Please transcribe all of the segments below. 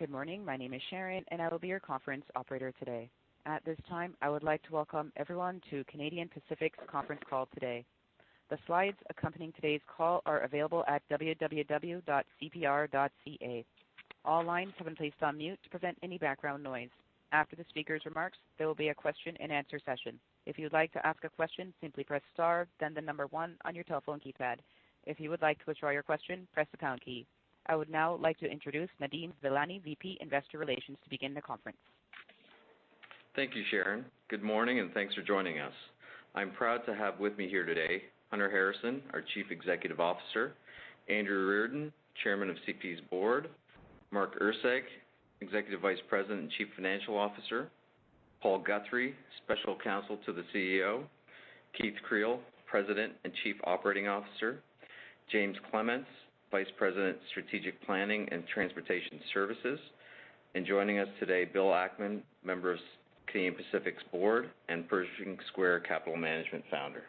Good morning. My name is Sharon, and I will be your conference operator today. At this time, I would like to welcome everyone to Canadian Pacific's Conference Call today. The slides accompanying today's call are available at www.cpr.ca. All lines have been placed on mute to prevent any background noise. After the speaker's remarks, there will be a question-and-answer session. If you would like to ask a question, simply press star, then the number 1 on your telephone keypad. If you would like to withdraw your question, press the pound key. I would now like to introduce Nadeem Velani, VP, Investor Relations, to begin the conference. Thank you, Sharon. Good morning, and thanks for joining us. I'm proud to have with me here today Hunter Harrison, our CEO, Andrew Reardon, Chairman of CP's Board, Mark Erceg, EVP and CFO, Paul Guthrie, Special Counsel to the CEO, Keith Creel, President and COO, James Clements, VP, Strategic Planning and Transportation Services, and joining us today, Bill Ackman, Member of Canadian Pacific's Board and Pershing Square Capital Management Founder.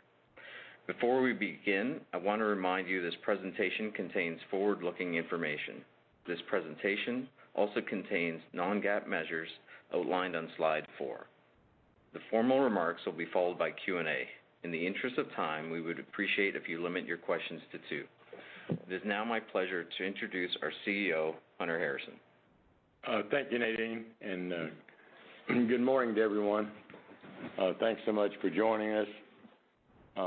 Before we begin, I want to remind you this presentation contains forward-looking information. This presentation also contains non-GAAP measures outlined on Slide four. The formal remarks will be followed by Q&A. In the interest of time, we would appreciate if you limit your questions to two. It is now my pleasure to introduce our CEO, Hunter Harrison. Thank you, Nadeem, and good morning to everyone. Thanks so much for joining us.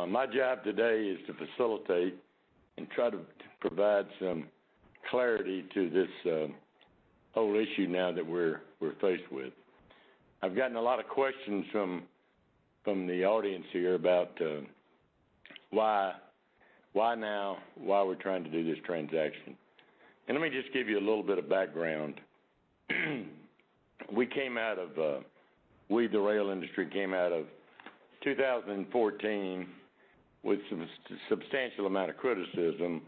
My job today is to facilitate and try to provide some clarity to this whole issue now that we're faced with. I've gotten a lot of questions from the audience here about why now, why we're trying to do this transaction. Let me just give you a little bit of background. We, the Rail industry, came out of 2014 with a substantial amount of criticism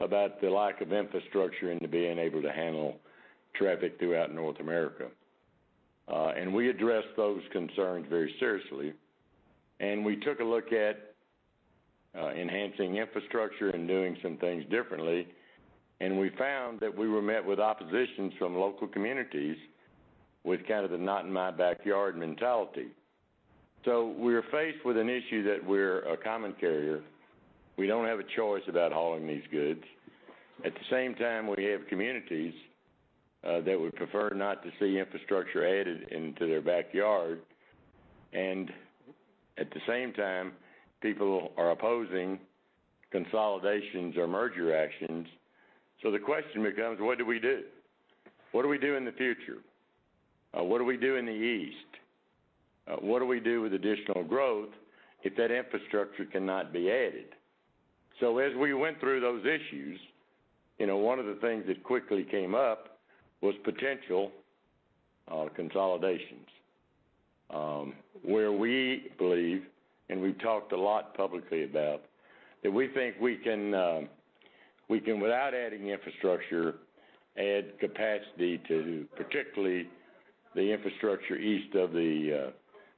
about the lack of infrastructure and to being able to handle traffic throughout North America. We addressed those concerns very seriously, and we took a look at enhancing infrastructure and doing some things differently. We found that we were met with opposition from local communities with kind of the "not in my backyard" mentality. So we're faced with an issue that we're a common carrier. We don't have a choice about hauling these goods. At the same time, we have communities that would prefer not to see infrastructure added into their backyard and at the same time, people are opposing consolidations or merger actions. So the question becomes, what do we do? What do we do in the future? What do we do in the East? What do we do with additional growth if that infrastructure cannot be added? So as we went through those issues, one of the things that quickly came up was potential consolidations, where we believe, and we've talked a lot publicly about, that we think we can, without adding infrastructure, add capacity to particularly the infrastructure east of the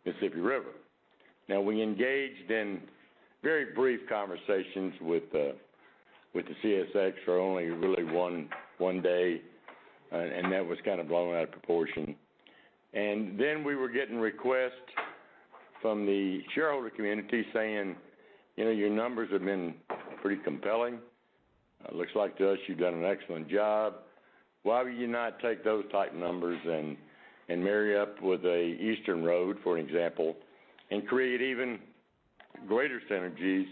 Mississippi River. Now, we engaged in very brief conversations with the CSX for only really one day, and that was kind of blown out of proportion. Then we were getting requests from the shareholder community saying, "Your numbers have been pretty compelling. It looks like to us you've done an excellent job. Why would you not take those type numbers and marry up with a eastern road, for an example, and create even greater synergies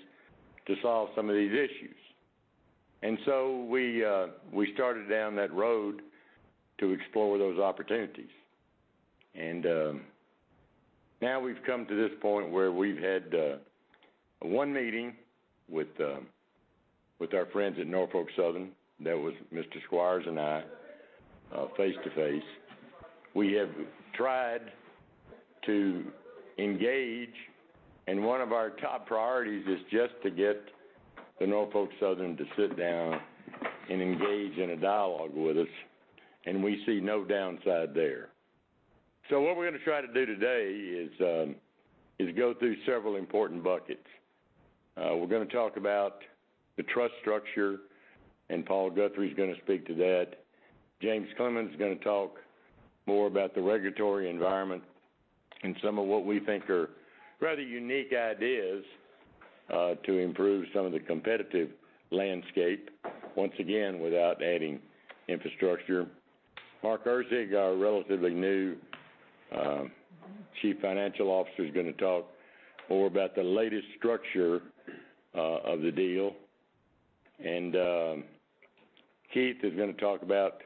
to solve some of these issues?" So we started down that road to explore those opportunities. Now we've come to this point where we've had one meeting with our friends at Norfolk Southern. That was Mr. Squires and I, face-to-face. We have tried to engage, and one of our top priorities is just to get the Norfolk Southern to sit down and engage in a dialogue with us. We see no downside there. So what we're going to try to do today is go through several important buckets. We're going to talk about the trust structure, and Paul Guthrie's going to speak to that. James Clements is going to talk more about the regulatory environment and some of what we think are rather unique ideas to improve some of the competitive landscape, once again, without adding infrastructure. Mark Erceg, our relatively new CFO, is going to talk more about the latest structure of the deal. Keith is going to talk about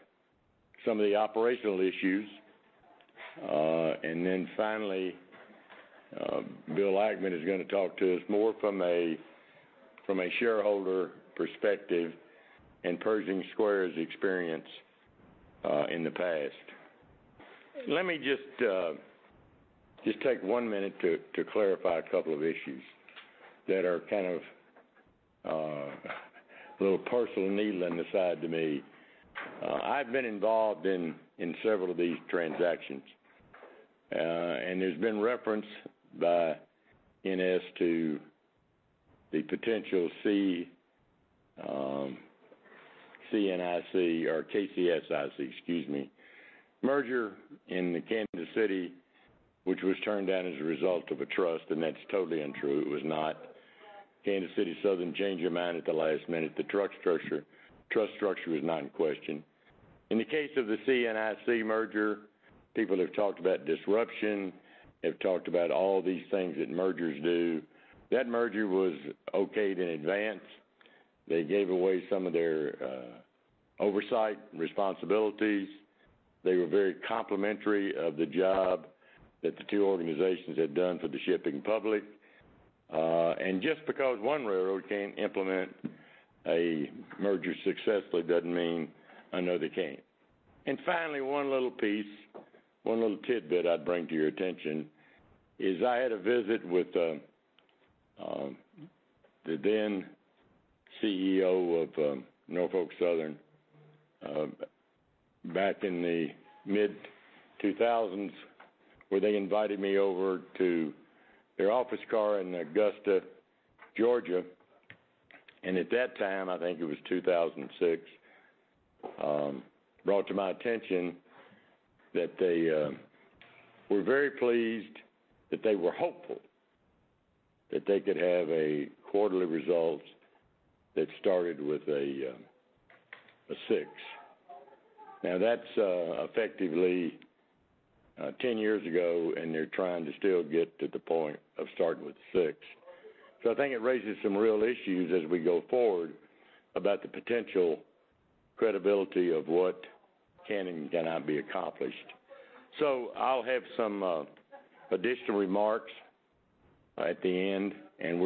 some of the operational issues. Then finally, Bill Ackman is going to talk to us more from a shareholder perspective and Pershing Square's experience in the past. Let me just take one minute to clarify a couple of issues that are kind of a little personal needle in the side to me. I've been involved in several of these transactions, and there's been reference by NS to the potential CN-IC or KCS-IC, excuse me, merger in Kansas City, which was turned down as a result of a trust and that's totally untrue, it was not. Kansas City Southern changed their mind at the last minute. The trust structure was not in question. In the case of the CN-IC merger, people have talked about disruption, have talked about all these things that mergers do. That merger was okayed in advance. They gave away some of their oversight responsibilities. They were very complimentary of the job that the two organizations had done for the shipping public and just because one railroad can't implement a merger successfully doesn't mean another can't. Finally, one little piece, one little tidbit I'd bring to your attention is I had a visit with the then CEO of Norfolk Southern back in the mid-2000s, where they invited me over to their office car in Augusta, Georgia. At that time, I think it was 2006, brought to my attention that they were very pleased that they were hopeful that they could have a quarterly result that started with a six. Now, that's effectively 10 years ago, and they're trying to still get to the point of starting with a 6. So I think it raises some real issues as we go forward about the potential credibility of what can and cannot be accomplished. So I'll have some additional remarks at the end, and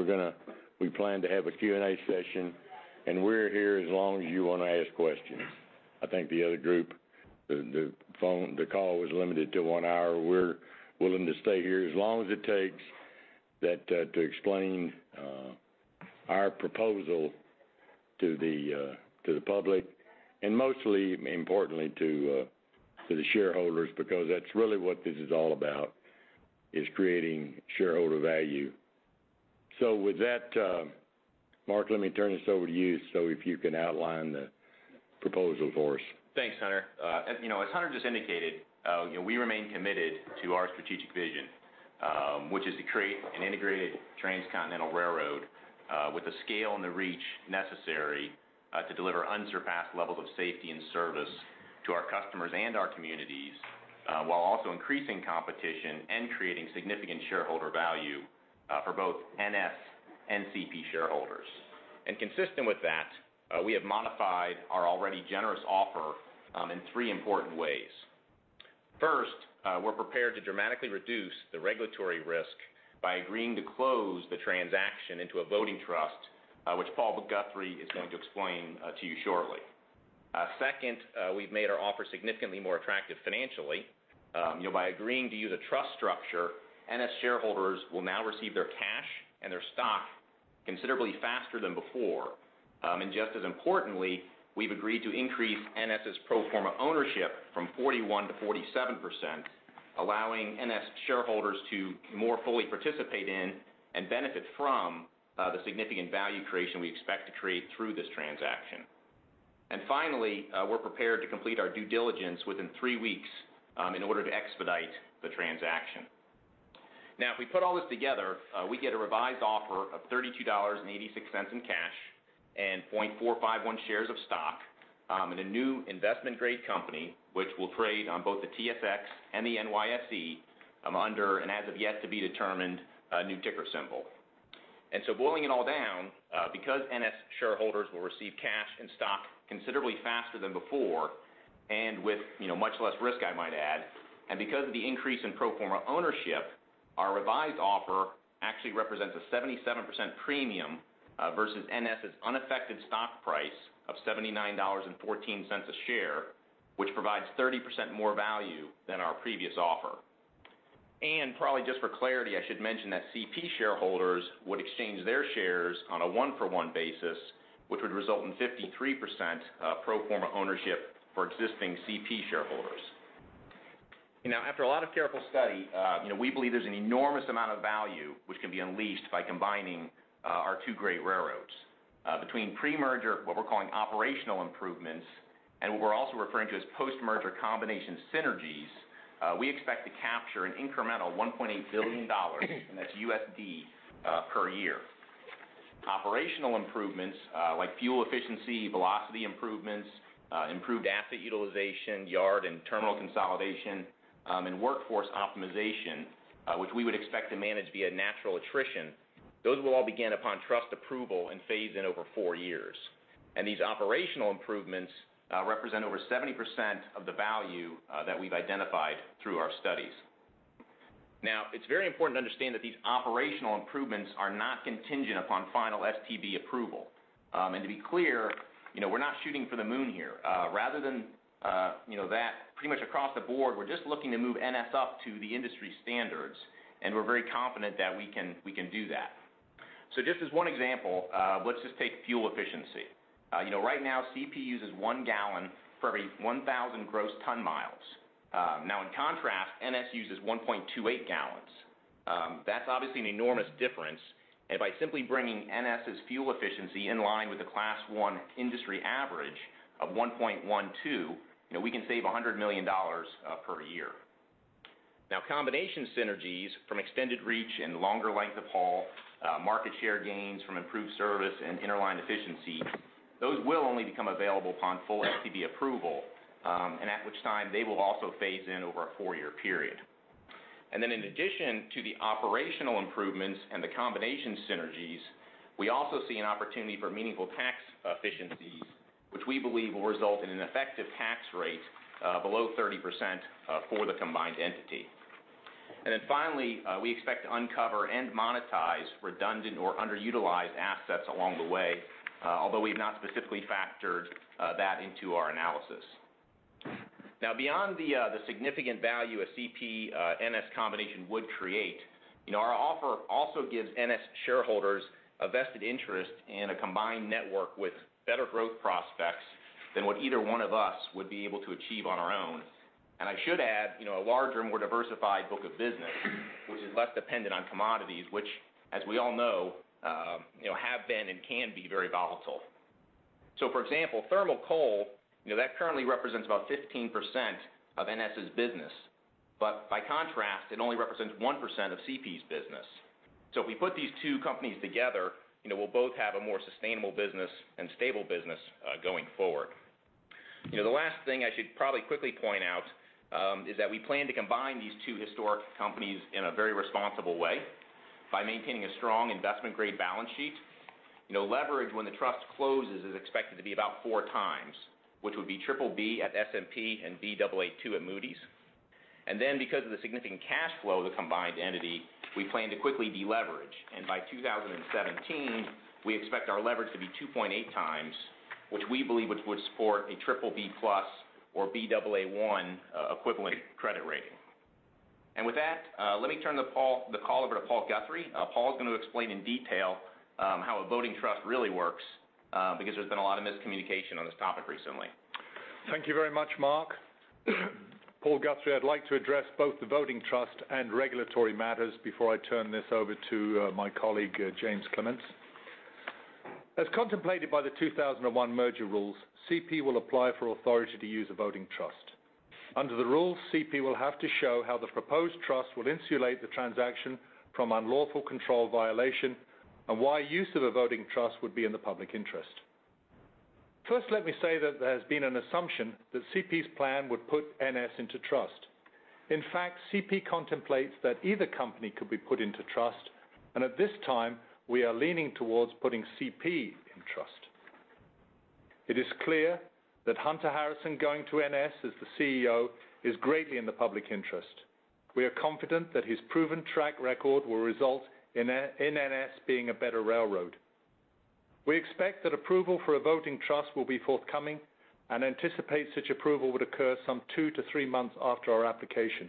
we plan to have a Q&A session and we're here as long as you want to ask questions. I think the other group, the call was limited to one hour. We're willing to stay here as long as it takes to explain our proposal to the public and most importantly to the shareholders because that's really what this is all about, is creating shareholder value. So with that, Mark, let me turn this over to you so if you can outline the proposal for us. Thanks, Hunter. As Hunter just indicated, we remain committed to our strategic vision, which is to create an integrated transcontinental railroad with the scale and the reach necessary to deliver unsurpassed levels of safety and service to our customers and our communities while also increasing competition and creating significant shareholder value for both NS and CP shareholders. Consistent with that, we have modified our already generous offer in three important ways. First, we're prepared to dramatically reduce the regulatory risk by agreeing to close the transaction into a voting trust, which Paul Guthrie is going to explain to you shortly. Second, we've made our offer significantly more attractive financially by agreeing to use a trust structure. NS shareholders will now receive their cash and their stock considerably faster than before. Just as importantly, we've agreed to increase NS's pro forma ownership from 41%-47%, allowing NS shareholders to more fully participate in and benefit from the significant value creation we expect to create through this transaction. Finally, we're prepared to complete our due diligence within three weeks in order to expedite the transaction. Now, if we put all this together, we get a revised offer of $32.86 in cash and 0.451 shares of stock in a new investment-grade company, which will trade on both the TSX and the NYSE under an as-of-yet-to-be-determined new ticker symbol. Boiling it all down, because NS shareholders will receive cash and stock considerably faster than before and with much less risk, I might add, and because of the increase in pro forma ownership, our revised offer actually represents a 77% premium versus NS's unaffected stock price of $79.14 a share, which provides 30% more value than our previous offer. Probably just for clarity, I should mention that CP shareholders would exchange their shares on a one-for-one basis, which would result in 53% pro forma ownership for existing CP shareholders. Now, after a lot of careful study, we believe there's an enormous amount of value which can be unleashed by combining our two great railroads. Between pre-merger, what we're calling operational improvements, and what we're also referring to as post-merger combination synergies, we expect to capture an incremental $1.8 billion, and that's USD, per year. Operational improvements like fuel efficiency, velocity improvements, improved asset utilization, yard and terminal consolidation, and workforce optimization, which we would expect to manage via natural attrition, those will all begin upon trust approval and phase in over four years. These operational improvements represent over 70% of the value that we've identified through our studies. Now, it's very important to understand that these operational improvements are not contingent upon final STB approval. To be clear, we're not shooting for the moon here. Rather than that, pretty much across the Board, we're just looking to move NS up to the industry standards, and we're very confident that we can do that. Just as one example, let's just take fuel efficiency. Right now, CP uses 1 gal for every 1,000 gross ton-miles. Now, in contrast, NS uses 1.28 gal. That's obviously an enormous difference. By simply bringing NS's fuel efficiency in line with the Class I industry average of 1.12, we can save $100 million per year. Now, combination synergies from extended reach and longer length of haul, market share gains from improved service and interline efficiency, those will only become available upon full STB approval, and at which time they will also phase in over a for-year period. Then in addition to the operational improvements and the combination synergies, we also see an opportunity for meaningful tax efficiencies, which we believe will result in an effective tax rate below 30% for the combined entity. Then finally, we expect to uncover and monetize redundant or underutilized assets along the way, although we've not specifically factored that into our analysis. Now, beyond the significant value a CP-NS combination would create, our offer also gives NS shareholders a vested interest in a combined network with better growth prospects than what either one of us would be able to achieve on our own. I should add a larger and more diversified book of business, which is less dependent on commodities, which, as we all know, have been and can be very volatile. For example, thermal coal that currently represents about 15% of NS's business. By contrast, it only represents 1% of CP's business. If we put these two companies together, we'll both have a more sustainable business and stable business going forward. The last thing I should probably quickly point out is that we plan to combine these two historic companies in a very responsible way by maintaining a strong investment-grade balance sheet. Leverage when the trust closes is expected to be about 4x, which would be BBB at S&P and Baa2 at Moody's. Then because of the significant cash flow of the combined entity, we plan to quickly deleverage. By 2017, we expect our leverage to be 2.8 times, which we believe would support a BBB+ or Baa1 equivalent credit rating. With that, let me turn the call over to Paul Guthrie. Paul is going to explain in detail how a voting trust really works because there's been a lot of miscommunication on this topic recently. Thank you very much, Mark. Paul Guthrie, I'd like to address both the voting trust and regulatory matters before I turn this over to my colleague, James Clements. As contemplated by the 2001 merger rules, CP will apply for authority to use a voting trust. Under the rules, CP will have to show how the proposed trust will insulate the transaction from unlawful control violation and why use of a voting trust would be in the public interest. First, let me say that there has been an assumption that CP's plan would put NS into trust. In fact, CP contemplates that either company could be put into trust, and at this time, we are leaning towards putting CP in trust. It is clear that Hunter Harrison, going to NS as the CEO, is greatly in the public interest. We are confident that his proven track record will result in NS being a better railroad. We expect that approval for a voting trust will be forthcoming and anticipate such approval would occur some two to three months after our application.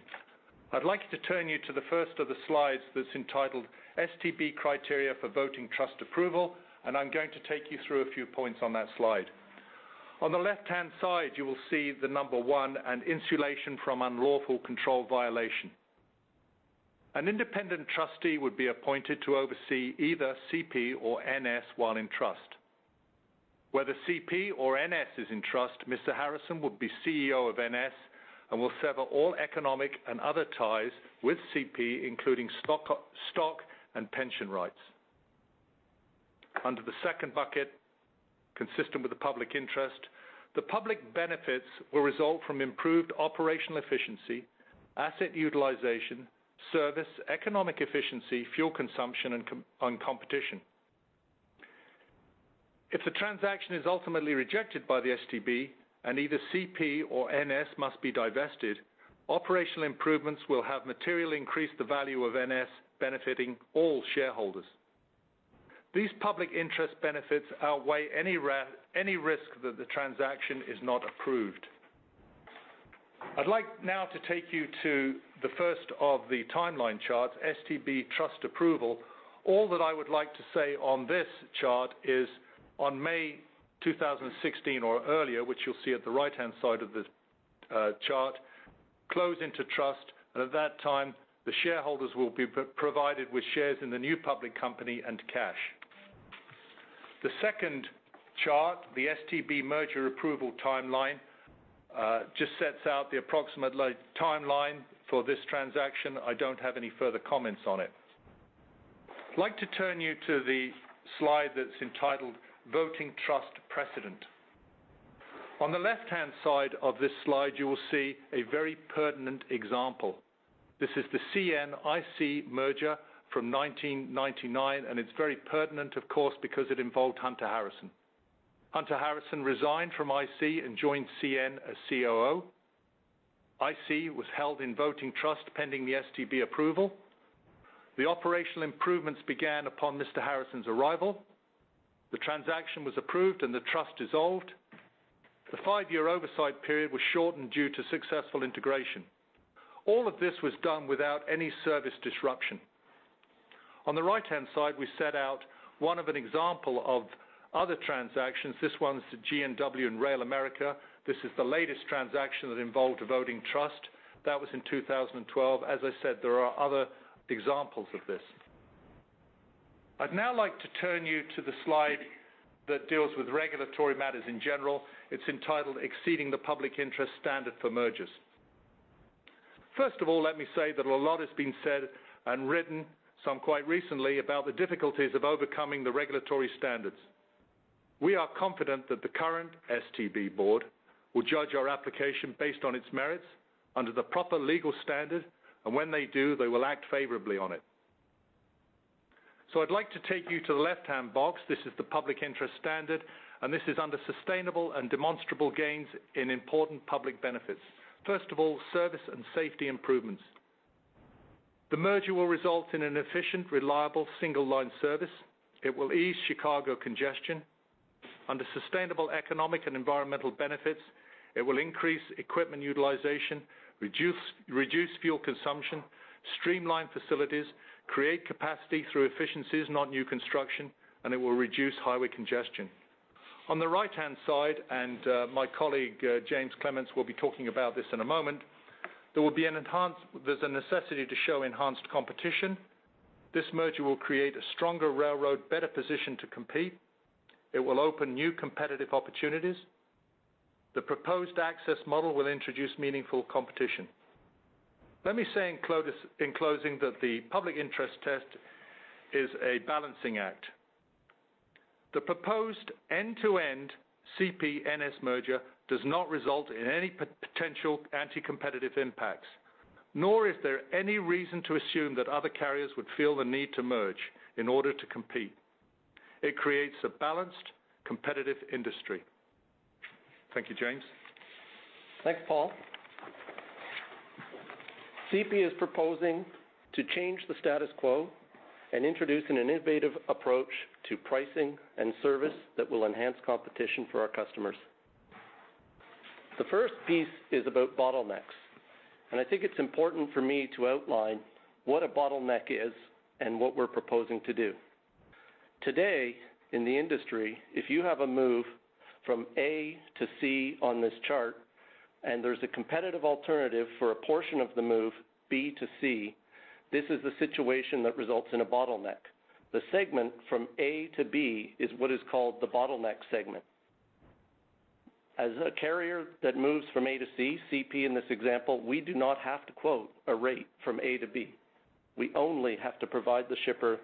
I'd like to turn you to the first of the slides that's entitled STB Criteria for Voting Trust Approval, and I'm going to take you through a few points on that slide. On the left-hand side, you will see the number one and insulation from unlawful control violation. An independent trustee would be appointed to oversee either CP or NS while in trust. Whether CP or NS is in trust, Mr. Harrison would be CEO of NS and will sever all economic and other ties with CP, including stock and pension rights. Under the second bucket, consistent with the public interest, the public benefits will result from improved operational efficiency, asset utilization, service, economic efficiency, fuel consumption, and competition. If the transaction is ultimately rejected by the STB and either CP or NS must be divested, operational improvements will have materially increased the value of NS, benefiting all shareholders. These public interest benefits outweigh any risk that the transaction is not approved. I'd like now to take you to the first of the timeline charts, STB Trust Approval. All that I would like to say on this chart is, on May 2016 or earlier, which you'll see at the right-hand side of this chart, close into trust, and at that time, the shareholders will be provided with shares in the new public company and cash. The second chart, the STB Merger Approval Timeline, just sets out the approximate timeline for this transaction. I don't have any further comments on it. I'd like to turn you to the slide that's entitled Voting Trust Precedent. On the left-hand side of this slide, you will see a very pertinent example. This is the CN-IC merger from 1999, and it's very pertinent, of course, because it involved Hunter Harrison. Hunter Harrison resigned from IC and joined CN as COO. IC was held in voting trust pending the STB approval. The operational improvements began upon Mr. Harrison's arrival. The transaction was approved and the trust dissolved. The five-year oversight period was shortened due to successful integration. All of this was done without any service disruption. On the right-hand side, we set out one example of other transactions. This one's to G&W and RailAmerica. This is the latest transaction that involved a voting trust. That was in 2012. As I said, there are other examples of this. I'd now like to turn you to the slide that deals with regulatory matters in general. It's entitled Exceeding the Public Interest Standard for Mergers. First of all, let me say that a lot has been said and written, some quite recently, about the difficulties of overcoming the regulatory standards. We are confident that the current STB Board will judge our application based on its merits, under the proper legal standard, and when they do, they will act favorably on it. So I'd like to take you to the left-hand box. This is the public interest standard, and this is under sustainable and demonstrable gains in important public benefits. First of all, service and safety improvements. The merger will result in an efficient, reliable, single-line service. It will ease Chicago congestion. Under sustainable economic and environmental benefits, it will increase equipment utilization, reduce fuel consumption, streamline facilities, create capacity through efficiencies, not new construction, and it will reduce highway congestion. On the right-hand side, and my colleague, James Clements, will be talking about this in a moment, there will be an enhanced there's a necessity to show enhanced competition. This merger will create a stronger railroad, better position to compete. It will open new competitive opportunities. The proposed access model will introduce meaningful competition. Let me say in closing that the public interest test is a balancing act. The proposed end-to-end CP-NS merger does not result in any potential anti-competitive impacts, nor is there any reason to assume that other carriers would feel the need to merge in order to compete. It creates a balanced, competitive industry. Thank you, James. Thanks, Paul. CP is proposing to change the status quo and introduce an innovative approach to pricing and service that will enhance competition for our customers. The first piece is about bottlenecks, and I think it's important for me to outline what a bottleneck is and what we're proposing to do. Today, in the industry, if you have a move from A-C on this chart, and there's a competitive alternative for a portion of the move, B-C, this is the situation that results in a bottleneck. The segment from A-B is what is called the bottleneck segment. As a carrier that moves from A-C, CP in this example, we do not have to quote a rate from A-B. We only have to provide the shipper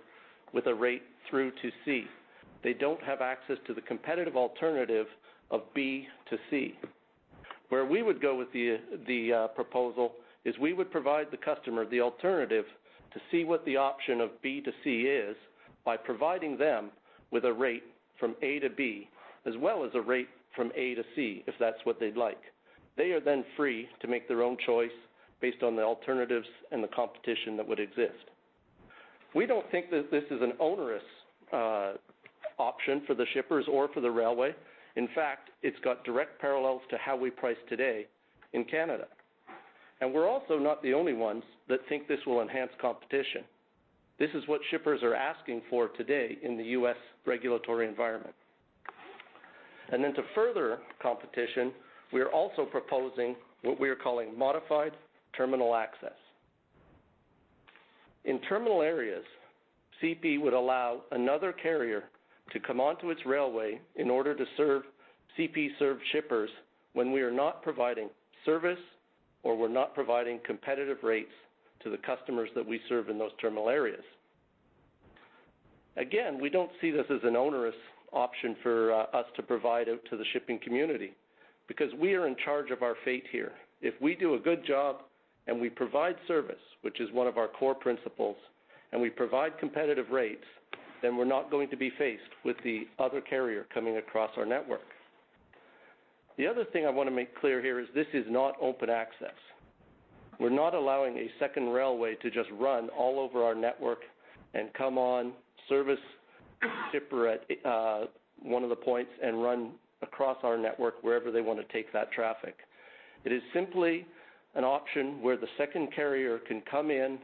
with a rate through to C. They don't have access to the competitive alternative of B-C. Where we would go with the proposal is we would provide the customer the alternative to see what the option of B-C is by providing them with a rate from A-B as well as a rate from A-C if that's what they'd like. They are then free to make their own choice based on the alternatives and the competition that would exist. We don't think that this is an onerous option for the shippers or for the railway. In fact, it's got direct parallels to how we price today in Canada and we're also not the only ones that think this will enhance competition. This is what shippers are asking for today in the U.S. regulatory environment. And then to further competition, we are also proposing what we are calling modified terminal access. In terminal areas, CP would allow another carrier to come onto its railway in order to serve CP-served shippers when we are not providing service or we're not providing competitive rates to the customers that we serve in those terminal areas. Again, we don't see this as an onerous option for us to provide out to the shipping community because we are in charge of our fate here. If we do a good job and we provide service, which is one of our core principles, and we provide competitive rates, then we're not going to be faced with the other carrier coming across our network. The other thing I want to make clear here is this is not open access. We're not allowing a second railway to just run all over our network and come on, service shipper at one of the points, and run across our network wherever they want to take that traffic. It is simply an option where the second carrier can come in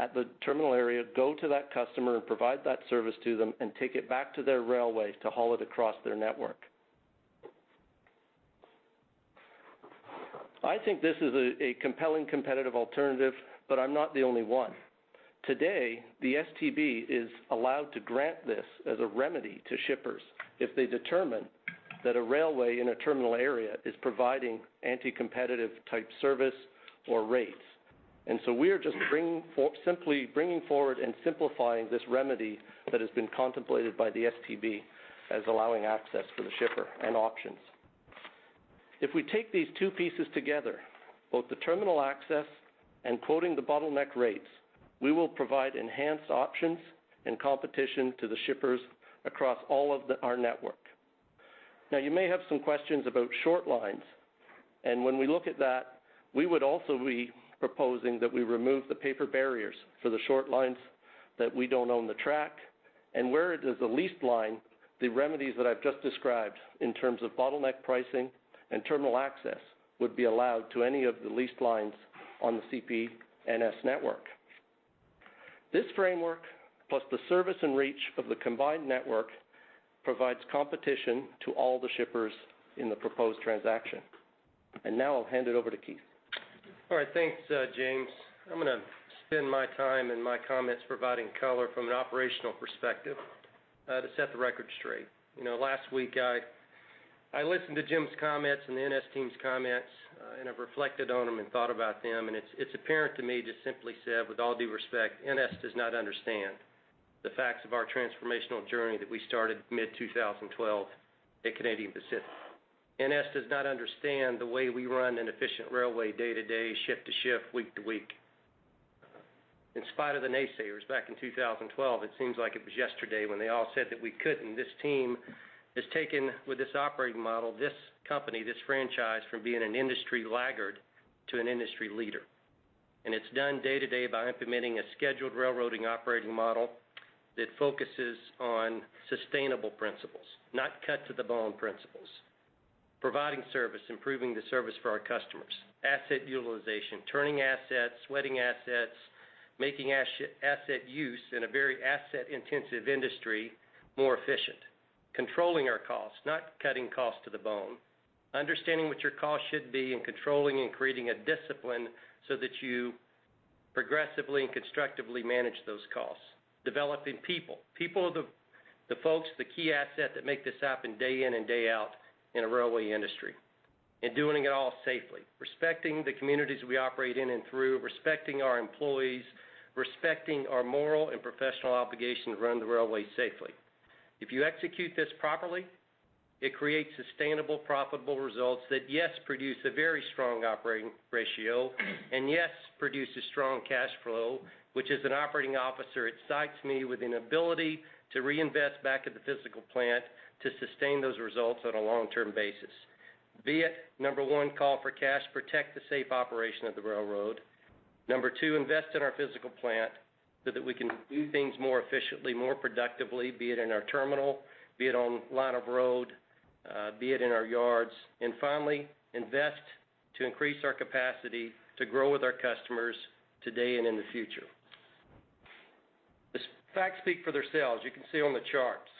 at the terminal area, go to that customer, and provide that service to them and take it back to their railway to haul it across their network. I think this is a compelling competitive alternative, but I'm not the only one. Today, the STB is allowed to grant this as a remedy to shippers if they determine that a railway in a terminal area is providing anti-competitive-type service or rates and so we are just simply bringing forward and simplifying this remedy that has been contemplated by the STB as allowing access for the shipper and options. If we take these two pieces together, both the terminal access and controlling the bottleneck rates, we will provide enhanced options and competition to the shippers across all of our network. Now, you may have some questions about short lines and when we look at that, we would also be proposing that we remove the paper barriers for the short lines that we don't own the track and where it is the short line, the remedies that I've just described in terms of bottleneck pricing and terminal access would be allowed to any of the short lines on the CP-NS network. This framework, plus the service and reach of the combined network, provides competition to all the shippers in the proposed transaction and now I'll hand it over to Keith. All right. Thanks, James. I'm going to spend my time and my comments providing color from an operational perspective to set the record straight. Last week, I listened to Jim's comments and the NS team's comments, and I've reflected on them and thought about them. It's apparent to me, just simply said, with all due respect, NS does not understand the facts of our transformational journey that we started mid-2012 at Canadian Pacific. NS does not understand the way we run an efficient railway day to day, shift to shift, week to week. In spite of the naysayers, back in 2012, it seems like it was yesterday when they all said that we couldn't. This team has taken, with this operating model, this company, this franchise, from being an industry laggard to an industry leader. It's done day to day by implementing a scheduled railroading operating model that focuses on sustainable principles, not cut-to-the-bone principles. Providing service, improving the service for our customers. Asset utilization, turning assets, sweating assets, making asset use in a very asset-intensive industry more efficient. Controlling our costs, not cutting costs to the bone. Understanding what your costs should be and controlling and creating a discipline so that you progressively and constructively manage those costs. Developing people. People are the folks, the key asset that make this happen day in and day out in a railway industry and doing it all safely. Respecting the communities we operate in and through. Respecting our employees. Respecting our moral and professional obligation to run the railway safely. If you execute this properly, it creates sustainable, profitable results that, yes, produce a very strong operating ratio, and yes, produce a strong cash flow, which, as an operating officer, excites me with an ability to reinvest back at the physical plant to sustain those results on a long-term basis. Be it, number 1, call for cash, protect the safe operation of the railroad. Number two, invest in our physical plant so that we can do things more efficiently, more productively, be it in our terminal, be it on line of road, be it in our yards and finally, invest to increase our capacity to grow with our customers today and in the future. The facts speak for themselves. You can see on the charts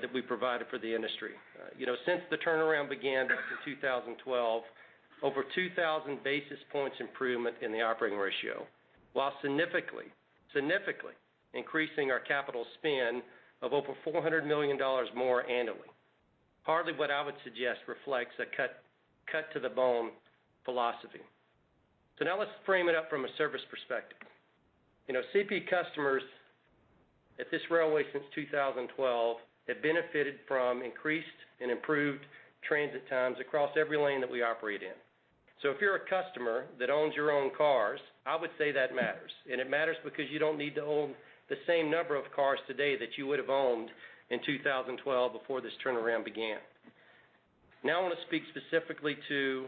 that we provided for the industry. Since the turnaround began back in 2012, over 2,000 basis points improvement in the operating ratio. While significantly, significantly increasing our capital spend of over $400 million more annually. Hardly what I would suggest reflects a cut-to-the-bone philosophy. So now let's frame it up from a service perspective. CP customers at this railway since 2012 have benefited from increased and improved transit times across every lane that we operate in. So if you're a customer that owns your own cars, I would say that matters and it matters because you don't need to own the same number of cars today that you would have owned in 2012 before this turnaround began. Now I want to speak specifically to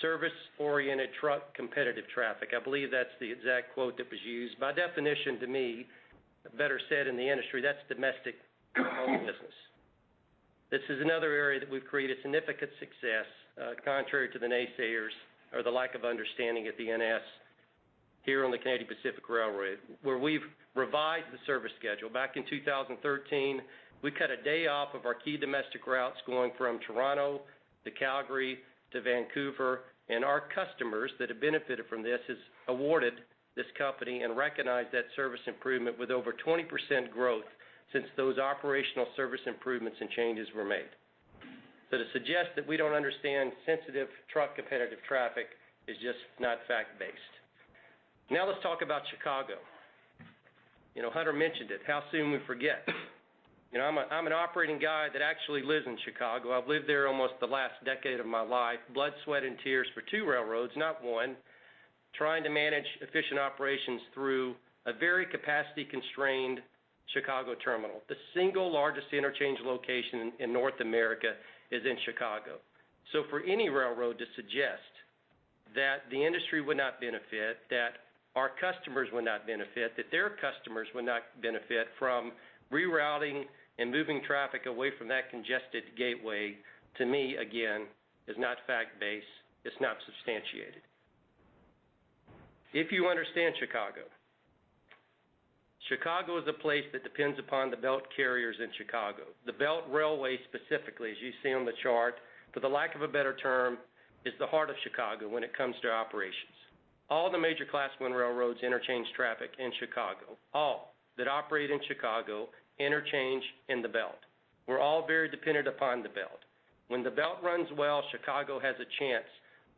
service-oriented truck competitive traffic. I believe that's the exact quote that was used. By definition, to me, better said in the industry, that's domestic owned business. This is another area that we've created significant success contrary to the naysayers or the lack of understanding at the NS here on the Canadian Pacific Railway. Where we've revised the service schedule. Back in 2013, we cut a day off of our key domestic routes going from Toronto to Calgary to Vancouver. Our customers that have benefited from this have awarded this company and recognized that service improvement with over 20% growth since those operational service improvements and changes were made. So to suggest that we don't understand sensitive truck competitive traffic is just not fact-based. Now let's talk about Chicago. Hunter mentioned it. How soon we forget. I'm an operating guy that actually lives in Chicago. I've lived there almost the last decade of my life. Blood, sweat, and tears for two railroads, not one, trying to manage efficient operations through a very capacity-constrained Chicago terminal. The single largest interchange location in North America is in Chicago. So for any railroad to suggest that the industry would not benefit, that our customers would not benefit, that their customers would not benefit from rerouting and moving traffic away from that congested gateway, to me, again, is not fact-based. It's not substantiated. If you understand Chicago, Chicago is a place that depends upon the Belt carriers in Chicago. The Belt Railway specifically, as you see on the chart, for the lack of a better term, is the heart of Chicago when it comes to operations. All the major Class I railroads interchange traffic in Chicago. All that operate in Chicago interchange in the Belt. We're all very dependent upon the Belt. When the Belt runs well, Chicago has a chance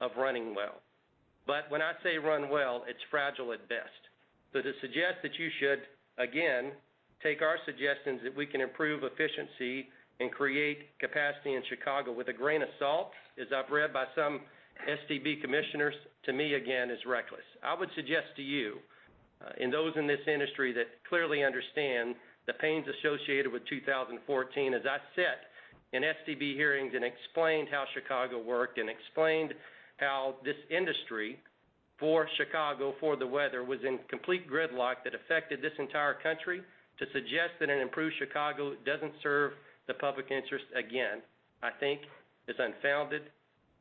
of running well. But when I say run well, it's fragile at best. So to suggest that you should, again, take our suggestions that we can improve efficiency and create capacity in Chicago with a grain of salt, as I've read by some STB commissioners, to me, again, is reckless. I would suggest to you and those in this industry that clearly understand the pains associated with 2014, as I sat in STB hearings and explained how Chicago worked and explained how this industry for Chicago, for the weather, was in complete gridlock that affected this entire country, to suggest that an improved Chicago doesn't serve the public interest, again, I think is unfounded.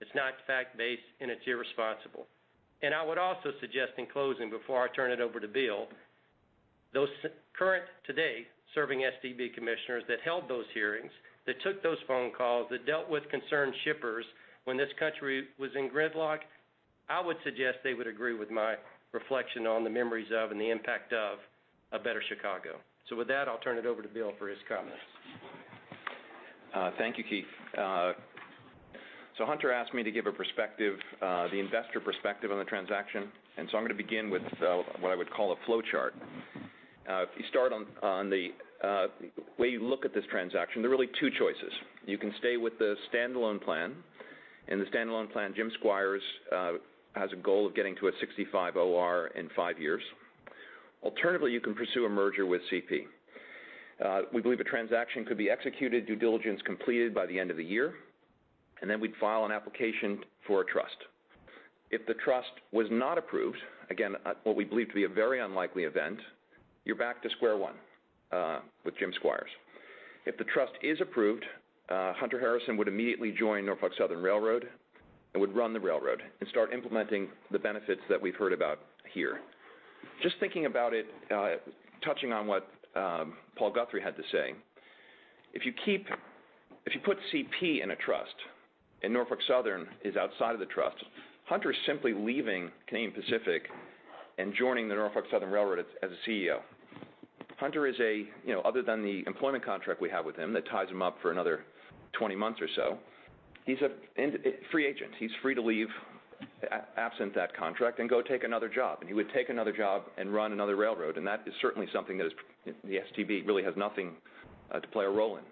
It's not fact-based, and it's irresponsible. I would also suggest in closing, before I turn it over to Bill, those current today serving STB commissioners that held those hearings, that took those phone calls, that dealt with concerned shippers when this country was in gridlock. I would suggest they would agree with my reflection on the memories of and the impact of a better Chicago. With that, I'll turn it over to Bill for his comments. Thank you, Keith. So Hunter asked me to give a perspective, the investor perspective on the transaction. So I'm going to begin with what I would call a flow chart. If you start on the way you look at this transaction, there are really two choices. You can stay with the standalone plan. In the standalone plan, Jim Squires has a goal of getting to a 65 OR in five years. Alternatively, you can pursue a merger with CP. We believe a transaction could be executed, due diligence completed by the end of the year, and then we'd file an application for a trust. If the trust was not approved, again, what we believe to be a very unlikely event, you're back to square one with Jim Squires. If the trust is approved, Hunter Harrison would immediately join Norfolk Southern Railroad and would run the railroad and start implementing the benefits that we've heard about here. Just thinking about it, touching on what Paul Guthrie had to say, if you put CP in a trust and Norfolk Southern is outside of the trust, Hunter is simply leaving Canadian Pacific and joining the Norfolk Southern Railroad as a CEO. Hunter is, other than the employment contract we have with him that ties him up for another 20 months or so, he's a free agent. He's free to leave absent that contract and go take another job. He would take another job and run another railroad. That is certainly something that the STB really has nothing to play a role in.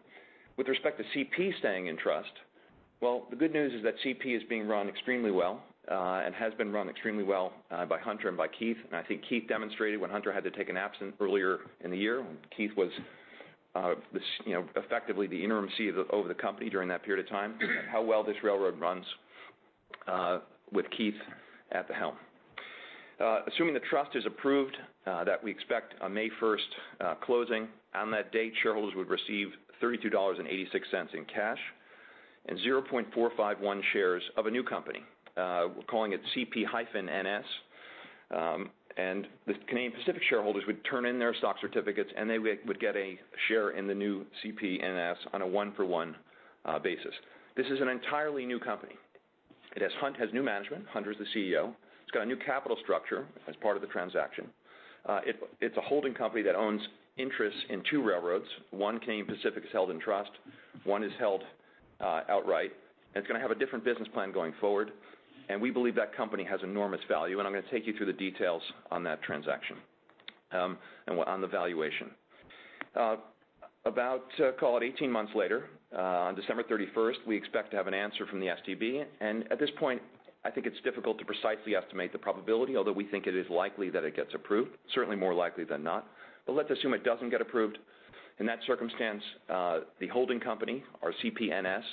With respect to CP staying in trust, well, the good news is that CP is being run extremely well and has been run extremely well by Hunter and by Keith. I think Keith demonstrated when Hunter had to take an absence earlier in the year, when Keith was effectively the interim CEO of the company during that period of time, how well this railroad runs with Keith at the helm. Assuming the trust is approved, that we expect a May 1st closing, on that date, shareholders would receive $32.86 in cash and 0.451 shares of a new company. We're calling it CP-NS. The Canadian Pacific shareholders would turn in their stock certificates, and they would get a share in the new CP-NS on a one-for-one basis. This is an entirely new company. It has new management. Hunter is the CEO. It's got a new capital structure as part of the transaction. It's a holding company that owns interests in two railroads. One Canadian Pacific is held in trust. One is held outright and it's going to have a different business plan going forward and we believe that company has enormous value and I'm going to take you through the details on that transaction and on the valuation. About, call it, 18 months later, on December 31st, we expect to have an answer from the STB and at this point, I think it's difficult to precisely estimate the probability, although we think it is likely that it gets approved, certainly more likely than not. But let's assume it doesn't get approved. In that circumstance, the holding company, our CP-NS,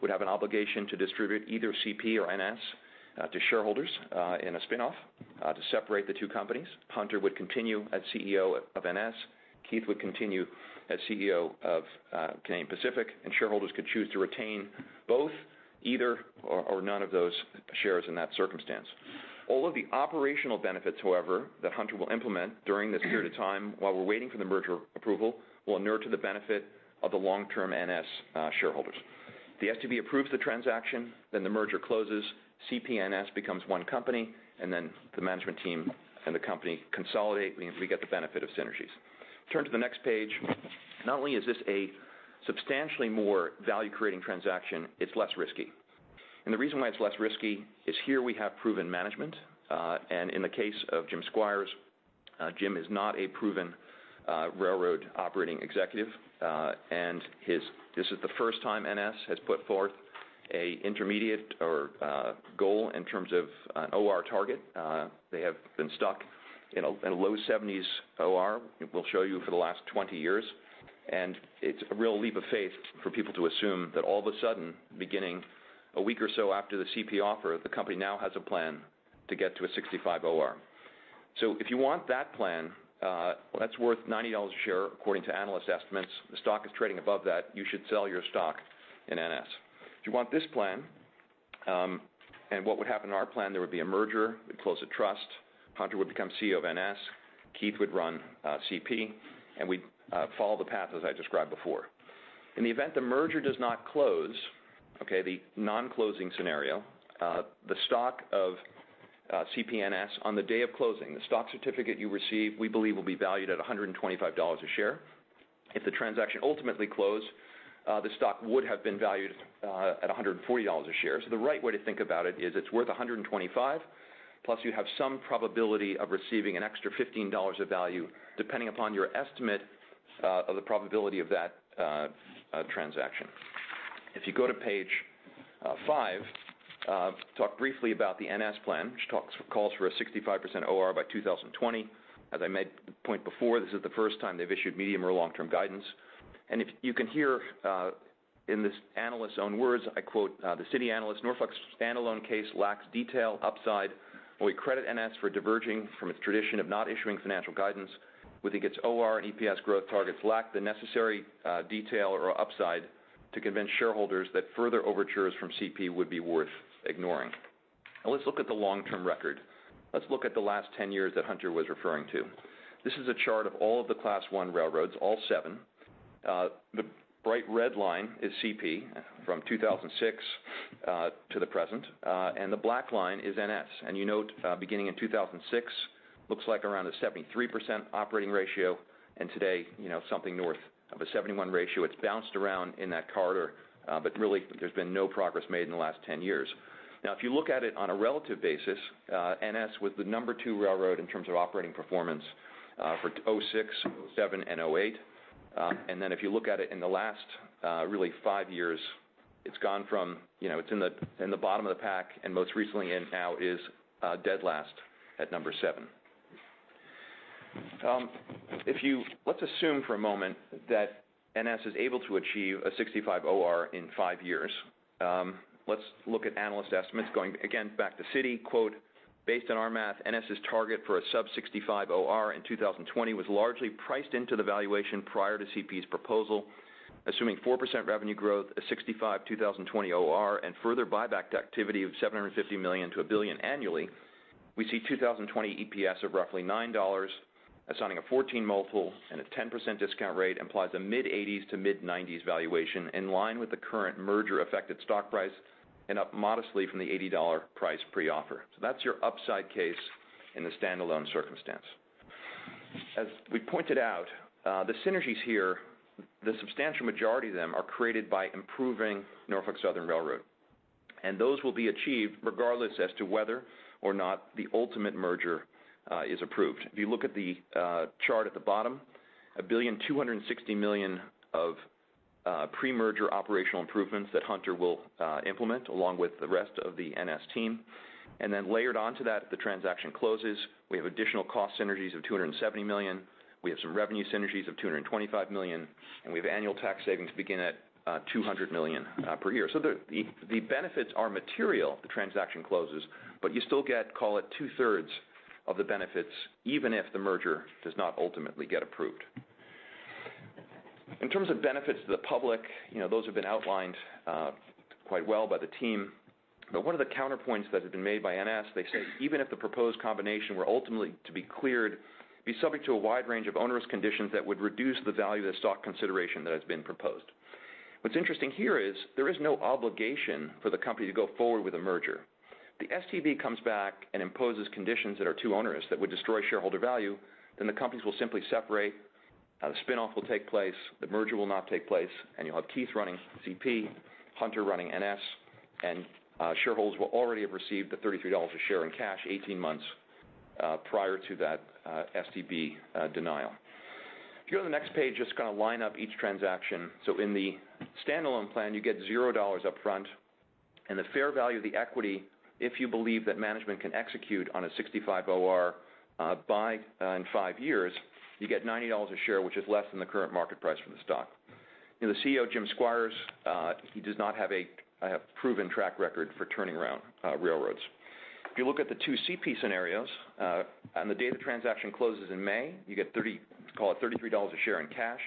would have an obligation to distribute either CP or NS to shareholders in a spinoff to separate the two companies. Hunter would continue as CEO of NS. Keith would continue as CEO of Canadian Pacific. Shareholders could choose to retain both, either, or none of those shares in that circumstance. All of the operational benefits, however, that Hunter will implement during this period of time while we're waiting for the merger approval will inure to the benefit of the long-term NS shareholders. The STB approves the transaction. The merger closes. CP-NS becomes one company. The management team and the company consolidate. We get the benefit of synergies. Turn to the next page. Not only is this a substantially more value-creating transaction, it's less risky. The reason why it's less risky is here we have proven management. In the case of Jim Squires, Jim is not a proven railroad operating executive. This is the first time NS has put forth an intermediate goal in terms of an OR target. They have been stuck in a low 70s OR, we'll show you, for the last 20 years. It's a real leap of faith for people to assume that all of a sudden, beginning a week or so after the CP offer, the company now has a plan to get to a 65 OR. So if you want that plan, that's worth $90 a share according to analyst estimates. The stock is trading above that. You should sell your stock in NS. If you want this plan and what would happen in our plan, there would be a merger. We'd close a trust. Hunter would become CEO of NS. Keith would run CP. We'd follow the path as I described before. In the event the merger does not close, the non-closing scenario, the stock of CP-NS on the day of closing, the stock certificate you receive, we believe, will be valued at $125 a share. If the transaction ultimately closed, the stock would have been valued at $140 a share. So the right way to think about it is it's worth $125, plus you have some probability of receiving an extra $15 of value, depending upon your estimate of the probability of that transaction. If you go to Page five, talk briefly about the NS plan, which calls for a 65% OR by 2020. As I made the point before, this is the first time they've issued medium or long-term guidance. You can hear in this analyst's own words, I quote, "The Citi analyst, Norfolk's standalone case lacks detail, upside. We credit NS for diverging from its tradition of not issuing financial guidance. Whether its OR and EPS growth targets lack the necessary detail or upside to convince shareholders that further overtures from CP would be worth ignoring. Now let's look at the long-term record. Let's look at the last 10 years that Hunter was referring to. This is a chart of all of the Class I railroads, all seven. The bright red line is CP from 2006 to the present. The black line is NS. You note beginning in 2006, looks like around a 73% operating ratio, and today something north of a 71% ratio. It's bounced around in that corridor, but really, there's been no progress made in the last 10 years. Now if you look at it on a relative basis, NS was the number two railroad in terms of operating performance for 2006, 2007, and 2008. Then if you look at it in the last really five years, it's gone from it's in the bottom of the pack, and most recently and now is dead last at number seven. Let's assume for a moment that NS is able to achieve a 65 OR in five years. Let's look at analyst estimates, going again back to Citi. "Based on our math, NS's target for a sub-65 OR in 2020 was largely priced into the valuation prior to CP's proposal. Assuming 4% revenue growth, a 65 2020 OR, and further buyback activity of $750 million-$1 billion annually, we see 2020 EPS of roughly $9. Assigning a 14x and a 10% discount rate implies a mid-$80s to mid-$90s valuation in line with the current merger-affected stock price and up modestly from the $80 price pre-offer." So that's your upside case in the standalone circumstance. As we pointed out, the synergies here, the substantial majority of them, are created by improving Norfolk Southern railroad and those will be achieved regardless as to whether or not the ultimate merger is approved. If you look at the chart at the bottom, $1.26 billion of pre-merger operational improvements that Hunter will implement along with the rest of the NS team and then layered onto that, if the transaction closes, we have additional cost synergies of $270 million. We have some revenue synergies of $225 million and we have annual tax savings begin at $200 million per year. So the benefits are material if the transaction closes, but you still get, call it, 2/3 of the benefits even if the merger does not ultimately get approved. In terms of benefits to the public, those have been outlined quite well by the team. But one of the counterpoints that has been made by NS, they say, even if the proposed combination were ultimately to be cleared, it'd be subject to a wide range of onerous conditions that would reduce the value of the stock consideration that has been proposed. What's interesting here is there is no obligation for the company to go forward with a merger. If the STB comes back and imposes conditions that are too onerous that would destroy shareholder value, then the companies will simply separate. The spinoff will take place. The merger will not take place and you'll have Keith running CP, Hunter running NS. Shareholders will already have received the $33 a share in cash 18 months prior to that STB denial. If you go to the next page, just going to line up each transaction. So in the standalone plan, you get $0 upfront and the fair value of the equity, if you believe that management can execute on a 65 OR in 5 years, you get $90 a share, which is less than the current market price for the stock. The CEO, Jim Squires, he does not have a proven track record for turning around railroads. If you look at the two CP scenarios, on the day the transaction closes in May, you get, call it, $33 a share in cash.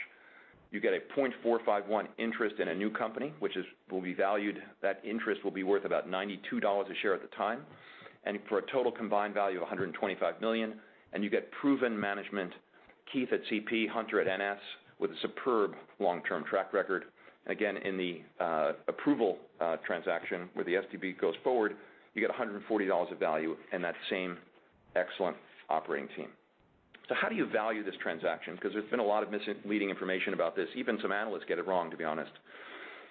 You get a 0.451 interest in a new company, which will be valued, that interest will be worth about $92 a share at the time, and for a total combined value of $125 million. You get proven management, Keith at CP, Hunter at NS, with a superb long-term track record. Again, in the approval transaction where the STB goes forward, you get $140 of value in that same excellent operating team. So how do you value this transaction? Because there's been a lot of misleading information about this. Even some analysts get it wrong, to be honest.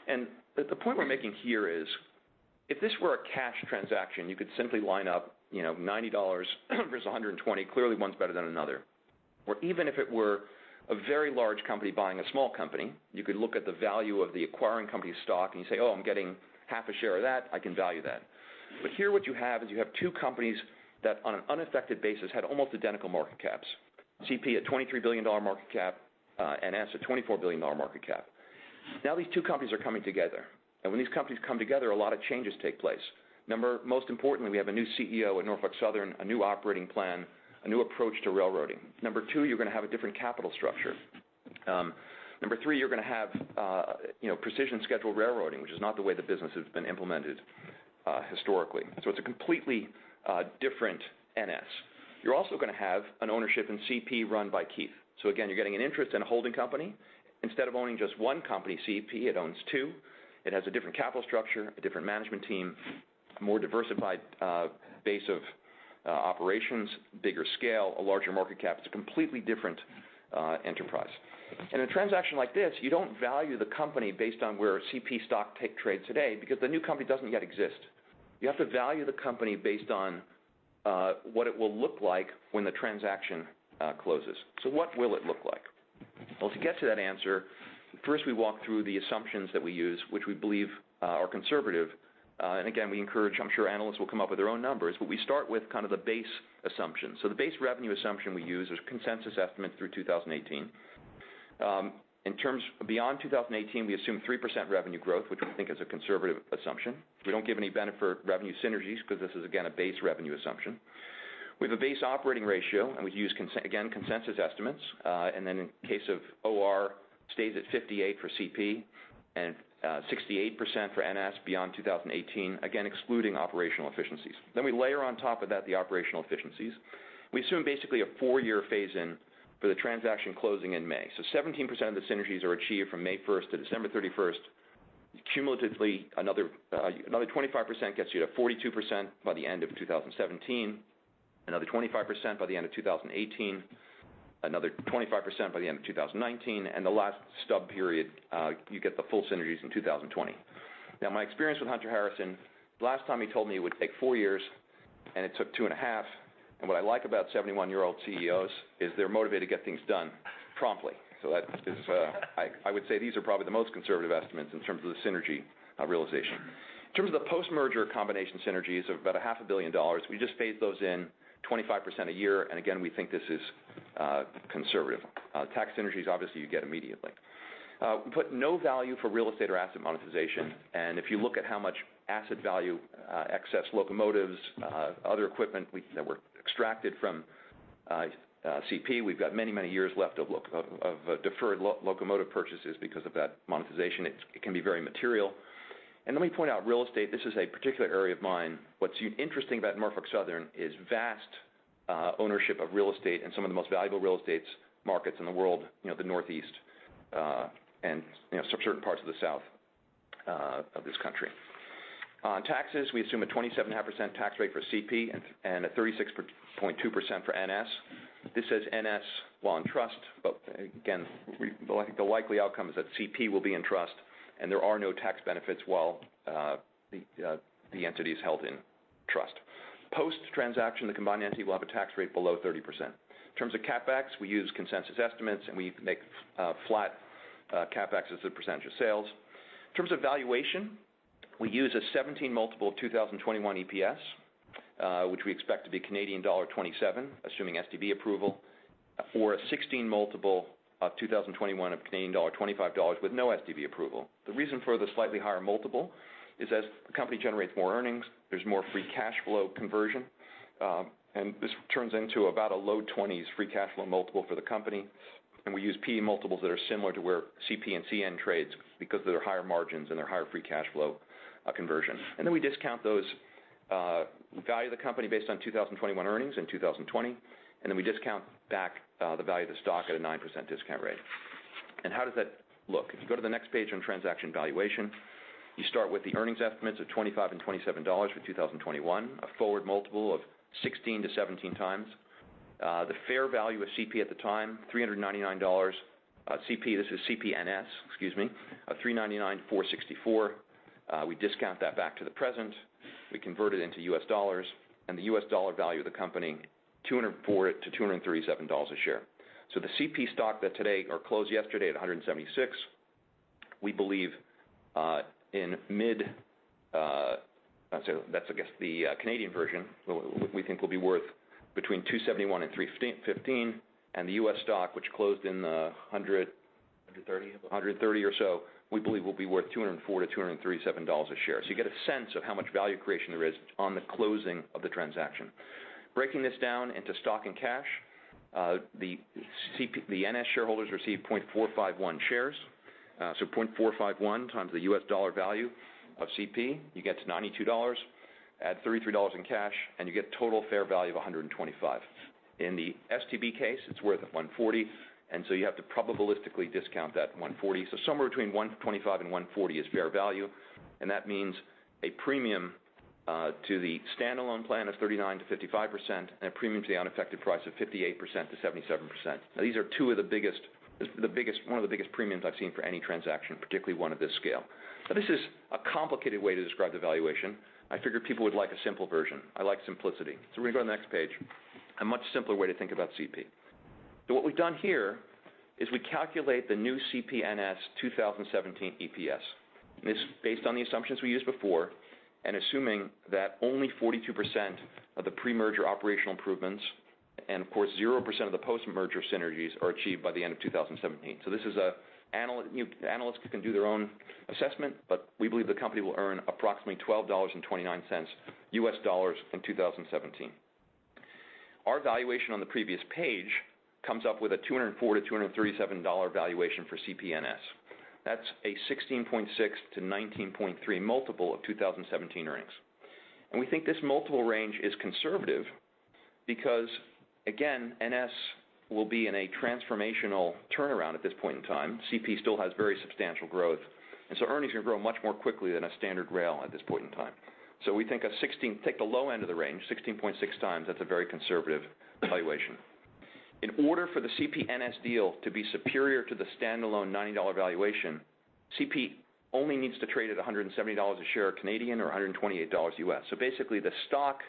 The point we're making here is if this were a cash transaction, you could simply line up $90 versus $120. Clearly, one's better than another. Or even if it were a very large company buying a small company, you could look at the value of the acquiring company's stock and you say, "Oh, I'm getting half a share of that. I can value that." But here what you have is you have two companies that, on an unaffected basis, had almost identical market caps: CP at $23 billion market cap, NS at $24 billion market cap. Now these two companies are coming together and when these companies come together, a lot of changes take place. Number most importantly, we have a new CEO at Norfolk Southern, a new operating plan, a new approach to railroading. Number two, you're going to have a different capital structure. Number three, you're going to have Precision Scheduled Railroading, which is not the way the business has been implemented historically. So it's a completely different NS. You're also going to have an ownership in CP run by Keith. So again, you're getting an interest in a holding company. Instead of owning just one company, CP, it owns two. It has a different capital structure, a different management team, a more diversified base of operations, bigger scale, a larger market cap. It's a completely different enterprise and in a transaction like this, you don't value the company based on where CP stock trades today because the new company doesn't yet exist. You have to value the company based on what it will look like when the transaction closes. So what will it look like? Well, to get to that answer, first we walk through the assumptions that we use, which we believe are conservative and again, we encourage. I'm sure analysts will come up with their own numbers. But we start with kind of the base assumption. So the base revenue assumption we use is consensus estimates through 2018. Beyond 2018, we assume 3% revenue growth, which we think is a conservative assumption. We don't give any benefit revenue synergies because this is, again, a base revenue assumption. We have a base operating ratio, and we use, again, consensus estimates and then, in case of OR, it stays at 58% for CP and 68% for NS beyond 2018, again, excluding operational efficiencies. Then we layer on top of that the operational efficiencies. We assume basically a four-year phase-in for the transaction closing in May. So 17% of the synergies are achieved from May 1st to December 31st. Cumulatively, another 25% gets you to 42% by the end of 2017, another 25% by the end of 2018, another 25% by the end of 2019 and the last stub period, you get the full synergies in 2020. Now, my experience with Hunter Harrison, the last time he told me it would take four years, and it took two and a half and what I like about 71-year-old CEOs is they're motivated to get things done promptly. So I would say these are probably the most conservative estimates in terms of the synergy realization. In terms of the post-merger combination synergies of about $500 million, we just phase those in 25% a year and again, we think this is conservative. Tax synergies, obviously, you get immediately. We put no value for real estate or asset monetization and if you look at how much asset value excess locomotives, other equipment that were extracted from CP, we've got many, many years left of deferred locomotive purchases because of that monetization. It can be very material. Let me point out real estate. This is a particular area of mine. What's interesting about Norfolk Southern is vast ownership of real estate in some of the most valuable real estate markets in the world, the Northeast, and certain parts of the South of this country. On taxes, we assume a 27.5% tax rate for CP and a 36.2% for NS. This says NS while in trust. But again, the likely outcome is that CP will be in trust, and there are no tax benefits while the entity is held in trust. Post-transaction, the combined entity will have a tax rate below 30%. In terms of CapEx, we use consensus estimates, and we make flat CapEx as the percentage of sales. In terms of valuation, we use a 17x of 2021 EPS, which we expect to be Canadian dollar 27, assuming STB approval, or a 16x of 2021 of 25 dollars with no STB approval. The reason for the slightly higher multiple is as the company generates more earnings, there's more free cash flow conversion. This turns into about a low-20s free cash flow multiple for the company. We use P multiples that are similar to where CP and CN trades because of their higher margins and their higher free cash flow conversion. Then we discount those value of the company based on 2021 earnings in 2020. Then we discount back the value of the stock at a 9% discount rate. How does that look? If you go to the next page on transaction valuation, you start with the earnings estimates of $25 and $27 for 2021, a forward multiple of 16-17x. The fair value of CP at the time, 399 dollars. This is CP-NS, excuse me, 399-464. We discount that back to the present. We convert it into U.S. dollars. The U.S. dollar value of the company, $204-$237 a share. So the CP stock that today or closed yesterday at 176. We believe in mid that's, I guess, the Canadian version. We think will be worth between 271 and 215. The U.S. stock, which closed in the 130 or so, we believe will be worth $204-$237 a share. So you get a sense of how much value creation there is on the closing of the transaction. Breaking this down into stock and cash, the NS shareholders receive 0.451 shares. So 0.451x the U.S. dollar value of CP, you get to $92. Add $33 in cash, and you get total fair value of $125. In the STB case, it's worth $140 and so you have to probabilistically discount that $140. So somewhere between $125-$140 is fair value and that means a premium to the standalone plan of 39%-55% and a premium to the unaffected price of 58%-77%. Now, these are two of the biggest one of the biggest premiums I've seen for any transaction, particularly one of this scale. Now, this is a complicated way to describe the valuation. I figured people would like a simple version. I like simplicity. So we're going to go to the next page, a much simpler way to think about CP. So what we've done here is we calculate the new CP NS 2017 EPS. This is based on the assumptions we used before and assuming that only 42% of the pre-merger operational improvements and, of course, 0% of the post-merger synergies are achieved by the end of 2017. So analysts can do their own assessment, but we believe the company will earn approximately $12.29 in 2017. Our valuation on the previous page comes up with a $204-$237 valuation for CP NS. That's a 16.6x-19.3x of 2017 earnings and we think this multiple range is conservative because, again, NS will be in a transformational turnaround at this point in time. CP still has very substantial growth. So earnings are going to grow much more quickly than a standard rail at this point in time. So we think 16, take the low end of the range, 16.6x, that's a very conservative valuation. In order for the CP-NS deal to be superior to the standalone $90 valuation, CP only needs to trade at 170 dollars a share or $128. So basically, the stock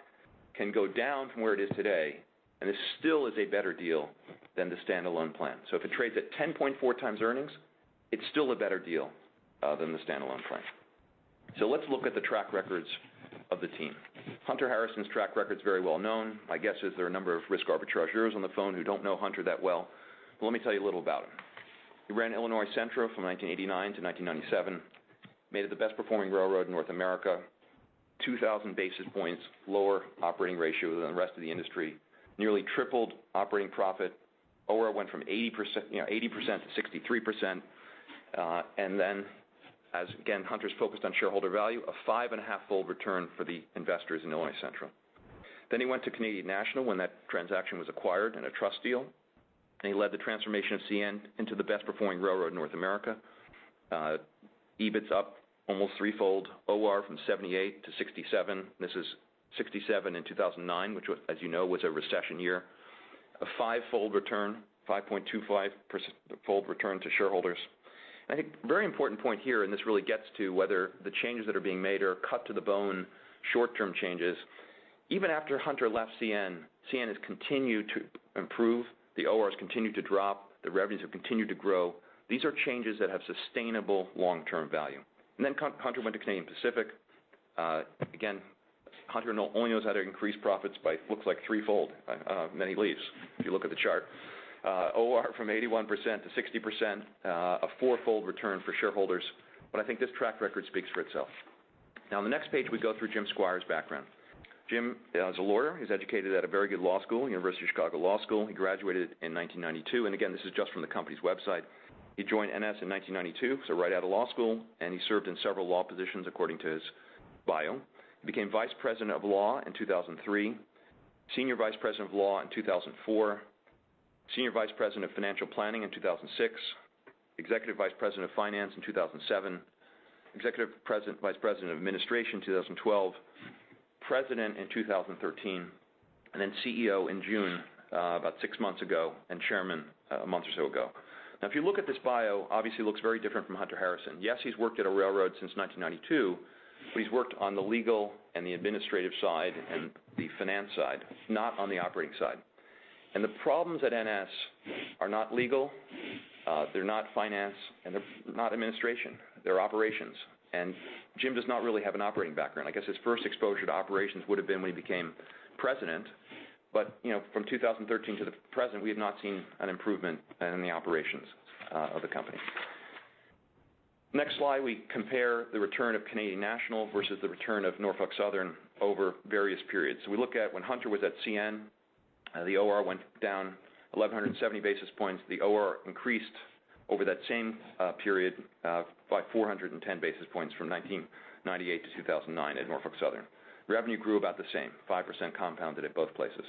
can go down from where it is today, and this still is a better deal than the standalone plan. So if it trades at 10.4x earnings, it's still a better deal than the standalone plan. So let's look at the track records of the team. Hunter Harrison's track record's very well known. My guess is there are a number of risk arbitrageurs on the phone who don't know Hunter that well. But let me tell you a little about him. He ran Illinois Central from 1989 to 1997, made it the best performing railroad in North America, 2,000 basis points lower operating ratio than the rest of the industry, nearly tripled operating profit. OR went from 80%-63% and then, again, Hunter's focused on shareholder value, a five and a half-fold return for the investors in Illinois Central. Then he went to Canadian National when that transaction was acquired in a trust deal and he led the transformation of CN into the best performing railroad in North America. EBIT's up almost threefold. OR from 78%-67%. This is 67% in 2009, which, as you know, was a recession year. A five-fold return, 5.25-fold return to shareholders and I think a very important point here, and this really gets to whether the changes that are being made are cut-to-the-bone short-term changes. Even after Hunter left CN, CN has continued to improve. The OR's continued to drop. The revenues have continued to grow. These are changes that have sustainable long-term value and then Hunter went to Canadian Pacific. Again, Hunter only knows how to increase profits by, it looks like, threefold. Many leaves, if you look at the chart. OR from 81%-60%, a four-fold return for shareholders. But I think this track record speaks for itself. Now, on the next page, we go through Jim Squires's background. Jim is a lawyer. He's educated at a very good law school, University of Chicago Law School. He graduated in 1992 and again, this is just from the company's website. He joined NS in 1992, so right out of law school and he served in several law positions, according to his bio. He became VP of Law in 2003, SVP of Law in 2004, SVP of Financial Planning in 2006, EVP of Finance in 2007, EVP of Administration in 2012, President in 2013, and then CEO in June, about six months ago, and Chairman a month or so ago. Now, if you look at this bio, obviously, it looks very different from Hunter Harrison. Yes, he's worked at a railroad since 1992, but he's worked on the legal and the administrative side and the finance side, not on the operating side. The problems at NS are not legal. They're not finance. They're not administration. They're operations. Jim does not really have an operating background. I guess his first exposure to operations would have been when he became President. From 2013 to the present, we have not seen an improvement in the operations of the company. Next slide, we compare the return of Canadian National versus the return of Norfolk Southern over various periods. So we look at when Hunter was at CN, the OR went down 1,170 basis points. The OR increased over that same period by 410 basis points from 1998 to 2009 at Norfolk Southern. Revenue grew about the same, 5% compounded at both places.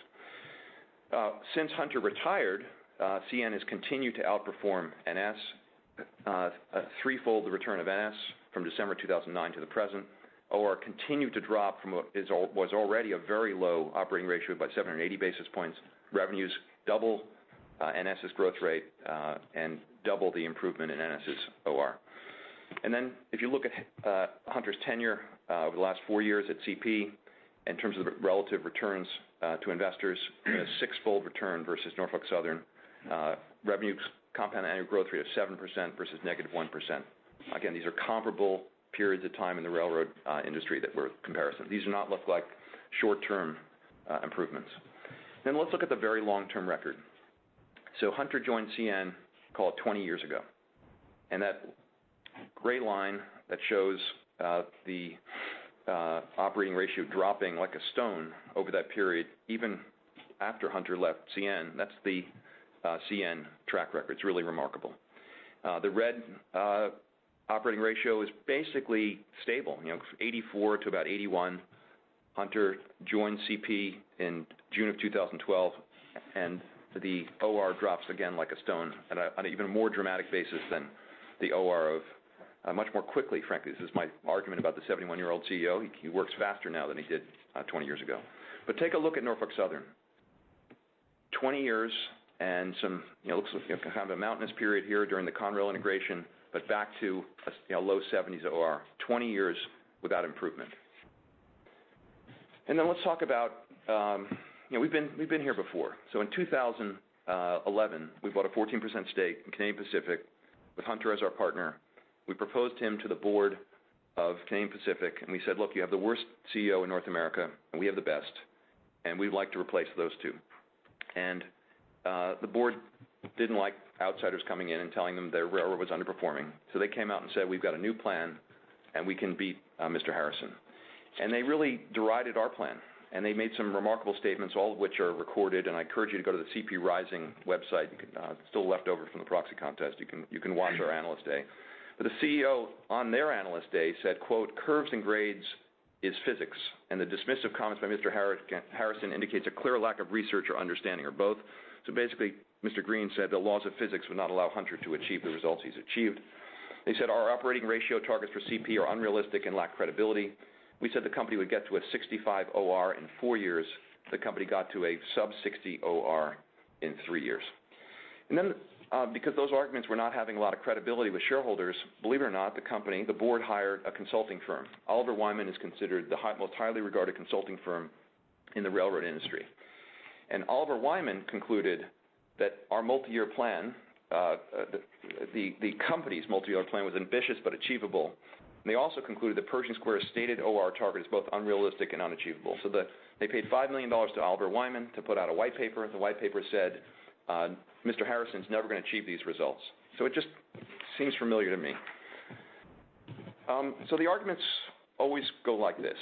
Since Hunter retired, CN has continued to outperform NS, threefold the return of NS from December 2009 to the present. OR continued to drop from what was already a very low operating ratio by 780 basis points. Revenues doubled NS's growth rate and doubled the improvement in NS's OR. Then if you look at Hunter's tenure over the last four years at CP in terms of the relative returns to investors, a six-fold return versus Norfolk Southern. Revenue compound annual growth rate of 7% versus -1%. Again, these are comparable periods of time in the railroad industry that were comparisons. These do not look like short-term improvements. Then let's look at the very long-term record. So Hunter joined CN, call it 20 years ago and that gray line that shows the operating ratio dropping like a stone over that period, even after Hunter left CN, that's the CN track record. It's really remarkable. The red operating ratio is basically stable, 84 to about 81. Hunter joined CP in June of 2012, and the OR drops, again, like a stone on an even more dramatic basis than the OR of much more quickly, frankly. This is my argument about the 71-year-old CEO. He works faster now than he did 20 years ago. But take a look at Norfolk Southern, 20 years and some, it looks like kind of a mountainous period here during the Conrail integration, but back to low 70s OR, 20 years without improvement and then let's talk about we've been here before. So in 2011, we bought a 14% stake in Canadian Pacific with Hunter as our partner. We proposed him to the Board of Canadian Pacific, and we said, "Look, you have the worst CEO in North America, and we have the best and we'd like to replace those two." And the Board didn't like outsiders coming in and telling them their railroad was underperforming. So they came out and said, "We've got a new plan, and we can beat Mr. Harrison," and they really derided our plan. They made some remarkable statements, all of which are recorded. I encourage you to go to the CP Rising website. It's still left over from the proxy contest. You can watch our analyst day. The CEO on their analyst day said, "Curves and grades is physics and the dismissive comments by Mr. Harrison indicate a clear lack of research or understanding of both." Basically, Mr. Green said the laws of physics would not allow Hunter to achieve the results he's achieved. They said, "Our operating ratio targets for CP are unrealistic and lack credibility." We said the company would get to a 65 OR in four years. The company got to a sub-60 OR in three years. Then because those arguments were not having a lot of credibility with shareholders, believe it or not, the Board hired a consulting firm. Oliver Wyman is considered the most highly regarded consulting firm in the railroad industry. Oliver Wyman concluded that our multi-year plan the company's multi-year plan was ambitious but achievable. They also concluded that Pershing Square's stated OR target is both unrealistic and unachievable. They paid $5 million to Oliver Wyman to put out a white paper. The white paper said, "Mr. Harrison's never going to achieve these results." It just seems familiar to me. The arguments always go like this.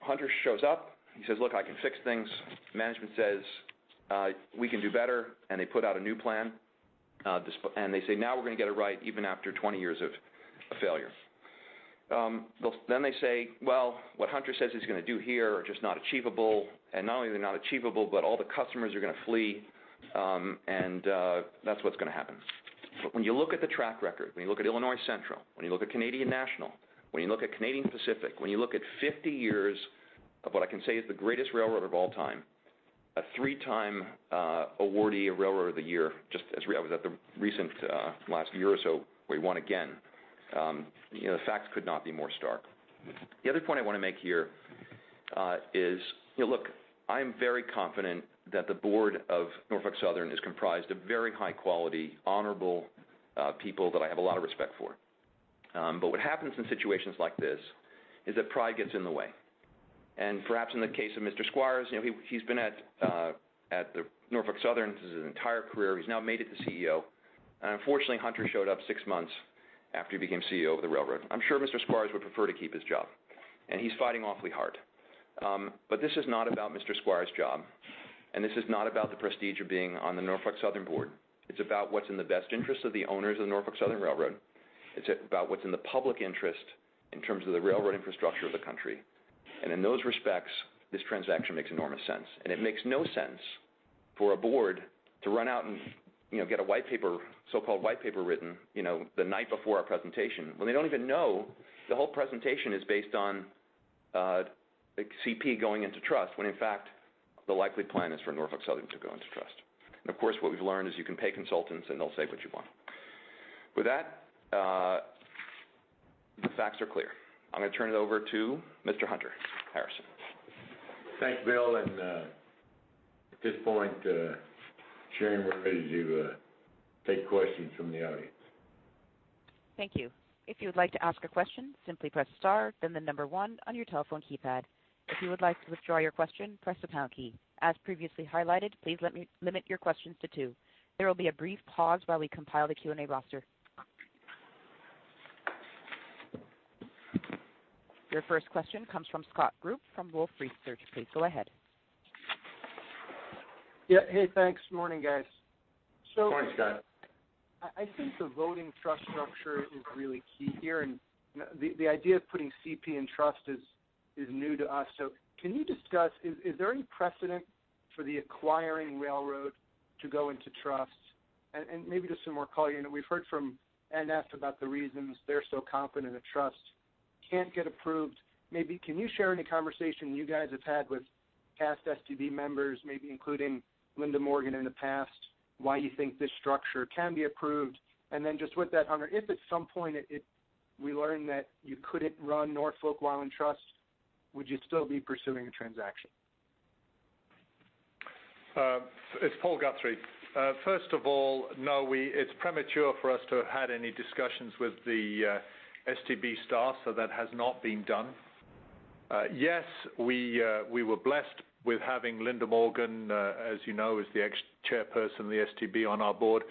Hunter shows up. He says, "Look, I can fix things." Management says, "We can do better." They put out a new plan. They say, "Now we're going to get it right even after 20 years of failure." Then they say, "Well, what Hunter says he's going to do here are just not achievable. And not only are they not achievable, but all the customers are going to flee and that's what's going to happen." But when you look at the track record, when you look at Illinois Central, when you look at Canadian National, when you look at Canadian Pacific, when you look at 50 years of what I can say is the greatest railroad of all time, a three-time awardee of Railroad of the Year, just as I was at the recent last year or so where he won again, the facts could not be more stark. The other point I want to make here is, look, I am very confident that the Board of Norfolk Southern is comprised of very high-quality, honorable people that I have a lot of respect for. But what happens in situations like this is that pride gets in the way. Perhaps in the case of Mr. Squires's, he's been at Norfolk Southern his entire career. He's now made it to CEO. Unfortunately, Hunter showed up six months after he became CEO of the railroad. I'm sure Mr. Squires's would prefer to keep his job. He's fighting awfully hard. This is not about Mr. Squires's job. This is not about the prestige of being on the Norfolk Southern Board. It's about what's in the best interest of the owners of the Norfolk Southern railroad. It's about what's in the public interest in terms of the railroad infrastructure of the country. In those respects, this transaction makes enormous sense. It makes no sense for a Board to run out and get a so-called white paper written the night before our presentation when they don't even know the whole presentation is based on CP going into trust when, in fact, the likely plan is for Norfolk Southern to go into trust. Of course, what we've learned is you can pay consultants, and they'll say what you want. With that, the facts are clear. I'm going to turn it over to Mr. Hunter Harrison. Thank you, Bill. At this point, Sharon, we're ready to take questions from the audience. Thank you. If you would like to ask a question, simply press star, then the number one on your telephone keypad. If you would like to withdraw your question, press the pound key. As previously highlighted, please limit your questions to two. There will be a brief pause while we compile the Q&A roster. Your first question comes from Scott Group from Wolfe Research. Please go ahead. Yeah. Hey, thanks. Good morning, guys. So. Morning, Scott. I think the voting trust structure is really key here and the idea of putting CP in trust is new to us. So can you discuss is there any precedent for the acquiring railroad to go into trust? And maybe just some more color. We've heard from NS about the reasons they're so confident the trust can't get approved. Maybe can you share any conversation you guys have had with past STB members, maybe including Linda Morgan in the past, why you think this structure can be approved? And then just with that, Hunter, if at some point we learn that you couldn't run Norfolk Southern Trust, would you still be pursuing a transaction? It's Paul Guthrie. First of all, no, it's premature for us to have had any discussions with the STB staff. So that has not been done. Yes, we were blessed with having Linda Morgan, as you know, is the ex-Chairperson of the STB on our Board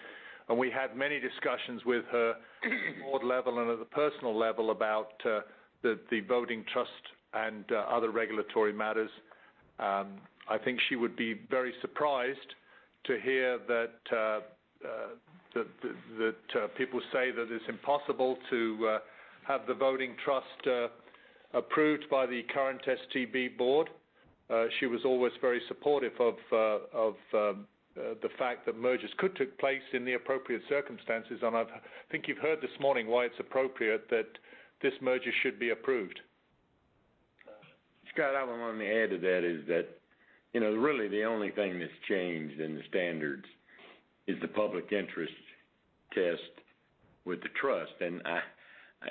and we had many discussions with her at the Board level and at the personal level about the voting trust and other regulatory matters. I think she would be very surprised to hear that people say that it's impossible to have the voting trust approved by the current STB Board. She was always very supportive of the fact that mergers could take place in the appropriate circumstances and I think you've heard this morning why it's appropriate that this merger should be approved. Scott, I want to add to that is that really the only thing that's changed in the standards is the public interest test with the trust.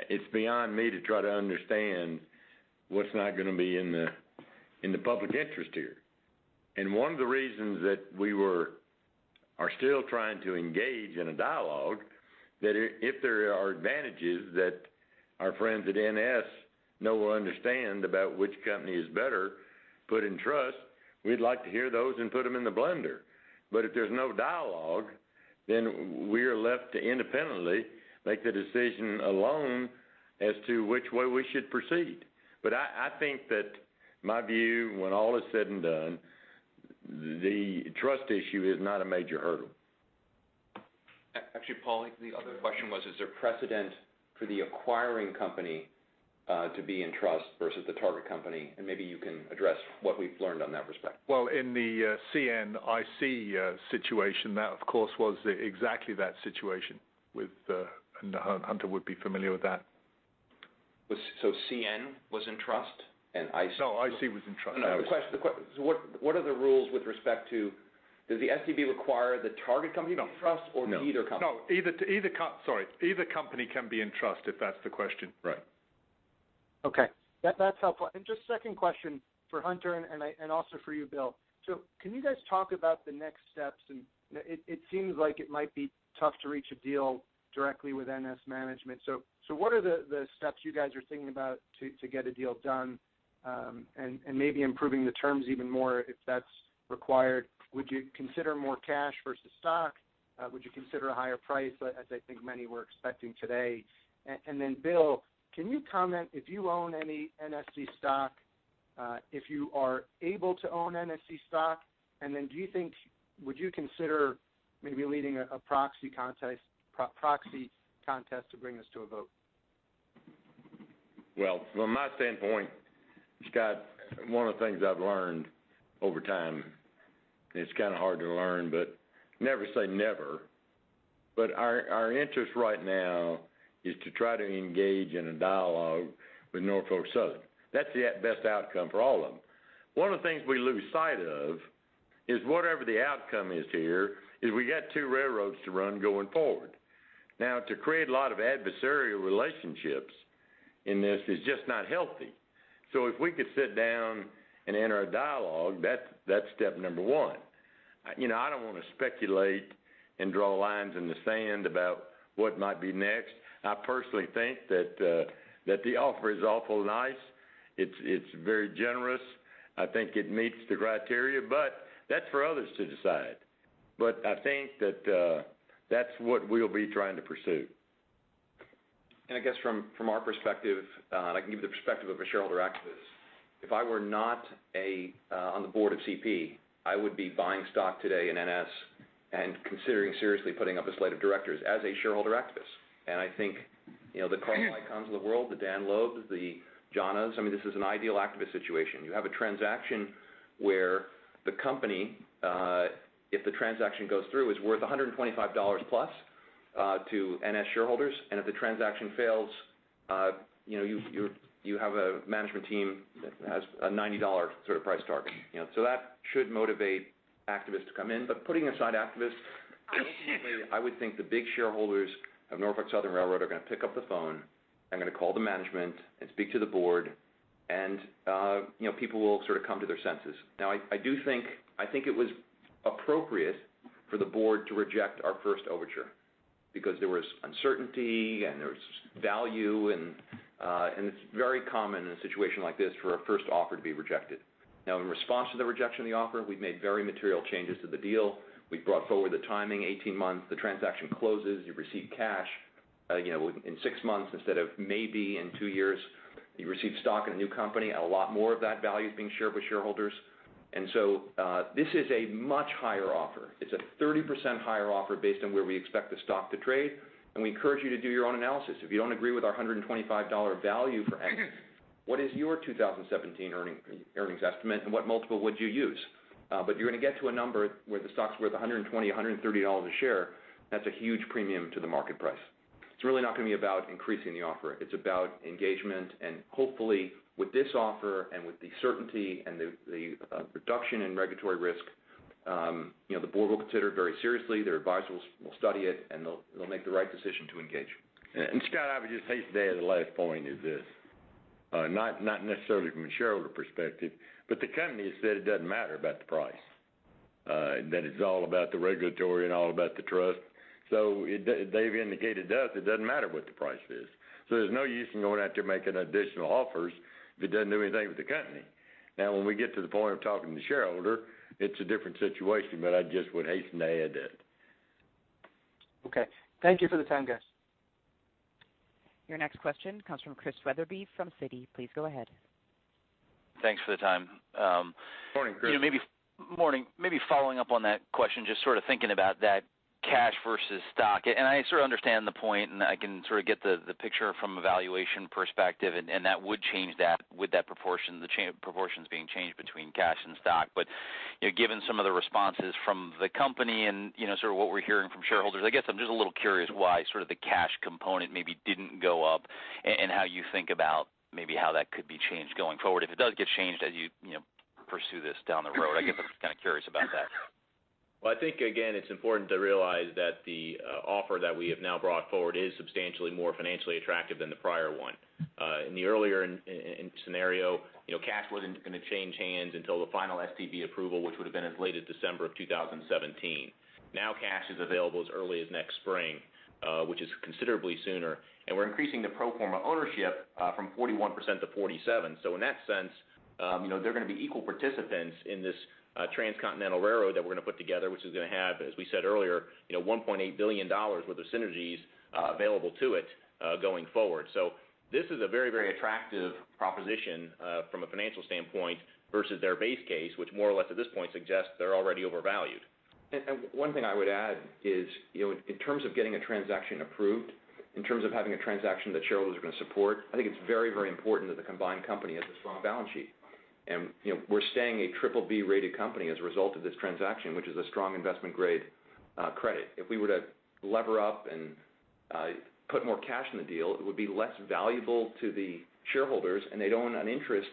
It's beyond me to try to understand what's not going to be in the public interest here. One of the reasons that we are still trying to engage in a dialogue is that if there are advantages that our friends at NS know or understand about which company is better put in trust, we'd like to hear those and put them in the blender. If there's no dialogue, then we are left to independently make the decision alone as to which way we should proceed. I think that my view, when all is said and done, the trust issue is not a major hurdle. Actually, Paul, the other question was, is there precedent for the acquiring company to be in trust versus the target company? And maybe you can address what we've learned on that respect. Well, in the CN-IC situation, that, of course, was exactly that situation and Hunter would be familiar with that. So CN was in trust and IC was in trust? No, IC was in trust. So what are the rules with respect to does the STB require the target company be in trust or neither company? No. No. Sorry. Either company can be in trust if that's the question, right. Okay. That's helpful and just second question for Hunter and also for you, Bill. So can you guys talk about the next steps? And it seems like it might be tough to reach a deal directly with NS management. So what are the steps you guys are thinking about to get a deal done and maybe improving the terms even more if that's required? Would you consider more cash versus stock? Would you consider a higher price as I think many were expecting today? And then, Bill, can you comment if you own any NSC stock, if you are able to own NSC stock? And then do you think would you consider maybe leading a proxy contest to bring this to a vote? Well, from my standpoint, Scott, one of the things I've learned over time and it's kind of hard to learn, but never say never. But our interest right now is to try to engage in a dialogue with Norfolk Southern. That's the best outcome for all of them. One of the things we lose sight of is whatever the outcome is here, is we got two railroads to run going forward. Now, to create a lot of adversarial relationships in this is just not healthy. So if we could sit down and enter a dialogue, that's step number one. I don't want to speculate and draw lines in the sand about what might be next. I personally think that the offer is awful nice. It's very generous. I think it meets the criteria. But that's for others to decide. But I think that that's what we'll be trying to pursue. I guess from our perspective, and I can give you the perspective of a shareholder activist, if I were not on the Board of CP, I would be buying stock today in NS and considering seriously putting up a slate of directors as a shareholder activist and I think the Carl Icahns of the world, the Daniel Loebs, the John Paulsons, I mean, this is an ideal activist situation. You have a transaction where the company, if the transaction goes through, is worth $125 plus to NS shareholders and if the transaction fails, you have a management team that has a $90 sort of price target. So that should motivate activists to come in. But putting aside activists, ultimately, I would think the big shareholders of Norfolk Southern Railroad are going to pick up the phone and going to call the management and speak to the Board. People will sort of come to their senses. Now, I do think it was appropriate for the Board to reject our first overture because there was uncertainty, and there was value. It's very common in a situation like this for a first offer to be rejected. Now, in response to the rejection of the offer, we've made very material changes to the deal. We've brought forward the timing, 18 months. The transaction closes. You receive cash in six months instead of maybe in two years. You receive stock in a new company. A lot more of that value is being shared with shareholders. So this is a much higher offer. It's a 30% higher offer based on where we expect the stock to trade. We encourage you to do your own analysis. If you don't agree with our $125 value for X, what is your 2017 earnings estimate, and what multiple would you use? But you're going to get to a number where the stock's worth $120-$130 a share. That's a huge premium to the market price. It's really not going to be about increasing the offer. It's about engagement and hopefully, with this offer and with the certainty and the reduction in regulatory risk, the Board will consider it very seriously. Their advisors will study it, and they'll make the right decision to engage. And Scott, I would just hate to add. The last point is this, not necessarily from a shareholder perspective. But the company has said it doesn't matter about the price, that it's all about the regulatory and all about the trust. So they've indicated to us it doesn't matter what the price is. So there's no use in going out there making additional offers if it doesn't do anything with the company. Now, when we get to the point of talking to the shareholder, it's a different situation. But I just would hate to add that. Okay. Thank you for the time, guys. Your next question comes from Chris Weatherbee from Citi. Please go ahead. Thanks for the time. Morning, Chris. Maybe following up on that question, just sort of thinking about that cash versus stock and I sort of understand the point, and I can sort of get the picture from a valuation perspective and that would change that with that proportion, the proportions being changed between cash and stock. But given some of the responses from the company and sort of what we're hearing from shareholders, I guess I'm just a little curious why sort of the cash component maybe didn't go up and how you think about maybe how that could be changed going forward if it does get changed as you pursue this down the road. I guess I'm just kind of curious about that. Well, I think, again, it's important to realize that the offer that we have now brought forward is substantially more financially attractive than the prior one. In the earlier scenario, cash wasn't going to change hands until the final STB approval, which would have been as late as December of 2017. Now, cash is available as early as next spring, which is considerably sooner. We're increasing the pro forma ownership from 41%-47%. In that sense, they're going to be equal participants in this transcontinental railroad that we're going to put together, which is going to have, as we said earlier, $1.8 billion worth of synergies available to it going forward. This is a very, very attractive proposition from a financial standpoint versus their base case, which more or less at this point suggests they're already overvalued. One thing I would add is in terms of getting a transaction approved, in terms of having a transaction that shareholders are going to support, I think it's very, very important that the combined company has a strong balance sheet. We're staying a BBB-rated company as a result of this transaction, which is a strong investment-grade credit. If we were to lever up and put more cash in the deal, it would be less valuable to the shareholders, and they'd own an interest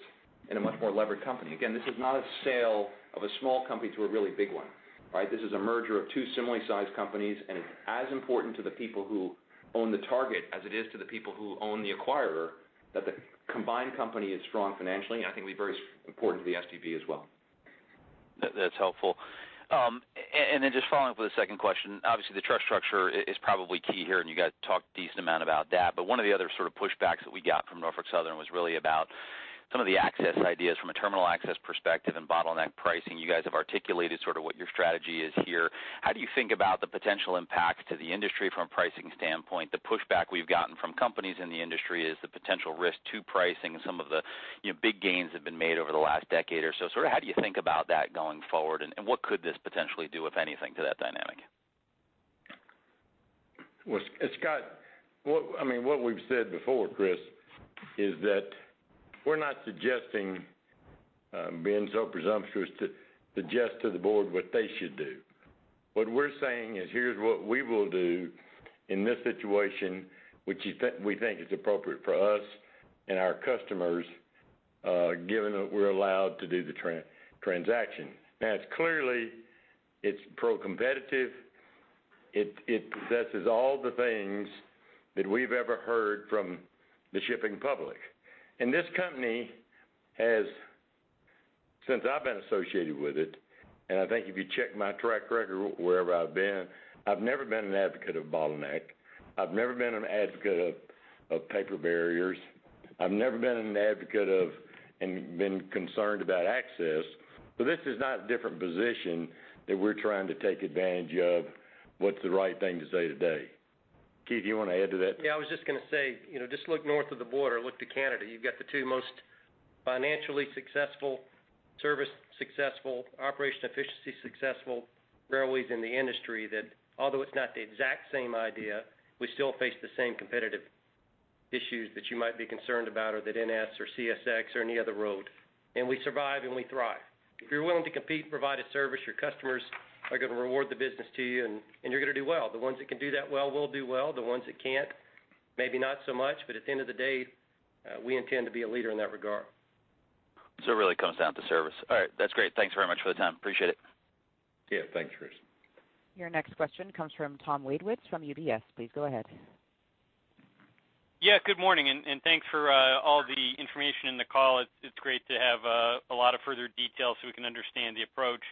in a much more levered company. Again, this is not a sale of a small company to a really big one, right? This is a merger of two similarly sized companies. It's as important to the people who own the target as it is to the people who own the acquirer that the combined company is strong financially. I think it'd be very important to the STB as well. That's helpful. Then just following up with the second question, obviously, the trust structure is probably key here, and you guys talked a decent amount about that. But one of the other sort of pushbacks that we got from Norfolk Southern was really about some of the access ideas from a terminal access perspective and bottleneck pricing. You guys have articulated sort of what your strategy is here. How do you think about the potential impacts to the industry from a pricing standpoint? The pushback we've gotten from companies in the industry is the potential risk to pricing and some of the big gains that have been made over the last decade or so. So sort of how do you think about that going forward? And what could this potentially do, if anything, to that dynamic? Well, Scott, I mean, what we've said before, Chris, is that we're not suggesting, being so presumptuous, to suggest to the Board what they should do. What we're saying is, "Here's what we will do in this situation, which we think is appropriate for us and our customers, given that we're allowed to do the transaction." Now, clearly, it's pro-competitive. It possesses all the things that we've ever heard from the shipping public and this company has, since I've been associated with it and I think if you check my track record wherever I've been, I've never been an advocate of bottleneck. I've never been an advocate of paper barriers. I've never been an advocate of and been concerned about access. So this is not a different position that we're trying to take advantage of. What's the right thing to say today? Keith, you want to add to that? Yeah. I was just going to say, just look north of the border. Look to Canada. You've got the two most financially successful, service successful, operation efficiency successful railways in the industry that, although it's not the exact same idea, we still face the same competitive issues that you might be concerned about or that NS or CSX or any other road and we survive, and we thrive. If you're willing to compete, provide a service, your customers are going to reward the business to you, and you're going to do well. The ones that can do that well will do well. The ones that can't, maybe not so much. But at the end of the day, we intend to be a leader in that regard. So it really comes down to service. All right. That's great. Thanks very much for the time. Appreciate it. Yeah. Thanks, Chris. Your next question comes from Thomas Wadewitz from UBS. Please go ahead. Yeah. Good morning. Thanks for all the information in the call. It's great to have a lot of further detail so we can understand the approach.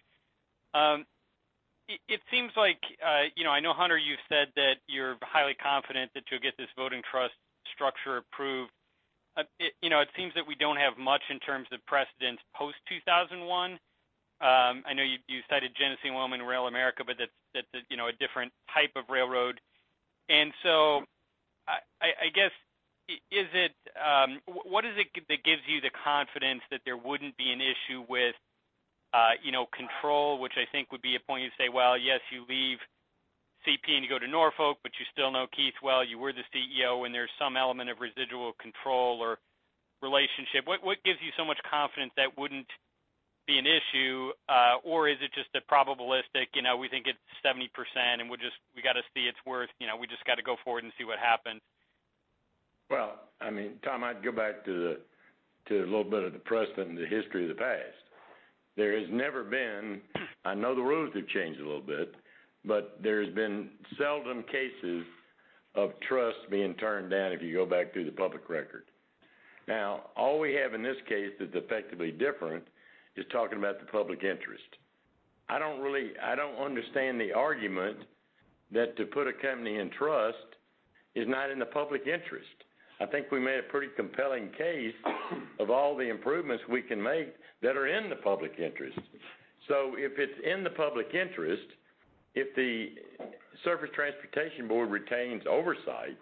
It seems like I know, Hunter, you've said that you're highly confident that you'll get this voting trust structure approved. It seems that we don't have much in terms of precedence post-2001. I know you cited Genesee & Wyoming and RailAmerica, but that's a different type of railroad. So I guess, is it what is it that gives you the confidence that there wouldn't be an issue with control, which I think would be a point you'd say, "Well, yes, you leave CP and you go to Norfolk, but you still know Keith well. You were the CEO, and there's some element of residual control or relationship." What gives you so much confidence that wouldn't be an issue? Or is it just a probabilistic, "We think it's 70%, and we got to see its worth. We just got to go forward and see what happens"? Well, I mean, Tom, I'd go back to a little bit of the precedent and the history of the past. There has never been. I know the rules have changed a little bit, but there have been seldom cases of trust being turned down if you go back through the public record. Now, all we have in this case that's effectively different is talking about the public interest. I don't understand the argument that to put a company in trust is not in the public interest. I think we made a pretty compelling case of all the improvements we can make that are in the public interest. So if it's in the public interest, if the Surface Transportation Board retains oversight,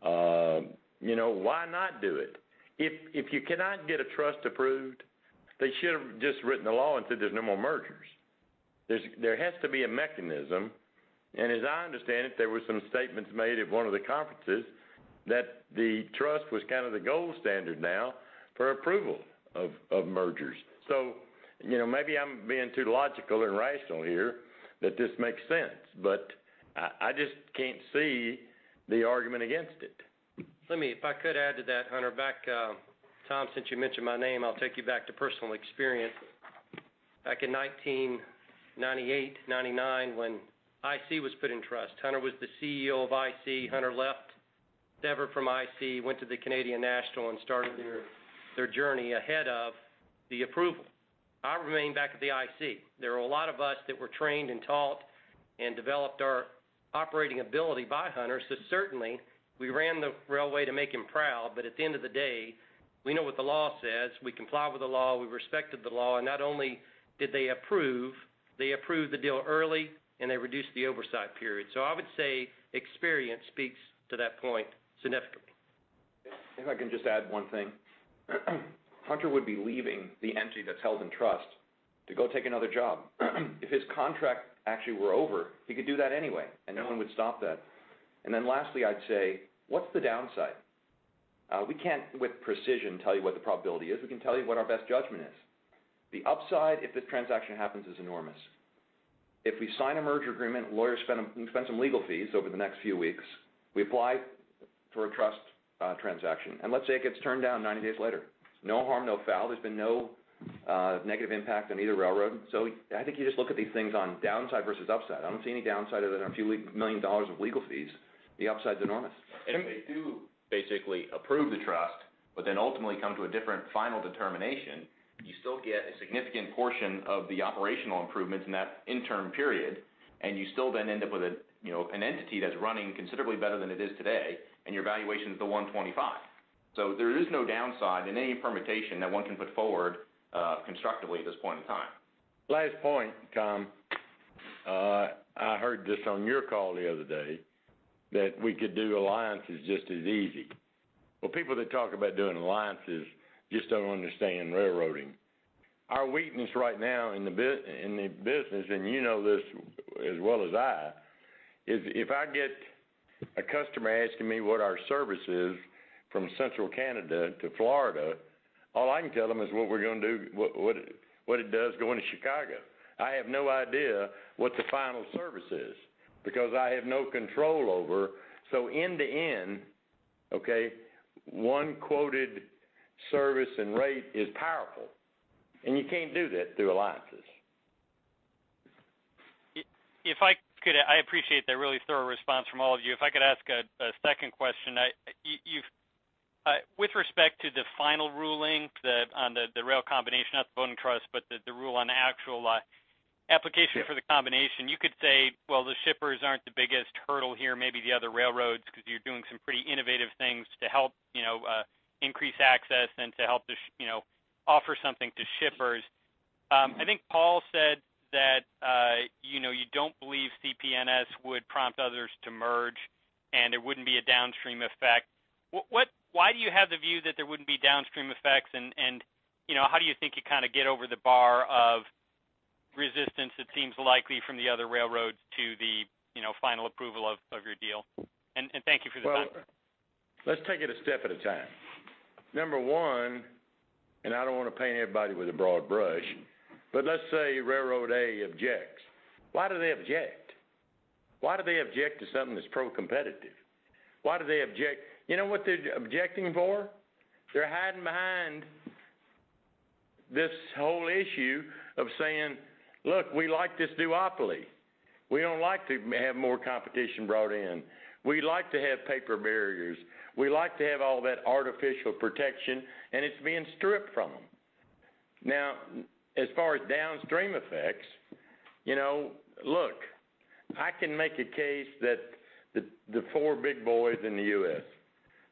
why not do it? If you cannot get a trust approved, they should have just written the law and said there's no more mergers. There has to be a mechanism. As I understand it, there were some statements made at one of the conferences that the trust was kind of the gold standard now for approval of mergers. Maybe I'm being too logical and rational here that this makes sense, but I just can't see the argument against it. Let me, if I could, add to that, Hunter. Back to me, since you mentioned my name, I'll take you back to personal experience. Back in 1998, 1999, when IC was put in trust, Hunter was the CEO of IC. Hunter left the employ of IC, went to the Canadian National, and started their journey ahead of the approval. I remain back at the IC. There were a lot of us that were trained and taught and developed our operating ability by Hunter. So certainly, we ran the railway to make him proud. But at the end of the day, we know what the law says. We complied with the law. We respected the law and not only did they approve, they approved the deal early, and they reduced the oversight period. So I would say experience speaks to that point significantly. If I can just add one thing, Hunter would be leaving the entity that's held in trust to go take another job. If his contract actually were over, he could do that anyway, and no one would stop that and then lastly, I'd say, what's the downside? We can't, with precision, tell you what the probability is. We can tell you what our best judgment is. The upside, if this transaction happens, is enormous. If we sign a merger agreement, lawyers spend some legal fees over the next few weeks. We apply for a trust transaction and let's say it gets turned down 90 days later. No harm, no foul. There's been no negative impact on either railroad. So I think you just look at these things on downside versus upside. I don't see any downside other than a few million dollars of legal fees. The upside's enormous. If they do basically approve the trust but then ultimately come to a different final determination, you still get a significant portion of the operational improvements in that interim period. You still then end up with an entity that's running considerably better than it is today, and your valuation's the 125. There is no downside in any permutation that one can put forward constructively at this point in time. Last point, Tom, I heard this on your call the other day that we could do alliances just as easy. Well, people that talk about doing alliances just don't understand railroading. Our weakness right now in the business, and you know this as well as I, is if I get a customer asking me what our service is from Central Canada to Florida, all I can tell them is what we're going to do, what it does going to Chicago. I have no idea what the final service is because I have no control over. So end to end, okay, one quoted service and rate is powerful and you can't do that through alliances. If I could, I appreciate that really thorough response from all of you. If I could ask a second question, with respect to the final ruling on the rail combination, not the voting trust but the ruling on the actual application for the combination, you could say, "Well, the shippers aren't the biggest hurdle here, maybe the other railroads, because you're doing some pretty innovative things to help increase access and to help offer something to shippers." I think Paul said that you don't believe CPNS would prompt others to merge, and it wouldn't be a downstream effect. Why do you have the view that there wouldn't be downstream effects? And how do you think you kind of get over the bar of resistance, it seems likely, from the other railroads to the final approval of your deal? And thank you for the time. Well, let's take it a step at a time. Number one, and I don't want to paint everybody with a broad brush, but let's say Railroad A objects. Why do they object? Why do they object to something that's pro-competitive? Why do they object? You know what they're objecting for? They're hiding behind this whole issue of saying, "Look, we like this duopoly. We don't like to have more competition brought in. We like to have paper barriers. We like to have all that artificial protection." And it's being stripped from them. Now, as far as downstream effects, look, I can make a case that the four big boys in the US,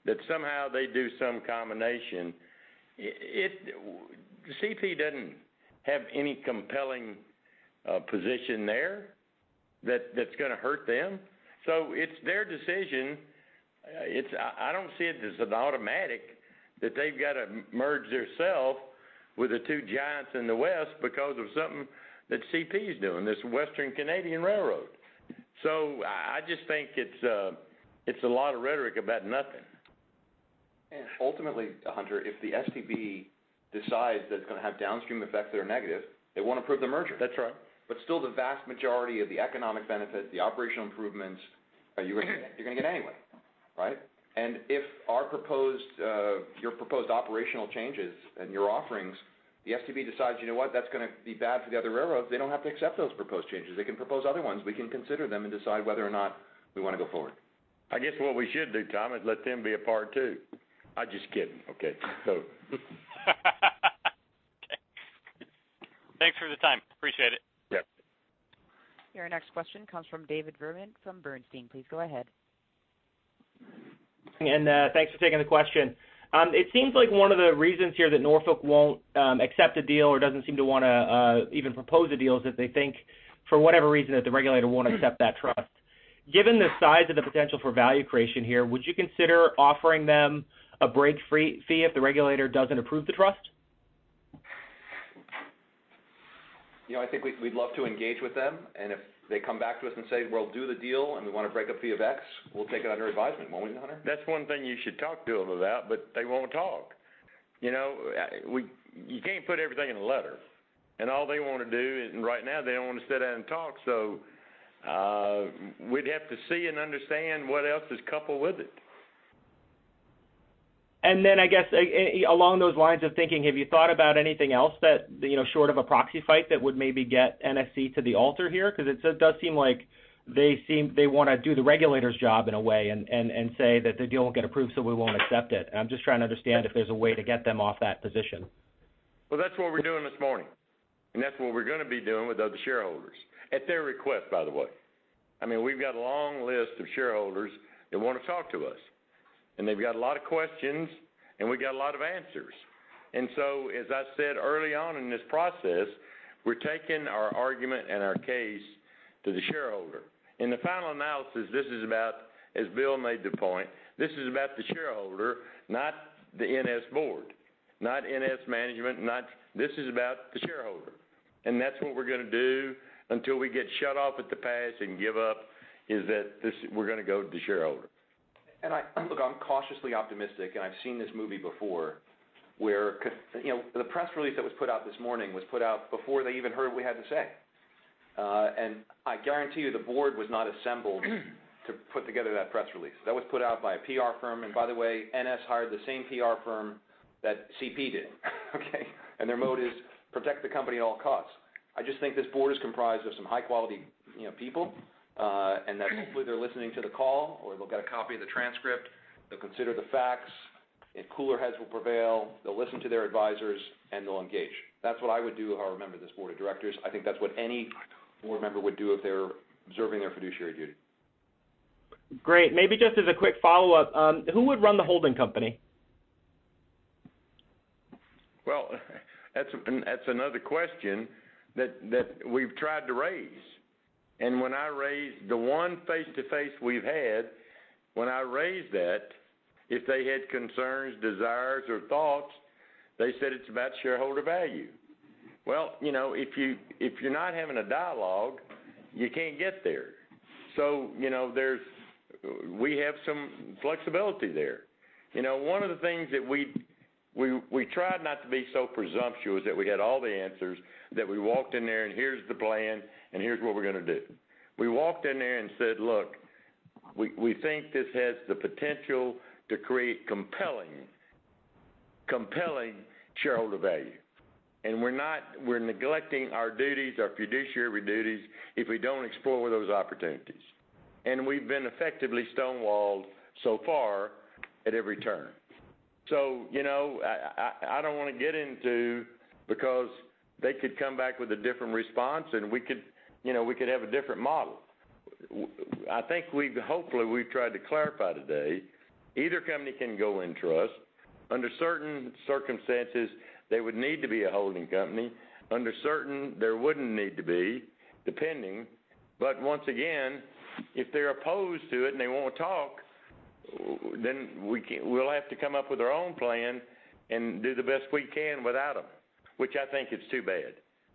that somehow they do some combination. CP doesn't have any compelling position there that's going to hurt them. So it's their decision. I don't see it as an automatic that they've got to merge themselves with the two giants in the west because of something that CP is doing, this Western Canadian railroad. So I just think it's a lot of rhetoric about nothing. Ultimately, Hunter, if the STB decides that it's going to have downstream effects that are negative, they won't approve the merger. But still, the vast majority of the economic benefits, the operational improvements, you're going to get anyway, right? And if your proposed operational changes and your offerings, the STB decides, "You know what? That's going to be bad for the other railroads," they don't have to accept those proposed changes. They can propose other ones. We can consider them and decide whether or not we want to go forward. I guess what we should do, Tom, is let them be a part too. I'm just kidding, okay? So. Okay. Thanks for the time. Appreciate it. Yep. Your next question comes from David Vernon from Bernstein. Please go ahead. Thanks for taking the question. It seems like one of the reasons here that Norfolk won't accept a deal or doesn't seem to want to even propose a deal is that they think, for whatever reason, that the regulator won't accept that trust. Given the size of the potential for value creation here, would you consider offering them a break fee if the regulator doesn't approve the trust? I think we'd love to engage with them and if they come back to us and say, "We'll do the deal, and we want a breakup fee of X," we'll take it under advisement, won't we, Hunter? That's one thing you should talk to them about, but they won't talk. You can't put everything in a letter and all they want to do, and right now, they don't want to sit down and talk. So we'd have to see and understand what else is coupled with it. I guess, along those lines of thinking, have you thought about anything else short of a proxy fight that would maybe get NSC to the altar here? Because it does seem like they want to do the regulator's job in a way and say that the deal won't get approved, so we won't accept it. I'm just trying to understand if there's a way to get them off that position. Well, that's what we're doing this morning and that's what we're going to be doing with other shareholders, at their request, by the way. I mean, we've got a long list of shareholders that want to talk to us and they've got a lot of questions, and we've got a lot of answers and so, as I said early on in this process, we're taking our argument and our case to the shareholder. In the final analysis, this is about, as Bill made the point, this is about the shareholder, not the NS Board, not NS management. This is about the shareholder and that's what we're going to do until we get shut off at the pass and give up, is that we're going to go to the shareholder. And look, I'm cautiously optimistic and I've seen this movie before where the press release that was put out this morning was put out before they even heard what we had to say and I guarantee you, the Board was not assembled to put together that press release. That was put out by a PR firm and by the way, NS hired the same PR firm that CP did, okay? And their motive is protect the company at all costs. I just think this Board is comprised of some high-quality people, and that hopefully, they're listening to the call, or they'll get a copy of the transcript. They'll consider the facts. Cooler heads will prevail. They'll listen to their advisors, and they'll engage. That's what I would do if I remember this Board of Directors. I think that's what any Board member would do if they're observing their fiduciary duty. Great. Maybe just as a quick follow-up, who would run the holding company? Well, that's another question that we've tried to raise and when I raised the one face-to-face we've had, when I raised that, if they had concerns, desires, or thoughts, they said it's about shareholder value. Well, if you're not having a dialogue, you can't get there. So we have some flexibility there. One of the things that we tried not to be so presumptuous that we had all the answers, that we walked in there and, "Here's the plan, and here's what we're going to do," we walked in there and said, "Look, we think this has the potential to create compelling shareholder value and we're neglecting our duties, our fiduciary duties, if we don't explore those opportunities." And we've been effectively stonewalled so far at every turn. So I don't want to get into because they could come back with a different response, and we could have a different model. I think, hopefully, we've tried to clarify today, either company can go in trust. Under certain circumstances, they would need to be a holding company. Under certain, there wouldn't need to be, depending. But once again, if they're opposed to it and they won't talk, then we'll have to come up with our own plan and do the best we can without them, which I think it's too bad.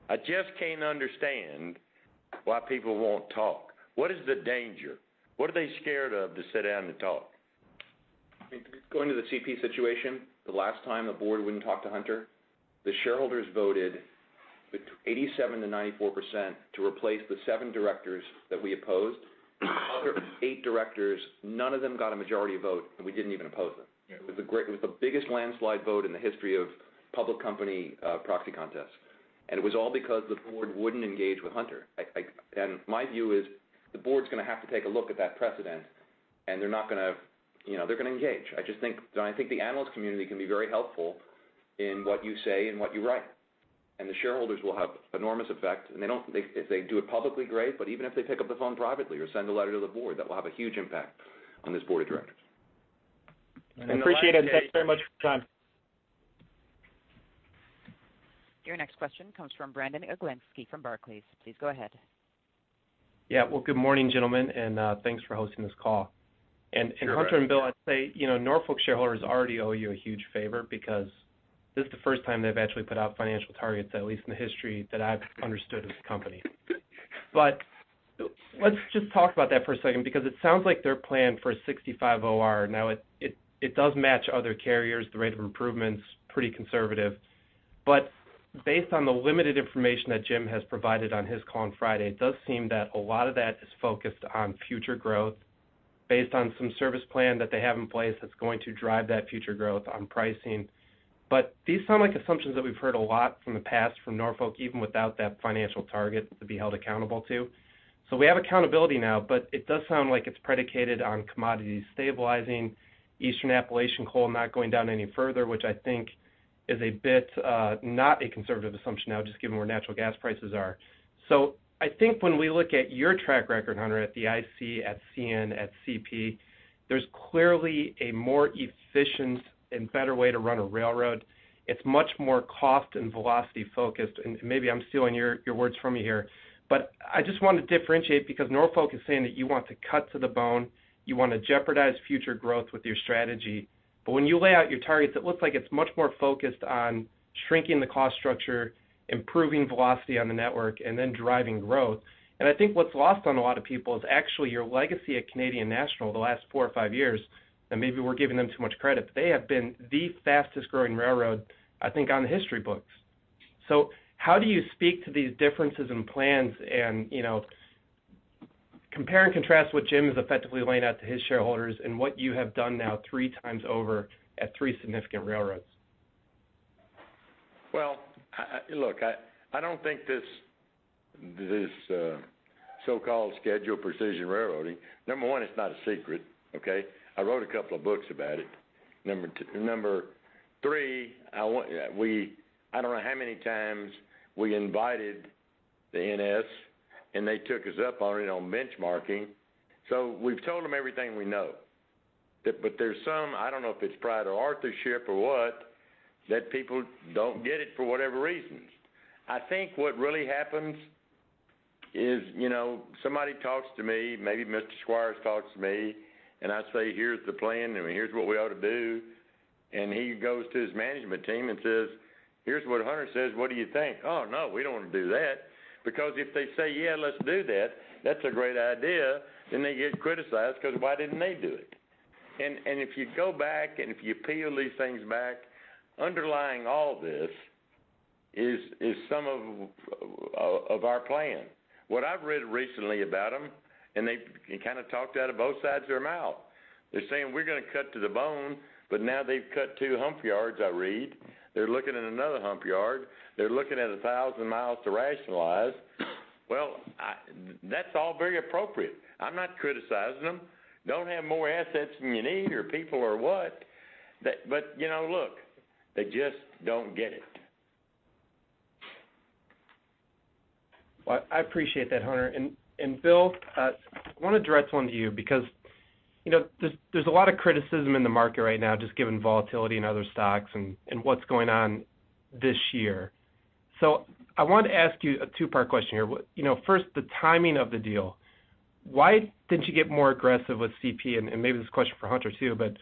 I just can't understand why people won't talk. What is the danger? What are they scared of to sit down and talk? I mean, going to the CP situation, the last time the Board wouldn't talk to Hunter, the shareholders voted 87%-94% to replace the seven directors that we opposed. The other eight directors, none of them got a majority vote, and we didn't even oppose them. It was the biggest landslide vote in the history of public company proxy contests. It was all because the Board wouldn't engage with Hunter. My view is the Board's going to have to take a look at that precedent, and they're going to engage. I think the analyst community can be very helpful in what you say and what you write. The shareholders will have enormous effect. If they do it publicly, great. But even if they pick up the phone privately or send a letter to the Board, that will have a huge impact on this Board of Directors. I appreciate it. Thanks very much for your time. Your next question comes from Brandon Oglenski from Barclays. Please go ahead. Yeah. Well, good morning, gentlemen, and thanks for hosting this call and Hunter and Bill, I'd say Norfolk shareholders already owe you a huge favor because this is the first time they've actually put out financial targets, at least in the history that I've understood of the company. But let's just talk about that for a second because it sounds like their plan for a 65 OR. Now, it does match other carriers, the rate of improvements, pretty conservative. But based on the limited information that Jim has provided on his call on Friday, it does seem that a lot of that is focused on future growth based on some service plan that they have in place that's going to drive that future growth on pricing. But these sound like assumptions that we've heard a lot from the past from Norfolk, even without that financial target to be held accountable to. So we have accountability now, but it does sound like it's predicated on commodities stabilizing, Eastern Appalachian coal not going down any further, which I think is a bit not a conservative assumption now, just given where natural gas prices are. So I think when we look at your track record, Hunter, at the IC, at CN, at CP, there's clearly a more efficient and better way to run a railroad. It's much more cost and velocity-focused and maybe I'm stealing your words from you here. But I just want to differentiate because Norfolk is saying that you want to cut to the bone. You want to jeopardize future growth with your strategy. But when you lay out your targets, it looks like it's much more focused on shrinking the cost structure, improving velocity on the network, and then driving growth and I think what's lost on a lot of people is actually your legacy at Canadian National the last four or five years and maybe we're giving them too much credit. They have been the fastest-growing railroad, I think, on the history books. So how do you speak to these differences in plans and compare and contrast what Jim is effectively laying out to his shareholders and what you have done now three times over at three significant railroads? Well, look, I don't think this so-called Precision Scheduled Railroading number one, it's not a secret, okay? I wrote a couple of books about it. Number three, I don't know how many times we invited the NS, and they took us up on it on benchmarking. So we've told them everything we know. But there's some I don't know if it's pride or obstinacy or what that people don't get it for whatever reasons. I think what really happens is somebody talks to me, maybe Mr. Squires talks to me, and I say, "Here's the plan, and here's what we ought to do." And he goes to his management team and says, "Here's what Hunter says. What do you think?" "Oh, no, we don't want to do that." Because if they say, "Yeah, let's do that," that's a great idea. Then they get criticized because, "Why didn't they do it?" If you go back and if you peel these things back, underlying all this is some of our plan. What I've read recently about them, and they kind of talked out of both sides of their mouth. They're saying, "We're going to cut to the bone," but now they've cut 2 hump yards, I read. They're looking at another hump yard. They're looking at 1,000 mi to rationalize. Well, that's all very appropriate. I'm not criticizing them. Don't have more assets than you need or people or what. But look, they just don't get it. Well, I appreciate that, Hunter and Bill, I want to direct one to you because there's a lot of criticism in the market right now, just given volatility in other stocks and what's going on this year. So I want to ask you a two-part question here. First, the timing of the deal. Why didn't you get more aggressive with CP? And maybe this is a question for Hunter too. But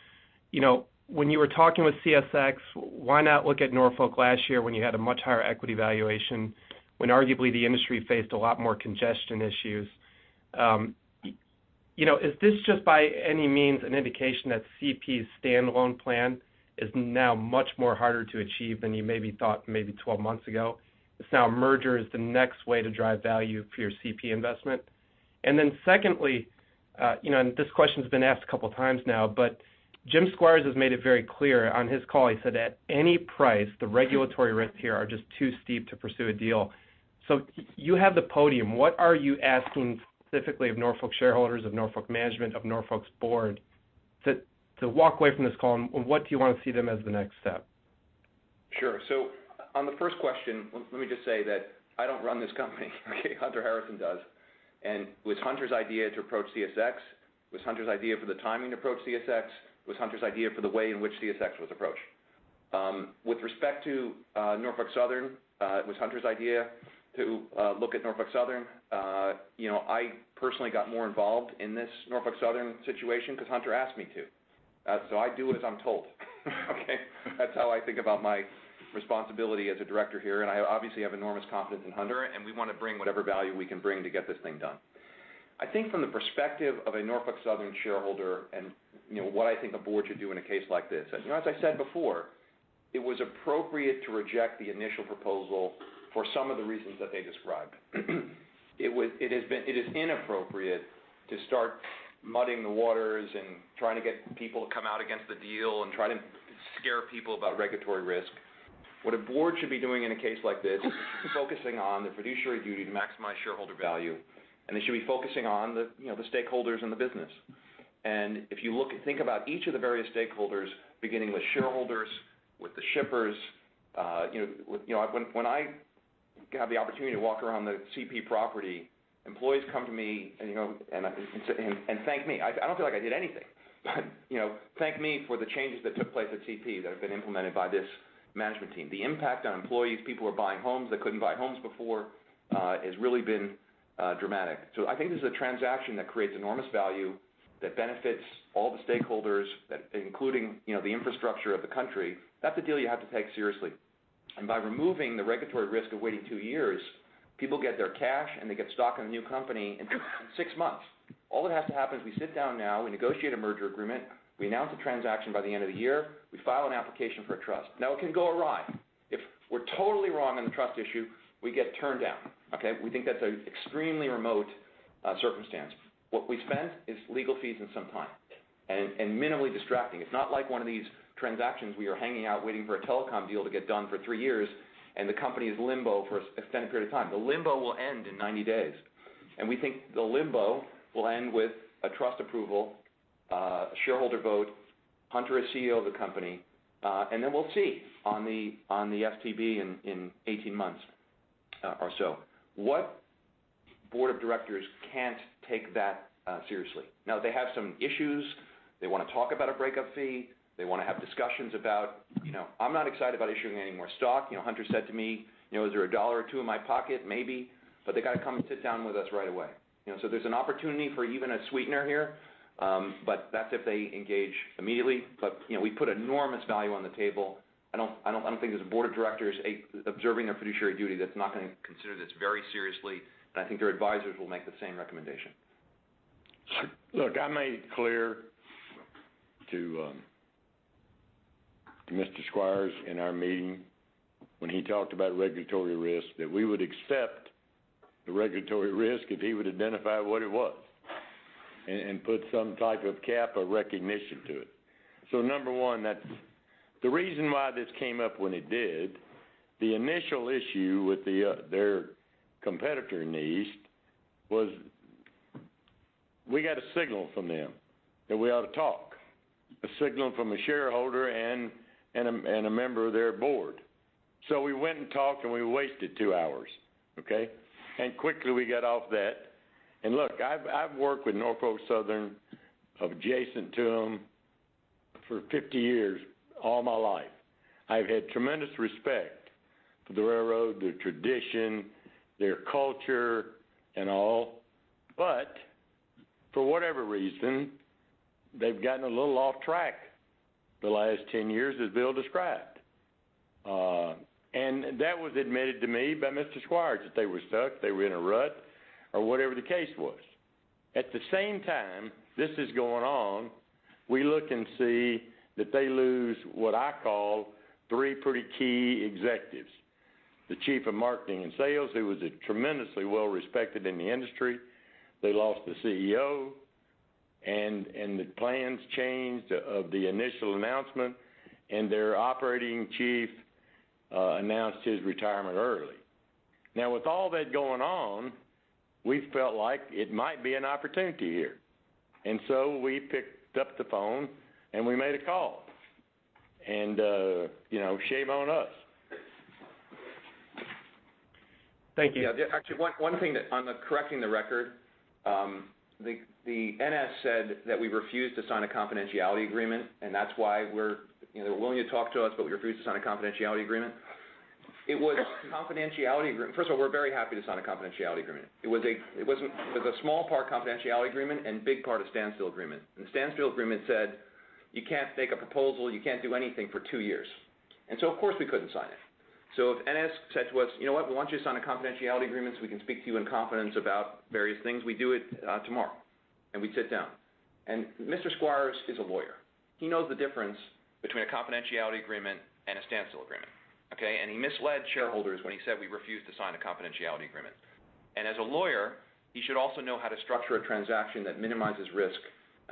when you were talking with CSX, why not look at Norfolk last year when you had a much higher equity valuation, when arguably the industry faced a lot more congestion issues? Is this just by any means an indication that CP's standalone plan is now much more harder to achieve than you maybe thought maybe 12 months ago? It's now a merger is the next way to drive value for your CP investment. Then, secondly, and this question's been asked a couple of times now. But Jim Squires has made it very clear on his call. He said, "At any price, the regulatory risks here are just too steep to pursue a deal." So you have the podium. What are you asking specifically of Norfolk shareholders, of Norfolk management, of Norfolk's Board to walk away from this call? What do you want to see them as the next step? Sure. So on the first question, let me just say that I don't run this company, okay? Hunter Harrison does and it was Hunter's idea to approach CSX. It was Hunter's idea for the timing to approach CSX. It was Hunter's idea for the way in which CSX was approached. With respect to Norfolk Southern, it was Hunter's idea to look at Norfolk Southern. I personally got more involved in this Norfolk Southern situation because Hunter asked me to. So I do as I'm told, okay? That's how I think about my responsibility as a director here and I obviously have enormous confidence in Hunter, and we want to bring whatever value we can bring to get this thing done. I think from the perspective of a Norfolk Southern shareholder and what I think a Board should do in a case like this, as I said before, it was appropriate to reject the initial proposal for some of the reasons that they described. It is inappropriate to start muddying the waters and trying to get people to come out against the deal and try to scare people about regulatory risk. What a Board should be doing in a case like this is it should be focusing on the fiduciary duty to maximize shareholder value, and it should be focusing on the stakeholders and the business and if you think about each of the various stakeholders, beginning with shareholders, with the shippers when I have the opportunity to walk around the CP property, employees come to me and thank me. I don't feel like I did anything. But thank me for the changes that took place at CP that have been implemented by this management team. The impact on employees, people who are buying homes that couldn't buy homes before, has really been dramatic. So I think this is a transaction that creates enormous value that benefits all the stakeholders, including the infrastructure of the country. That's a deal you have to take seriously and by removing the regulatory risk of waiting two years, people get their cash, and they get stock in the new company in six months. All that has to happen is we sit down now, we negotiate a merger agreement, we announce a transaction by the end of the year, we file an application for a trust. Now, it can go awry. If we're totally wrong on the trust issue, we get turned down, okay? We think that's an extremely remote circumstance. What we spend is legal fees and some time. Minimally distracting. It's not like one of these transactions we are hanging out waiting for a telecom deal to get done for three years, and the company is in limbo for an extended period of time. The limbo will end in 90 days. We think the limbo will end with a trust approval, a shareholder vote, Hunter is CEO of the company, and then we'll see on the STB in 18 months or so what Board of Directors can't take that seriously. Now, they have some issues. They want to talk about a breakup fee. They want to have discussions about, "I'm not excited about issuing any more stock." Hunter said to me, "Is there a $1 or $2 in my pocket? Maybe." But they got to come and sit down with us right away. There's an opportunity for even a sweetener here, but that's if they engage immediately. We put enormous value on the table. I don't think there's a Board of Directors observing their fiduciary duty that's not going to consider this very seriously. I think their advisors will make the same recommendation. Look, I made it clear to Mr. Squires in our meeting when he talked about regulatory risk that we would accept the regulatory risk if he would identify what it was and put some type of cap of recognition to it. So number one, the reason why this came up when it did, the initial issue with their competitor, NS, was we got a signal from them that we ought to talk, a signal from a shareholder and a member of their Board. So we went and talked, and we wasted two hours, okay? And look, I've worked with Norfolk Southern, adjacent to them, for 50 years, all my life. I've had tremendous respect for the railroad, their tradition, their culture, and all. But for whatever reason, they've gotten a little off track the last 10 years, as Bill described. That was admitted to me by Mr. Squires, that they were stuck, they were in a rut, or whatever the case was. At the same time, this is going on, we look and see that they lose what I call three pretty key Executives, the Chief of Marketing and Sales, who was tremendously well-respected in the industry. They lost the CEO, and the plans changed of the initial announcement, and their Operating Chief announced his retirement early. Now, with all that going on, we felt like it might be an opportunity here. So we picked up the phone, and we made a call. Shame on us. Thank you. Yeah. Actually, one thing on correcting the record, the NS said that we refused to sign a confidentiality agreement, and that's why they're willing to talk to us, but we refused to sign a confidentiality agreement. First of all, we're very happy to sign a confidentiality agreement. It was a small part confidentiality agreement and big part a standstill agreement and the standstill agreement said, "You can't make a proposal. You can't do anything for two years." And so, of course, we couldn't sign it. So if NS said to us, "You know what? We want you to sign a confidentiality agreement so we can speak to you in confidence about various things, we do it tomorrow." And we'd sit down and Mr. Squires is a lawyer. He knows the difference between a confidentiality agreement and a standstill agreement, okay? He misled shareholders when he said we refused to sign a confidentiality agreement. As a lawyer, he should also know how to structure a transaction that minimizes risk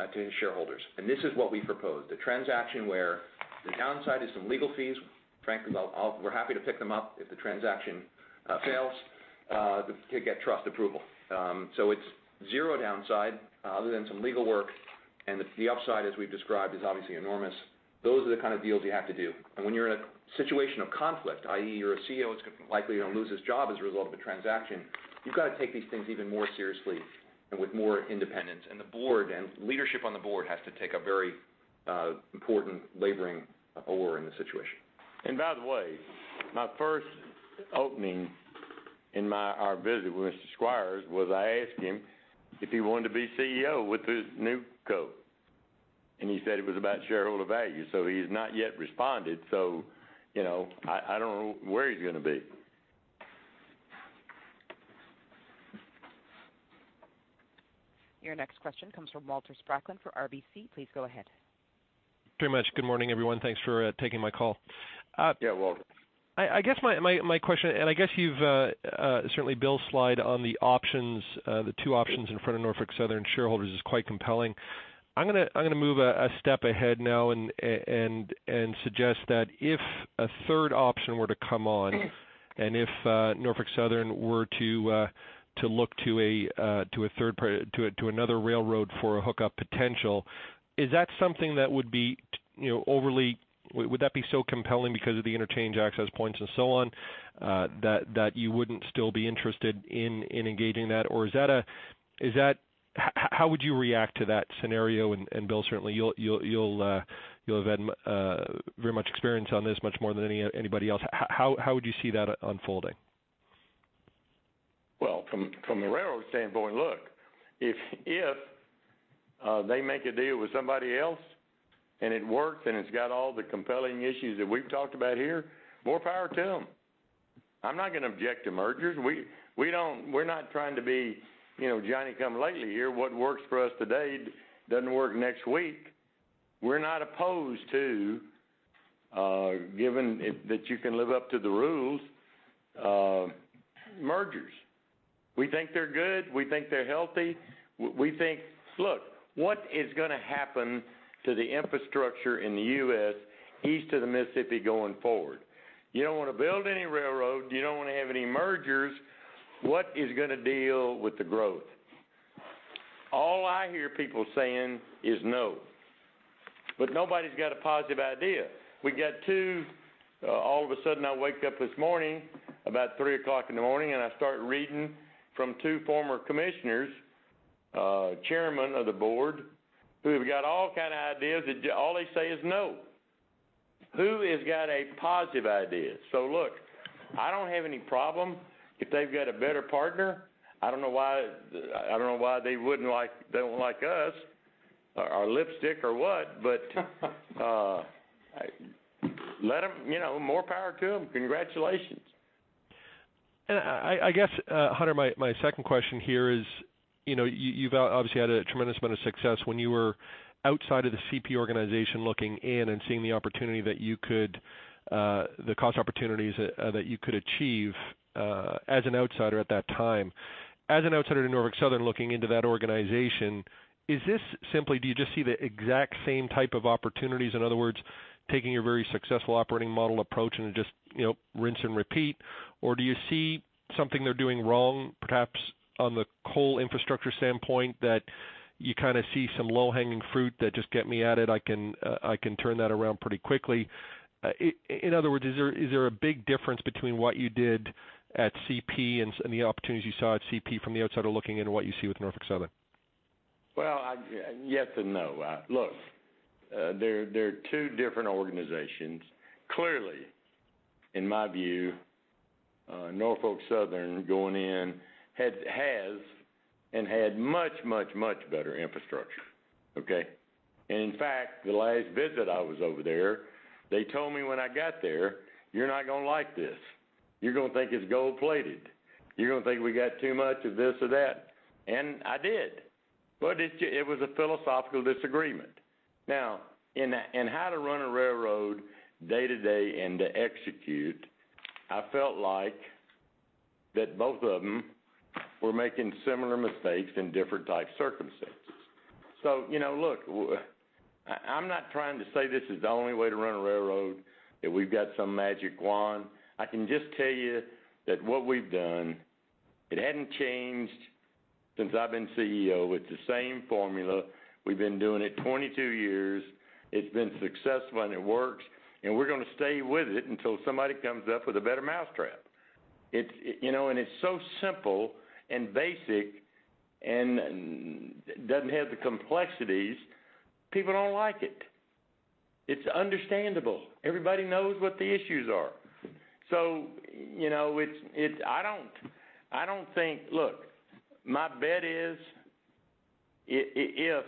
to his shareholders. This is what we proposed, a transaction where the downside is some legal fees. Frankly, we're happy to pick them up if the transaction fails to get trust approval. So it's zero downside other than some legal work. The upside, as we've described, is obviously enormous. Those are the kind of deals you have to do. When you're in a situation of conflict, i.e., you're a CEO that's likely going to lose his job as a result of a transaction, you've got to take these things even more seriously and with more independence. The Board and Leadership on the Board has to take a very important laboring oar in this situation. By the way, my first opening in our visit with Mr. Squires was I asked him if he wanted to be CEO with this NewCo. He said it was about shareholder value. He has not yet responded. I don't know where he's going to be. Your next question comes from Walter Spracklin for RBC. Please go ahead. Pretty much. Good morning, everyone. Thanks for taking my call. Yeah, Walter. I guess my question, and I guess you've certainly seen Bill's slide on the options. The two options in front of Norfolk Southern shareholders is quite compelling. I'm going to move a step ahead now and suggest that if a third option were to come on and if Norfolk Southern were to look to a third, to another railroad for a hookup potential, is that something that would be so compelling because of the interchange access points and so on that you wouldn't still be interested in engaging that? Or is that how would you react to that scenario? And Bill, certainly, you'll have very much experience on this, much more than anybody else. How would you see that unfolding? Well, from the railroad standpoint, look, if they make a deal with somebody else, and it works, and it's got all the compelling issues that we've talked about here, more power to them. I'm not going to object to mergers. We're not trying to be Johnny Come Lately here. What works for us today doesn't work next week. We're not opposed to, given that you can live up to the rules, mergers. We think they're good. We think they're healthy. Look, what is going to happen to the infrastructure in the U.S., East of the Mississippi, going forward? You don't want to build any railroad. You don't want to have any mergers. What is going to deal with the growth? All I hear people saying is no. But nobody's got a positive idea. We've got two all of a sudden. I wake up this morning about 3:00 A.M., and I start reading from two former commissioners, Chairmen of the Board, who have got all kind of ideas that all they say is no. Who has got a positive idea? So look, I don't have any problem. If they've got a better partner, I don't know why—I don't know why they wouldn't like—they don't like us, our lipstick or what. But let them. More power to them. Congratulations. I guess, Hunter, my second question here is you've obviously had a tremendous amount of success when you were outside of the CP organization looking in and seeing the opportunity that you could the cost opportunities that you could achieve as an outsider at that time. As an outsider to Norfolk Southern looking into that organization, is this simply do you just see the exact same type of opportunities, in other words, taking your very successful operating model approach and just rinse and repeat? Or do you see something they're doing wrong, perhaps on the whole infrastructure standpoint, that you kind of see some low-hanging fruit that, "Just get me at it. I can turn that around pretty quickly"? In other words, is there a big difference between what you did at CP and the opportunities you saw at CP from the outsider looking in and what you see with Norfolk Southern? Well, yes and no. Look, they're two different organizations. Clearly, in my view, Norfolk Southern going in has and had much, much, much better infrastructure, okay? And in fact, the last visit I was over there, they told me when I got there, "You're not going to like this. You're going to think it's gold-plated. You're going to think we got too much of this or that." And I did. But it was a philosophical disagreement. Now, in how to run a railroad day to day and to execute, I felt like that both of them were making similar mistakes in different type circumstances. So look, I'm not trying to say this is the only way to run a railroad, that we've got some magic wand. I can just tell you that what we've done, it hadn't changed since I've been CEO. It's the same formula. We've been doing it 22 years. It's been successful, and it works. We're going to stay with it until somebody comes up with a better mousetrap. It's so simple and basic and doesn't have the complexities, people don't like it. It's understandable. Everybody knows what the issues are. So I don't think look, my bet is if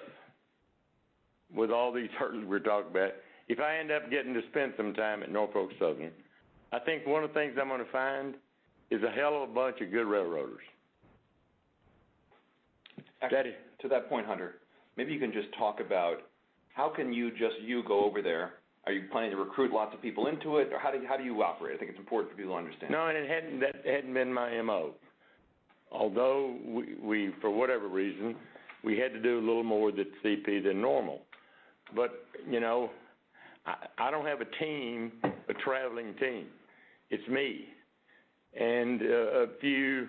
with all these hurdles we're talking about, if I end up getting to spend some time at Norfolk Southern. I think one of the things I'm going to find is a hell of a bunch of good railroaders. Actually, to that point, Hunter, maybe you can just talk about how can you just go over there. Are you planning to recruit lots of people into it, or how do you operate? I think it's important for people to understand. No, and it hadn't been my MO. Although, for whatever reason, we had to do a little more with the CP than normal. But I don't have a team, a traveling team. It's me and a few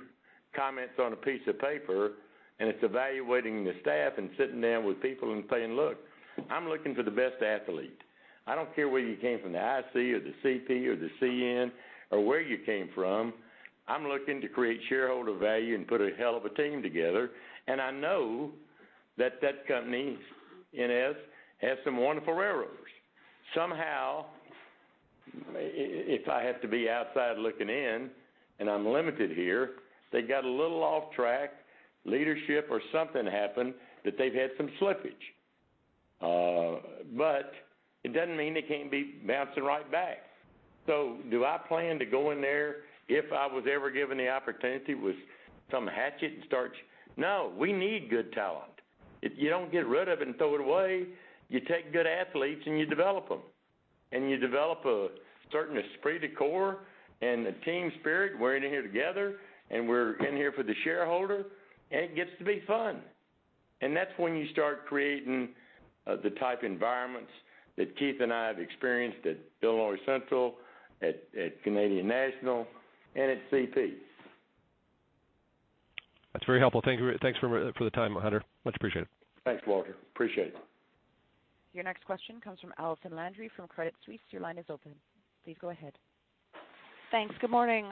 comments on a piece of paper, and it's evaluating the staff and sitting down with people and saying, "Look, I'm looking for the best athlete. I don't care where you came from, the IC or the CP or the CN or where you came from. I'm looking to create shareholder value and put a hell of a team together and I know that that company, NS, has some wonderful railroaders. Somehow, if I have to be outside looking in and I'm limited here, they got a little off track, leadership or something happened that they've had some slippage. But it doesn't mean they can't be bouncing right back. So do I plan to go in there if I was ever given the opportunity with some hatchet and start? No, we need good talent. You don't get rid of it and throw it away. You take good athletes, and you develop them and you develop a certain esprit de corps and a team spirit. We're in here together, and we're in here for the shareholder and it gets to be fun and that's when you start creating the type environments that Keith and I have experienced at Illinois Central, at Canadian National, and at CP. That's very helpful. Thanks for the time, Hunter. Much appreciated. Thanks, Walter. Appreciate it. Your next question comes from Allison Landry from Credit Suisse. Your line is open. Please go ahead. Thanks. Good morning.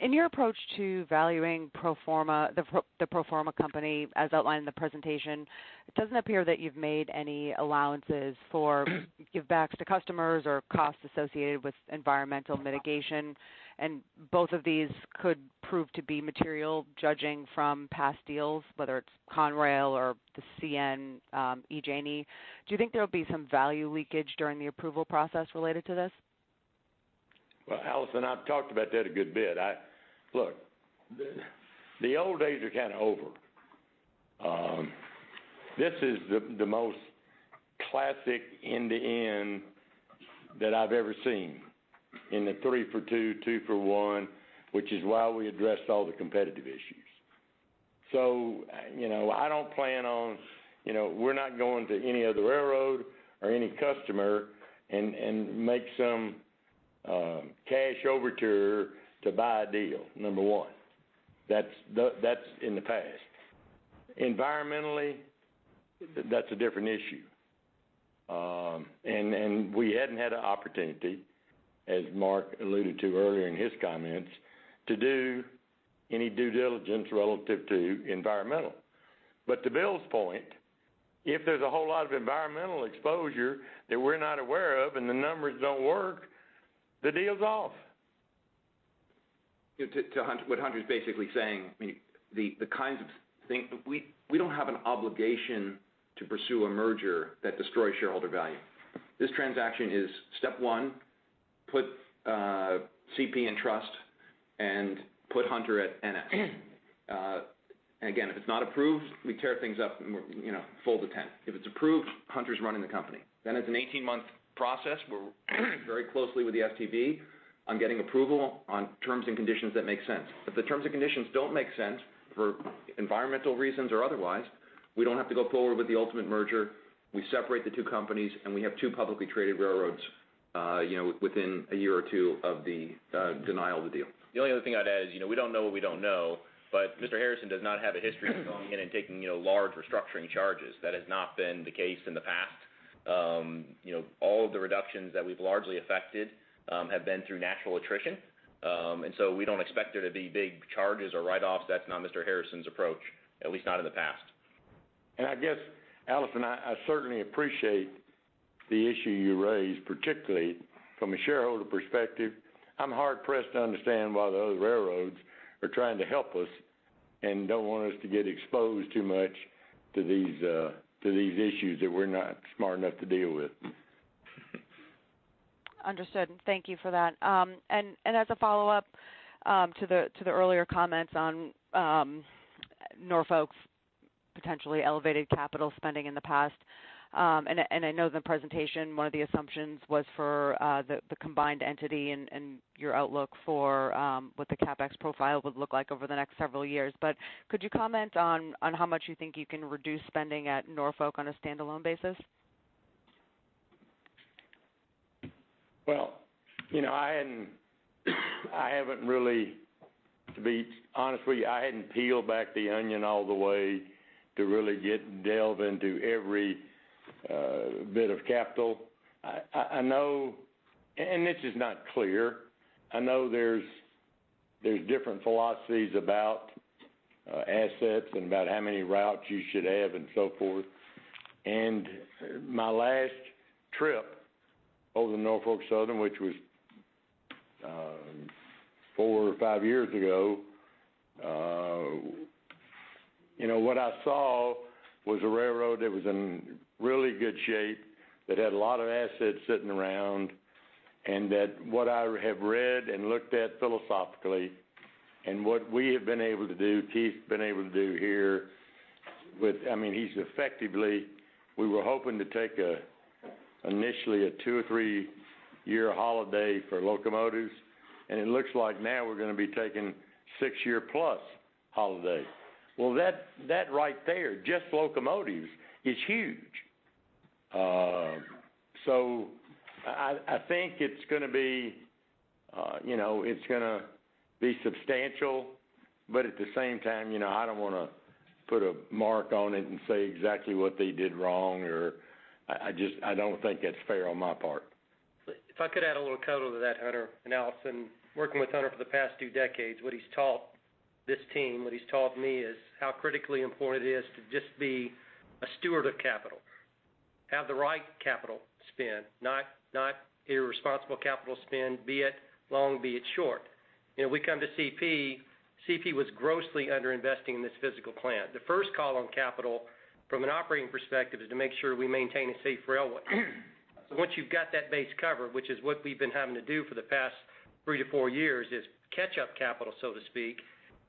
In your approach to valuing the pro forma company, as outlined in the presentation, it doesn't appear that you've made any allowances for give-backs to customers or costs associated with environmental mitigation and both of these could prove to be material, judging from past deals, whether it's Conrail or the CN, EJ&E. Do you think there'll be some value leakage during the approval process related to this? Well, Allison, I've talked about that a good bit. Look, the old days are kind of over. This is the most classic end-to-end that I've ever seen in the three-for-two, two-for-one, which is why we addressed all the competitive issues. So I don't plan on we're not going to any other railroad or any customer and make some cash overture to buy a deal, number one. That's in the past. Environmentally, that's a different issue and we hadn't had an opportunity, as Mark alluded to earlier in his comments, to do any due diligence relative to environmental. But to Bill's point, if there's a whole lot of environmental exposure that we're not aware of and the numbers don't work, the deal's off. What Hunter's basically saying, I mean, the kinds of things we don't have an obligation to pursue a merger that destroys shareholder value. This transaction is step one: put CP in trust and put Hunter at ns and again, if it's not approved, we tear things up and fold the tent. If it's approved, Hunter's running the company. Then it's an 18-month process. We're very closely with the STB on getting approval on terms and conditions that make sense. If the terms and conditions don't make sense for environmental reasons or otherwise, we don't have to go forward with the ultimate merger. We separate the two companies, and we have two publicly traded railroads within a year or two of the denial of the deal. The only other thing I'd add is we don't know what we don't know. But Mr. Harrison does not have a history of going in and taking large restructuring charges. That has not been the case in the past. All of the reductions that we've largely effected have been through natural attrition and so we don't expect there to be big charges or write-offs. That's not Mr. Harrison's approach, at least not in the past. I guess, Allison, I certainly appreciate the issue you raise, particularly from a shareholder perspective. I'm hard-pressed to understand why the other railroads are trying to help us and don't want us to get exposed too much to these issues that we're not smart enough to deal with. Understood. Thank you for that. As a follow-up to the earlier comments on Norfolk's potentially elevated capital spending in the past, I know in the presentation, one of the assumptions was for the combined entity and your outlook for what the CapEx profile would look like over the next several years. Could you comment on how much you think you can reduce spending at Norfolk on a standalone basis? Well, I haven't really, to be honest with you, I hadn't peeled back the onion all the way to really delve into every bit of capital and this is not clear. I know there's different philosophies about assets and about how many routes you should have and so forth and my last trip over to Norfolk Southern, which was 4 or 5 years ago, what I saw was a railroad that was in really good shape, that had a lot of assets sitting around, and that what I have read and looked at philosophically and what we have been able to do, Keith's been able to do here with—I mean, he's effectively—we were hoping to take initially a two- or three-year holiday for locomotives and it looks like now we're going to be taking six-year+ holiday. Well, that right there, just locomotives, is huge. I think it's going to be substantial. But at the same time, I don't want to put a mark on it and say exactly what they did wrong. I don't think that's fair on my part. If I could add a little code over to that, Hunter. Allison, working with Hunter for the past two decades, what he's taught this team, what he's taught me is how critically important it is to just be a steward of capital, have the right capital spend, not irresponsible capital spend, be it long, be it short. We come to CP. CP was grossly underinvesting in this physical plant. The first call on capital from an operating perspective is to make sure we maintain a safe railway. So once you've got that base covered, which is what we've been having to do for the past three to four years, is catch up capital, so to speak,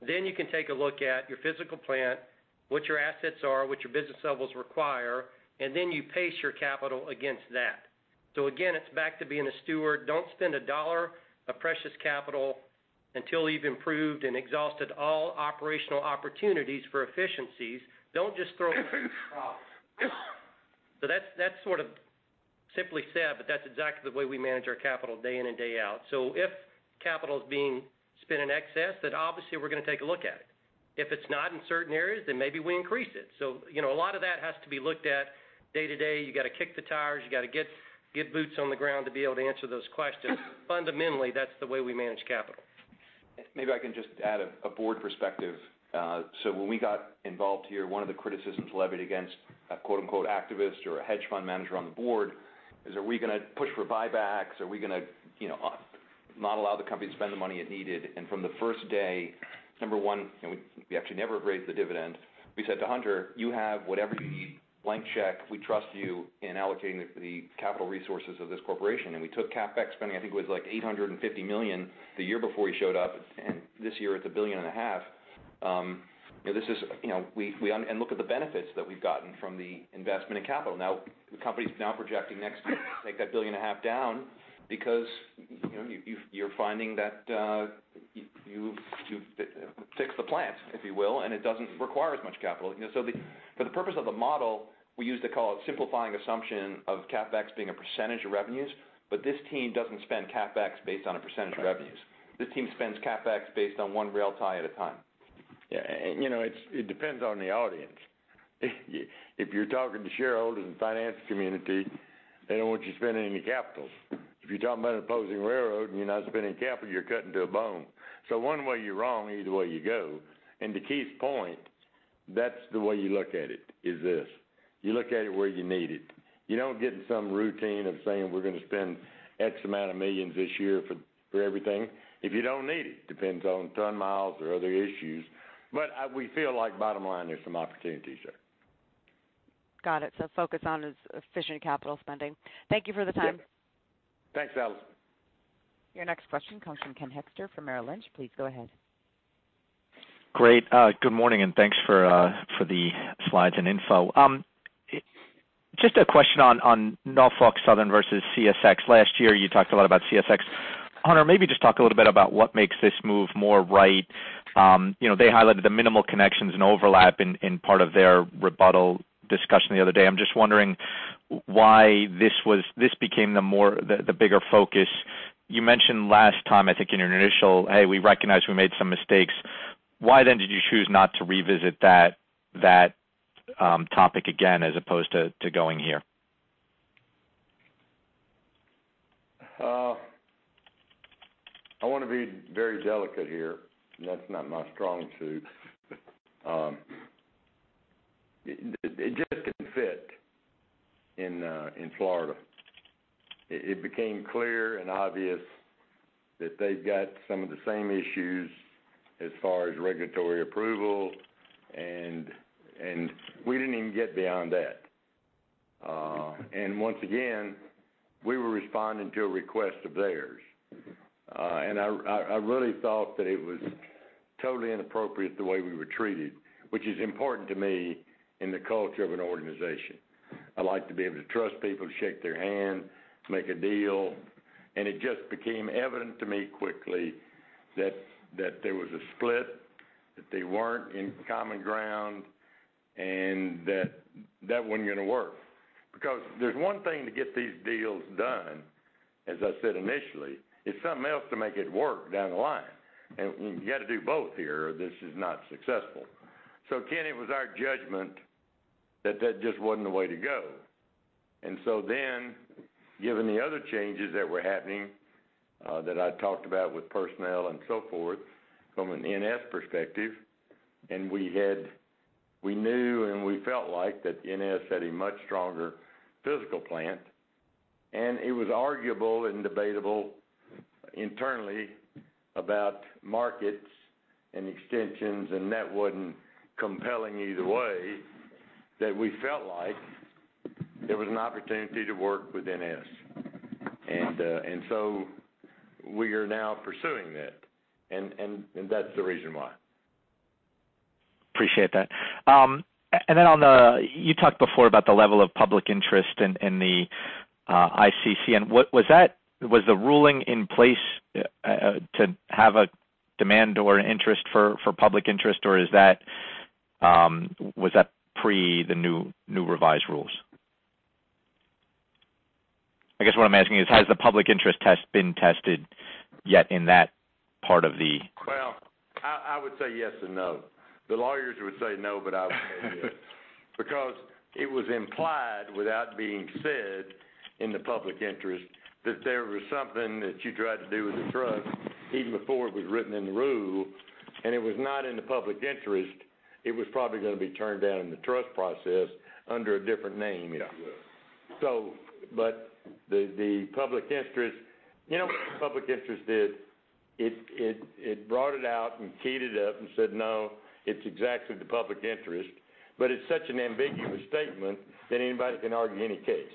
then you can take a look at your physical plant, what your assets are, what your business levels require, and then you pace your capital against that. So again, it's back to being a steward. Don't spend a dollar of precious capital until you've improved and exhausted all operational opportunities for efficiencies. Don't just throw it. So that's sort of simply said, but that's exactly the way we manage our capital day in and day out. So if capital is being spent in excess, then obviously, we're going to take a look at it. If it's not in certain areas, then maybe we increase it. So a lot of that has to be looked at day to day. You got to kick the tires. You got to get boots on the ground to be able to answer those questions. Fundamentally, that's the way we manage capital. Maybe I can just add a Board perspective. So when we got involved here, one of the criticisms levied against a "activist" or a hedge fund manager on the Board is, "Are we going to push for buybacks? Are we going to not allow the company to spend the money it needed?" And from the first day, number one, we actually never raised the dividend. We said to Hunter, "You have whatever you need, blank check. We trust you in allocating the capital resources of this corporation." And we took CapEx spending, I think it was like $850 million the year before he showed up and this year, it's $1.5 billion. This is and look at the benefits that we've gotten from the investment in capital. Now, the company's now projecting next year to take that $1.5 billion down because you're finding that you've fixed the plant, if you will, and it doesn't require as much capital. So for the purpose of the model, we used to call it simplifying assumption of CapEx being a percentage of revenues. But this team doesn't spend CapEx based on a percentage of revenues. This team spends CapEx based on one rail tie at a time. yeah and it depends on the audience. If you're talking to shareholders and finance community, they don't want you spending any capital. If you're talking about an opposing railroad and you're not spending capital, you're cutting to a bone. So one way you're wrong, either way you go and to Keith's point, that's the way you look at it, is this. You look at it where you need it. You don't get in some routine of saying, "We're going to spend X amount of millions this year for everything." If you don't need it, depends on ton miles or other issues. But we feel like, bottom line, there's some opportunities there. Got it. So focus on efficient capital spending. Thank you for the time. Thanks, Allison. Your next question comes from Ken Hoexter from Merrill Lynch. Please go ahead. Great. Good morning. Thanks for the slides and info. Just a question on Norfolk Southern versus CSX. Last year, you talked a lot about CSX. Hunter, maybe just talk a little bit about what makes this move more right. They highlighted the minimal connections and overlap in part of their rebuttal discussion the other day. I'm just wondering why this became the bigger focus? You mentioned last time, I think, in your initial, "Hey, we recognize we made some mistakes." Why then did you choose not to revisit that topic again as opposed to going here? I want to be very delicate here and that's not my strong suit. It just didn't fit in Florida. It became clear and obvious that they've got some of the same issues as far as regulatory approval and we didn't even get beyond that and once again, we were responding to a request of theirs and I really thought that it was totally inappropriate the way we were treated, which is important to me in the culture of an organization. I like to be able to trust people, shake their hand, make a deal and it just became evident to me quickly that there was a split, that they weren't in common ground, and that that wasn't going to work. Because there's one thing to get these deals done, as I said initially, it's something else to make it work down the line. You got to do both here, or this is not successful. So again, it was our judgment that that just wasn't the way to go. So then, given the other changes that were happening that I talked about with personnel and so forth from an NS perspective, and we knew and we felt like that NS had a much stronger physical plant, and it was arguable and debatable internally about markets and extensions, and that wasn't compelling either way, that we felt like there was an opportunity to work with NS. So we are now pursuing that. That's the reason why. Appreciate that and then on that you talked before about the level of public interest in the ICC. Was the ruling in place to have a demand or an interest for public interest, or was that pre the new revised rules? I guess what I'm asking is, has the public interest been tested yet in that part of the? Well, I would say yes and no. The lawyers would say no, but I would say yes. Because it was implied, without being said in the public interest, that there was something that you tried to do with the trust even before it was written in the rule and it was not in the public interest. It was probably going to be turned down in the trust process under a different name, if you will. But the public interest you know what the public interest did? It brought it out and keyed it up and said, "No, it's exactly the public interest." But it's such an ambiguous statement that anybody can argue any case.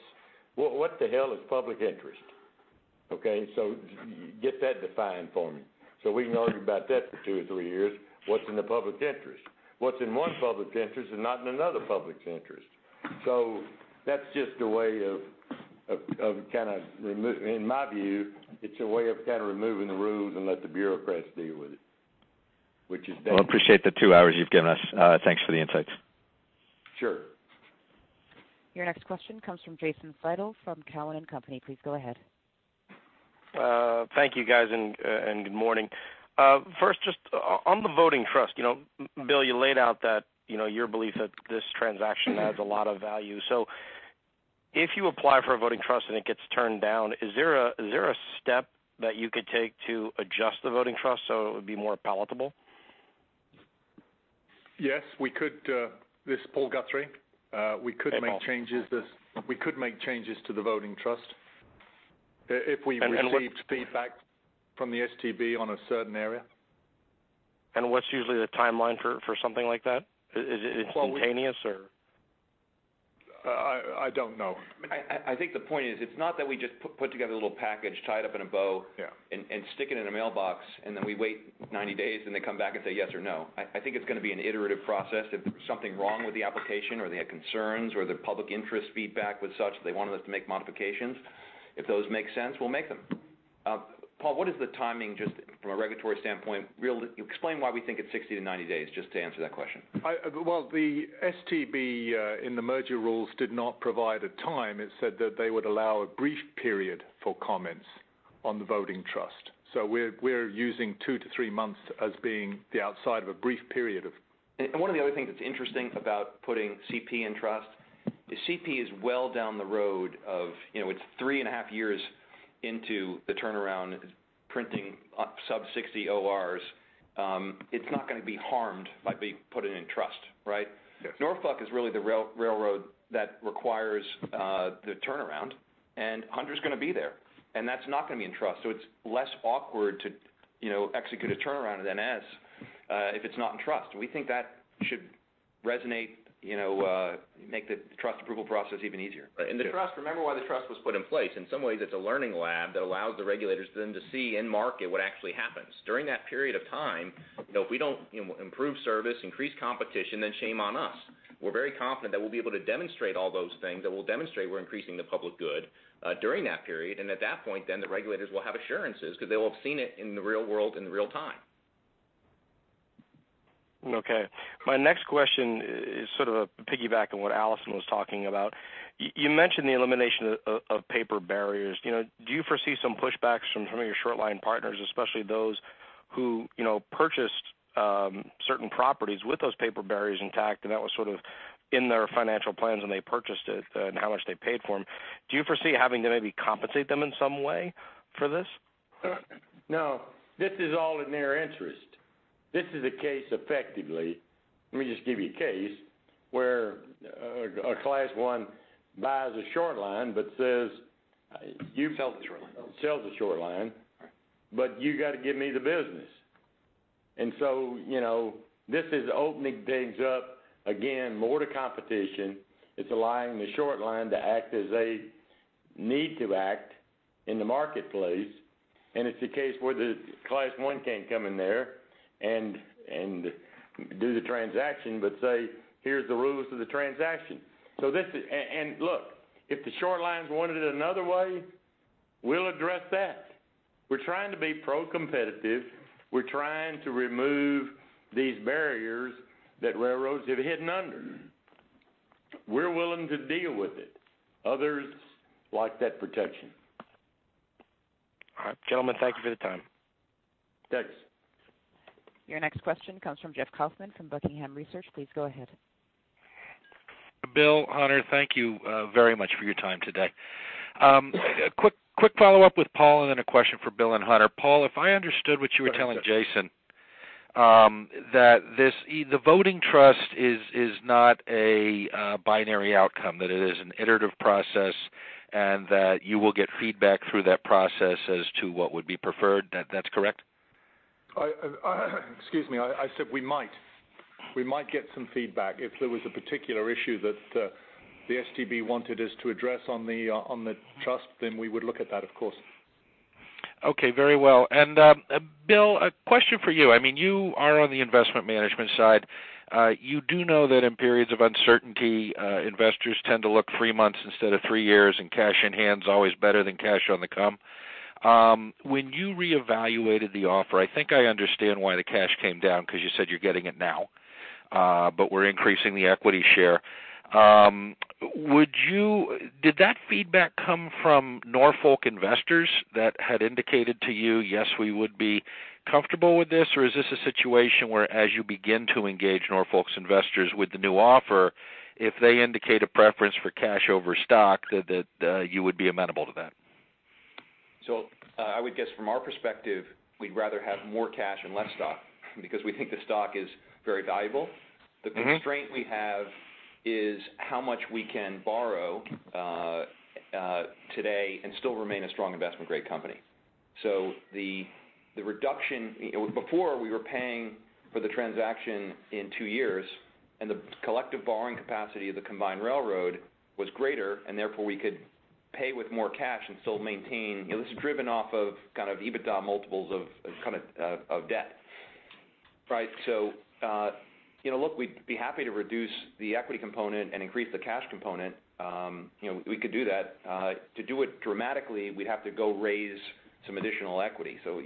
What the hell is public interest? Okay? So get that defined for me. So we can argue about that for two or three years. What's in the public interest? What's in one public interest and not in another public's interest? So that's just a way of kind of, in my view, it's a way of kind of removing the rules and let the bureaucrats deal with it, which is that. Well, I appreciate the two hours you've given us. Thanks for the insights. Sure. Your next question comes from Jason Seidl from Cowen and Company. Please go ahead. Thank you, guys and good morning. First, just on the voting trust, Bill, you laid out your belief that this transaction adds a lot of value. So if you apply for a voting trust and it gets turned down, is there a step that you could take to adjust the voting trust so it would be more palatable? Yes. This is Paul Guthrie. We could make changes to the voting trust if we received feedback from the STB on a certain area. What's usually the timeline for something like that? Is it spontaneous, or? I don't know. I think the point is, it's not that we just put together a little package, tied up in a bow, and stick it in a mailbox, and then we wait 90 days, and they come back and say yes or no. I think it's going to be an iterative process. If there's something wrong with the application or they had concerns or the public interest feedback was such that they wanted us to make modifications, if those make sense, we'll make them. Paul, what is the timing just from a regulatory standpoint? Explain why we think it's 60-90 days just to answer that question. Well, the STB in the merger rules did not provide a time. It said that they would allow a brief period for comments on the voting trust. We're using two to three months as being the outside of a brief period of. One of the other things that's interesting about putting CP in trust is CP is well down the road. It's three and a half years into the turnaround printing sub-60 ORs. It's not going to be harmed by being put in a trust, right? Norfolk is really the railroad that requires the turnaround. Hunter's going to be there and that's not going to be in trust. So it's less awkward to execute a turnaround at NS if it's not in trust and we think that should resonate, make the trust approval process even easier. right and remember why the trust was put in place. In some ways, it's a learning lab that allows the regulators then to see in market what actually happens. During that period of time, if we don't improve service, increase competition, then shame on us. We're very confident that we'll be able to demonstrate all those things, that we'll demonstrate we're increasing the public good during that period. At that point then, the regulators will have assurances because they will have seen it in the real world in real time. Okay. My next question is sort of a piggyback on what Allison was talking about. You mentioned the elimination of paper barriers. Do you foresee some pushbacks from some of your short-line partners, especially those who purchased certain properties with those paper barriers intact, and that was sort of in their financial plans when they purchased it and how much they paid for them? Do you foresee having to maybe compensate them in some way for this? No. This is all in their interest. This is a case, effectively let me just give you a case, where a Class I buys a short line but says, "You've. Sells the short line. But you got to give me the business." And so this is opening things up, again, more to competition. It's allowing the short line to act as they need to act in the marketplace and it's a case where the Class I can't come in there and do the transaction but say, "Here's the rules of the transaction." And look, if the short lines wanted it another way, we'll address that. We're trying to be pro-competitive. We're trying to remove these barriers that railroads have hidden under. We're willing to deal with it. Others like that protection. All right. Gentlemen, thank you for the time. Thanks. Your next question comes from Jeff Kauffman from Buckingham Research. Please go ahead. Bill, Hunter, thank you very much for your time today. Quick follow-up with Paul, and then a question for Bill and Hunter. Paul, if I understood what you were telling Jason, that the voting trust is not a binary outcome, that it is an iterative process, and that you will get feedback through that process as to what would be preferred, that's correct? Excuse me. I said we might get some feedback. If there was a particular issue that the STB wanted us to address on the trust, then we would look at that, of course. Okay. Very well and Bill, a question for you. I mean, you are on the investment management side. You do know that in periods of uncertainty, investors tend to look three months instead of three years, and cash in hand's always better than cash on the come. When you reevaluated the offer, I think I understand why the cash came down because you said you're getting it now, but we're increasing the equity share. Did that feedback come from Norfolk investors that had indicated to you, "Yes, we would be comfortable with this," or is this a situation where, as you begin to engage Norfolk's investors with the new offer, if they indicate a preference for cash over stock, that you would be amenable to that? So I would guess, from our perspective, we'd rather have more cash and less stock because we think the stock is very valuable. The constraint we have is how much we can borrow today and still remain a strong, investment-grade company. So the reduction before, we were paying for the transaction in two years, and the collective borrowing capacity of the combined railroad was greater and therefore, we could pay with more cash and still maintain. This is driven off of kind of EBITDA multiples of kind of debt, right? So look, we'd be happy to reduce the equity component and increase the cash component. We could do that. To do it dramatically, we'd have to go raise some additional equity. So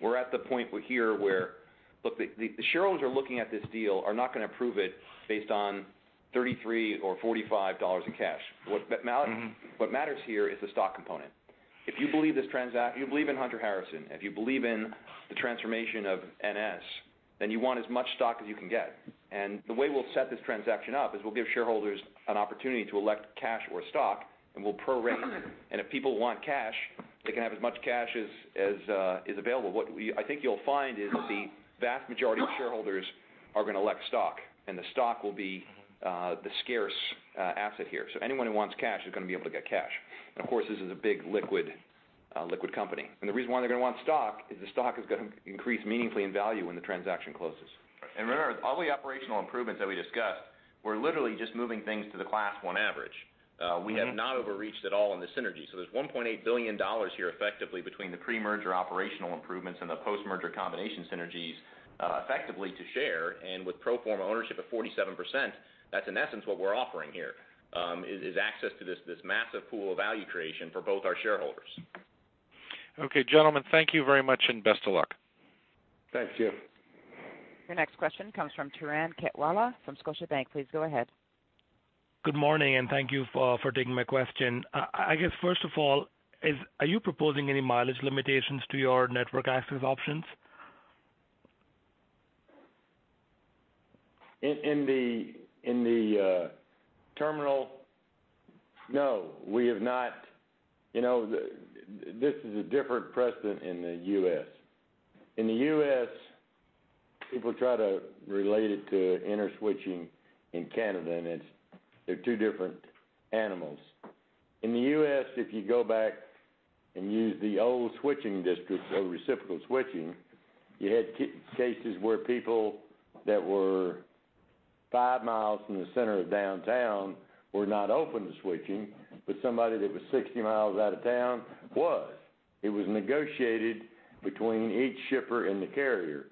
we're at the point here where, look, the shareholders who are looking at this deal are not going to approve it based on $33 or $45 in cash. What matters here is the stock component. If you believe this transaction, if you believe in Hunter Harrison, if you believe in the transformation of NS, then you want as much stock as you can get and the way we'll set this transaction up is we'll give shareholders an opportunity to elect cash or stock, and we'll prorate and if people want cash, they can have as much cash as is available. What I think you'll find is the vast majority of shareholders are going to elect stock and the stock will be the scarce asset here. So anyone who wants cash is going to be able to get cash. Of course, this is a big liquid company. The reason why they're going to want stock is the stock is going to increase meaningfully in value when the transaction closes. Remember, all the operational improvements that we discussed, we're literally just moving things to the class one average. We have not overreached at all in the synergy. There's $1.8 billion here, effectively, between the pre-merger operational improvements and the post-merger combination synergies, effectively, to share. With pro forma ownership of 47%, that's, in essence, what we're offering here, is access to this massive pool of value creation for both our shareholders. Okay. Gentlemen, thank you very much, and best of luck. Thank you. Your next question comes from Turan Quettawala from Scotiabank. Please go ahead. Good morning. Thank you for taking my question. I guess, first of all, are you proposing any mileage limitations to your network access options? In the terminal, no. We have not. This is a different precedent in the U.S. In the U.S., people try to relate it to inter-switching in Canada, and they're two different animals. In the U.S., if you go back and use the old switching districts or reciprocal switching, you had cases where people that were five mi from the center of downtown were not open to switching, but somebody that was 60 mi out of town was. It was negotiated between each shipper and the carrier.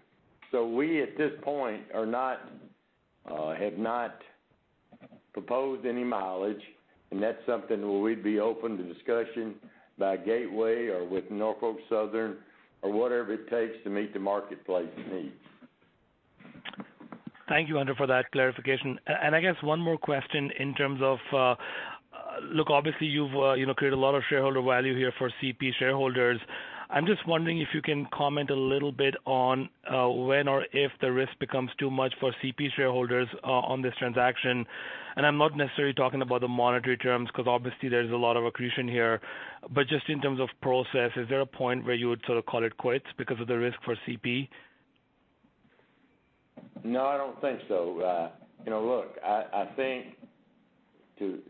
So we, at this point, have not proposed any mileage and that's something where we'd be open to discussion by Gateway or with Norfolk Southern or whatever it takes to meet the marketplace needs. Thank you, Hunter, for that clarification. I guess one more question in terms of look, obviously, you've created a lot of shareholder value here for CP shareholders. I'm just wondering if you can comment a little bit on when or if the risk becomes too much for CP shareholders on this transaction. I'm not necessarily talking about the monetary terms because, obviously, there's a lot of accretion here. But just in terms of process, is there a point where you would sort of call it quits because of the risk for CP? No, I don't think so. Look, I think to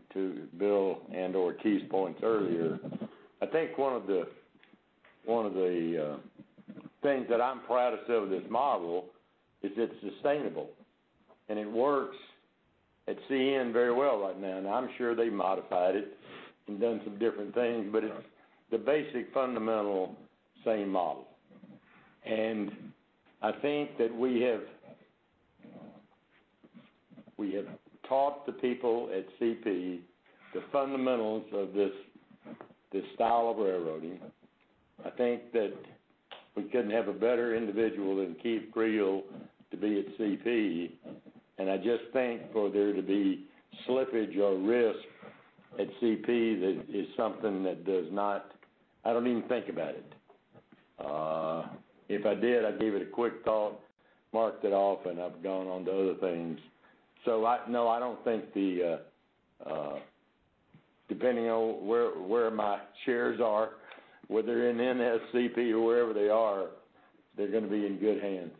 Bill and/or Keith's points earlier, I think one of the things that I'm proudest of with this model is it's sustainable and it works at CN very well right now and I'm sure they've modified it and done some different things. But it's the basic, fundamental same model and I think that we have taught the people at CP the fundamentals of this style of railroading. I think that we couldn't have a better individual than Keith Creel to be at CP and I just think for there to be slippage or risk at CP that is something that does not. I don't even think about it. If I did, I'd give it a quick thought, mark that off, and I've gone on to other things. So no, I don't think it depends on where my shares are, whether they're in NS, CP, or wherever they are, they're going to be in good hands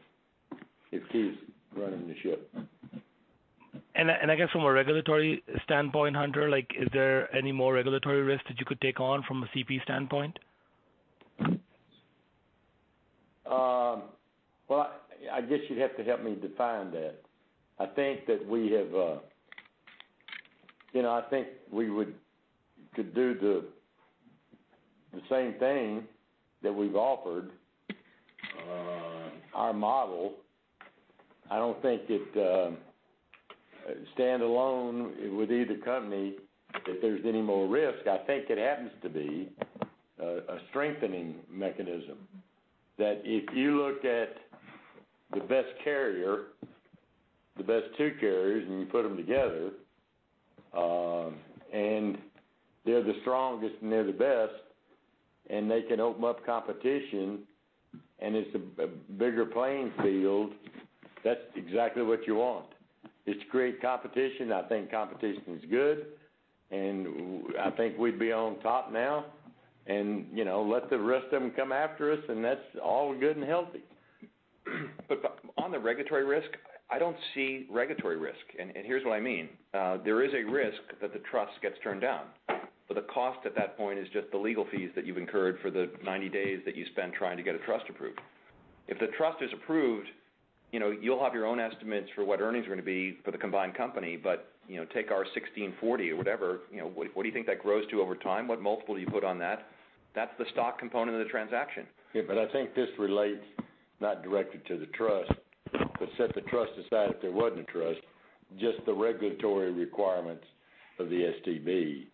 if Keith's running the ship. I guess from a regulatory standpoint, Hunter, is there any more regulatory risk that you could take on from a CP standpoint? Well, I guess you'd have to help me define that. I think we could do the same thing that we've offered, our model. I don't think it stand alone with either company that there's any more risk. I think it happens to be a strengthening mechanism that if you look at the best carrier, the best two carriers, and you put them together, and they're the strongest and they're the best, and they can open up competition and it's a bigger playing field. That's exactly what you want. It's to create competition. I think competition is good and I think we'd be on top now and let the rest of them come after us and that's all good and healthy. On the regulatory risk, I don't see regulatory risk. Here's what I mean. There is a risk that the trust gets turned down. But the cost at that point is just the legal fees that you've incurred for the 90 days that you spend trying to get a trust approved. If the trust is approved, you'll have your own estimates for what earnings are going to be for the combined company. But take our $1,640 or whatever. What do you think that grows to over time? What multiple do you put on that? That's the stock component of the transaction. Yeah. But I think this relates not directly to the trust, but set the trust aside if there wasn't a trust, just the regulatory requirements of the STB.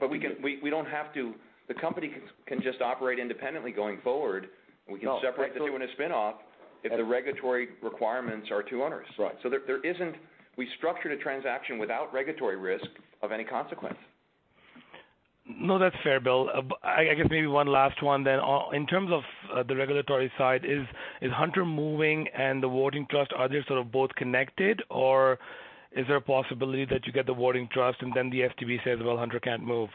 But we don't have to. The company can just operate independently going forward. We can separate the two in a spinoff if the regulatory requirements are two owners. So we structure the transaction without regulatory risk of any consequence. No, that's fair, Bill. I guess maybe one last one then. In terms of the regulatory side, is Hunter moving and the voting trust, are they sort of both connected? Or is there a possibility that you get the voting trust, and then the STB says, "Well, Hunter can't move"?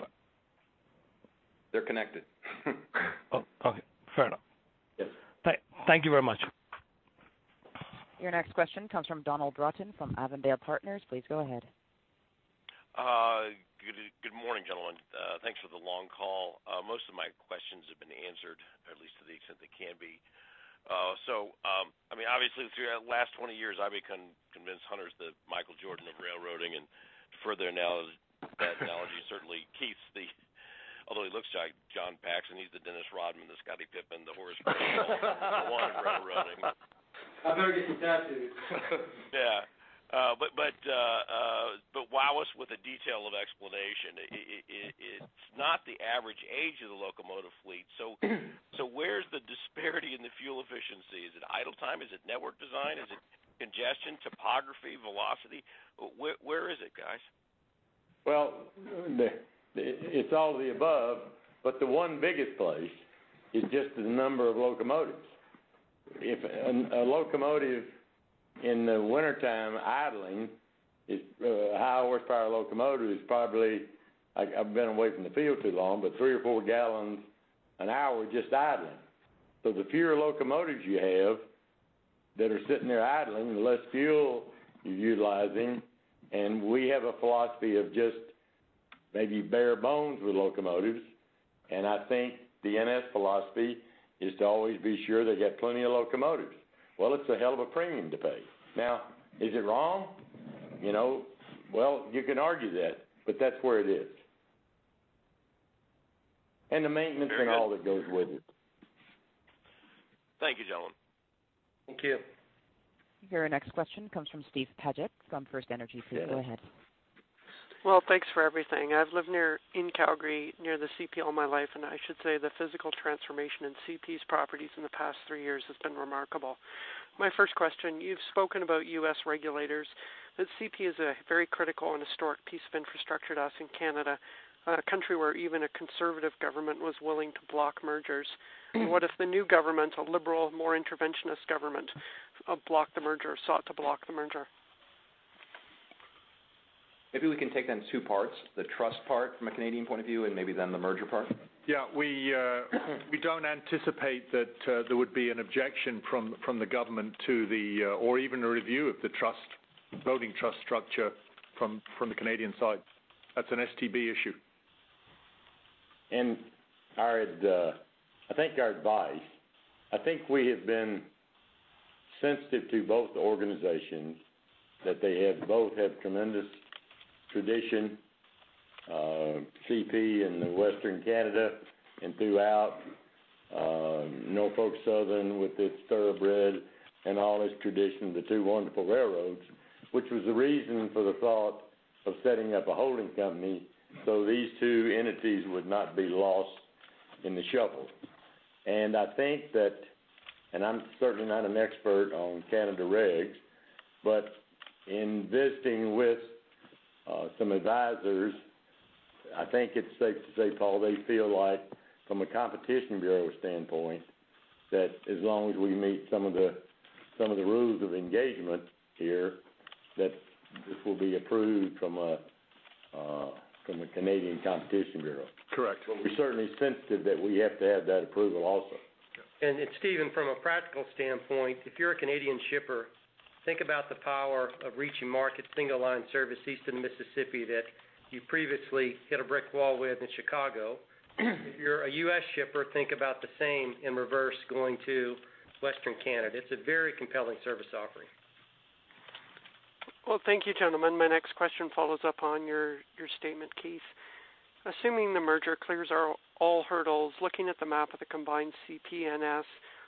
They're connected. Okay. Fair enough. Yes. Thank you very much. Your next question comes from Donald Broughton from Avondale Partners. Please go ahead. Good morning, gentlemen. Thanks for the long call. Most of my questions have been answered, at least to the extent they can be. So I mean, obviously, through the last 20 years, I've been convinced Hunter's the Michael Jordan of railroading. Further analogy is certainly Keith's, although he looks like John Paxson. He's the Dennis Rodman, the Scottie Pippen, the Horace Grant one in railroading. I better get some tattoos. Yeah. But wow us with a detailed explanation. It's not the average age of the locomotive fleet. So where's the disparity in the fuel efficiency? Is it idle time? Is it network design? Is it congestion, topography, velocity? Where is it, guys? Well, it's all of the above. But the one biggest place is just the number of locomotives. A locomotive in the wintertime idling is a high-horsepower locomotive, probably—I've been away from the field too long—but 3 or 4 gal an hour just idling. So the fewer locomotives you have that are sitting there idling, the less fuel you're utilizing and we have a philosophy of just maybe bare bones with locomotives and I think the NS philosophy is to always be sure they got plenty of locomotives. Well, it's a hell of a premium to pay. Now, is it wrong? Well, you can argue that. But that's where it is and the maintenance and all that goes with it. Thank you, gentlemen. Thank you. Your next question comes from Steven Paget from FirstEnergy Capital. Go ahead. Well, thanks for everything. I've lived in Calgary near the CP all my life. I should say the physical transformation in CP's properties in the past three years has been remarkable. My first question, you've spoken about U.S. regulators. But CP is a very critical and historic piece of infrastructure to us in Canada, a country where even a conservative government was willing to block mergers. What if the new government, a liberal, more interventionist government, sought to block the merger? Maybe we can take that in two parts, the trust part from a Canadian point of view and maybe then the merger part. Yeah. We don't anticipate that there would be an objection from the government to the, or even a review of the voting trust structure from the Canadian side. That's an STB issue. I think our advice—I think we have been sensitive to both organizations that they both have tremendous tradition, CP in Western Canada and throughout, Norfolk Southern with its Thoroughbred and all its tradition, the two wonderful railroads, which was the reason for the thought of setting up a holding company so these two entities would not be lost in the shuffle. I think that and I'm certainly not an expert on Canadian regs. But in visiting with some advisors, I think it's safe to say, Paul, they feel like from a Competition Bureau standpoint that as long as we meet some of the rules of engagement here, that this will be approved from a Canadian Competition Bureau. Correct. But we're certainly sensitive that we have to have that approval also. And Steven, from a practical standpoint, if you're a Canadian shipper, think about the power of reaching markets, single-line service east of Mississippi that you previously hit a brick wall with in Chicago. If you're a U.S. shipper, think about the same in reverse going to Western Canada. It's a very compelling service offering. Well, thank you, gentlemen. My next question follows up on your statement, Keith. Assuming the merger clears all hurdles, looking at the map of the combined CP/NS,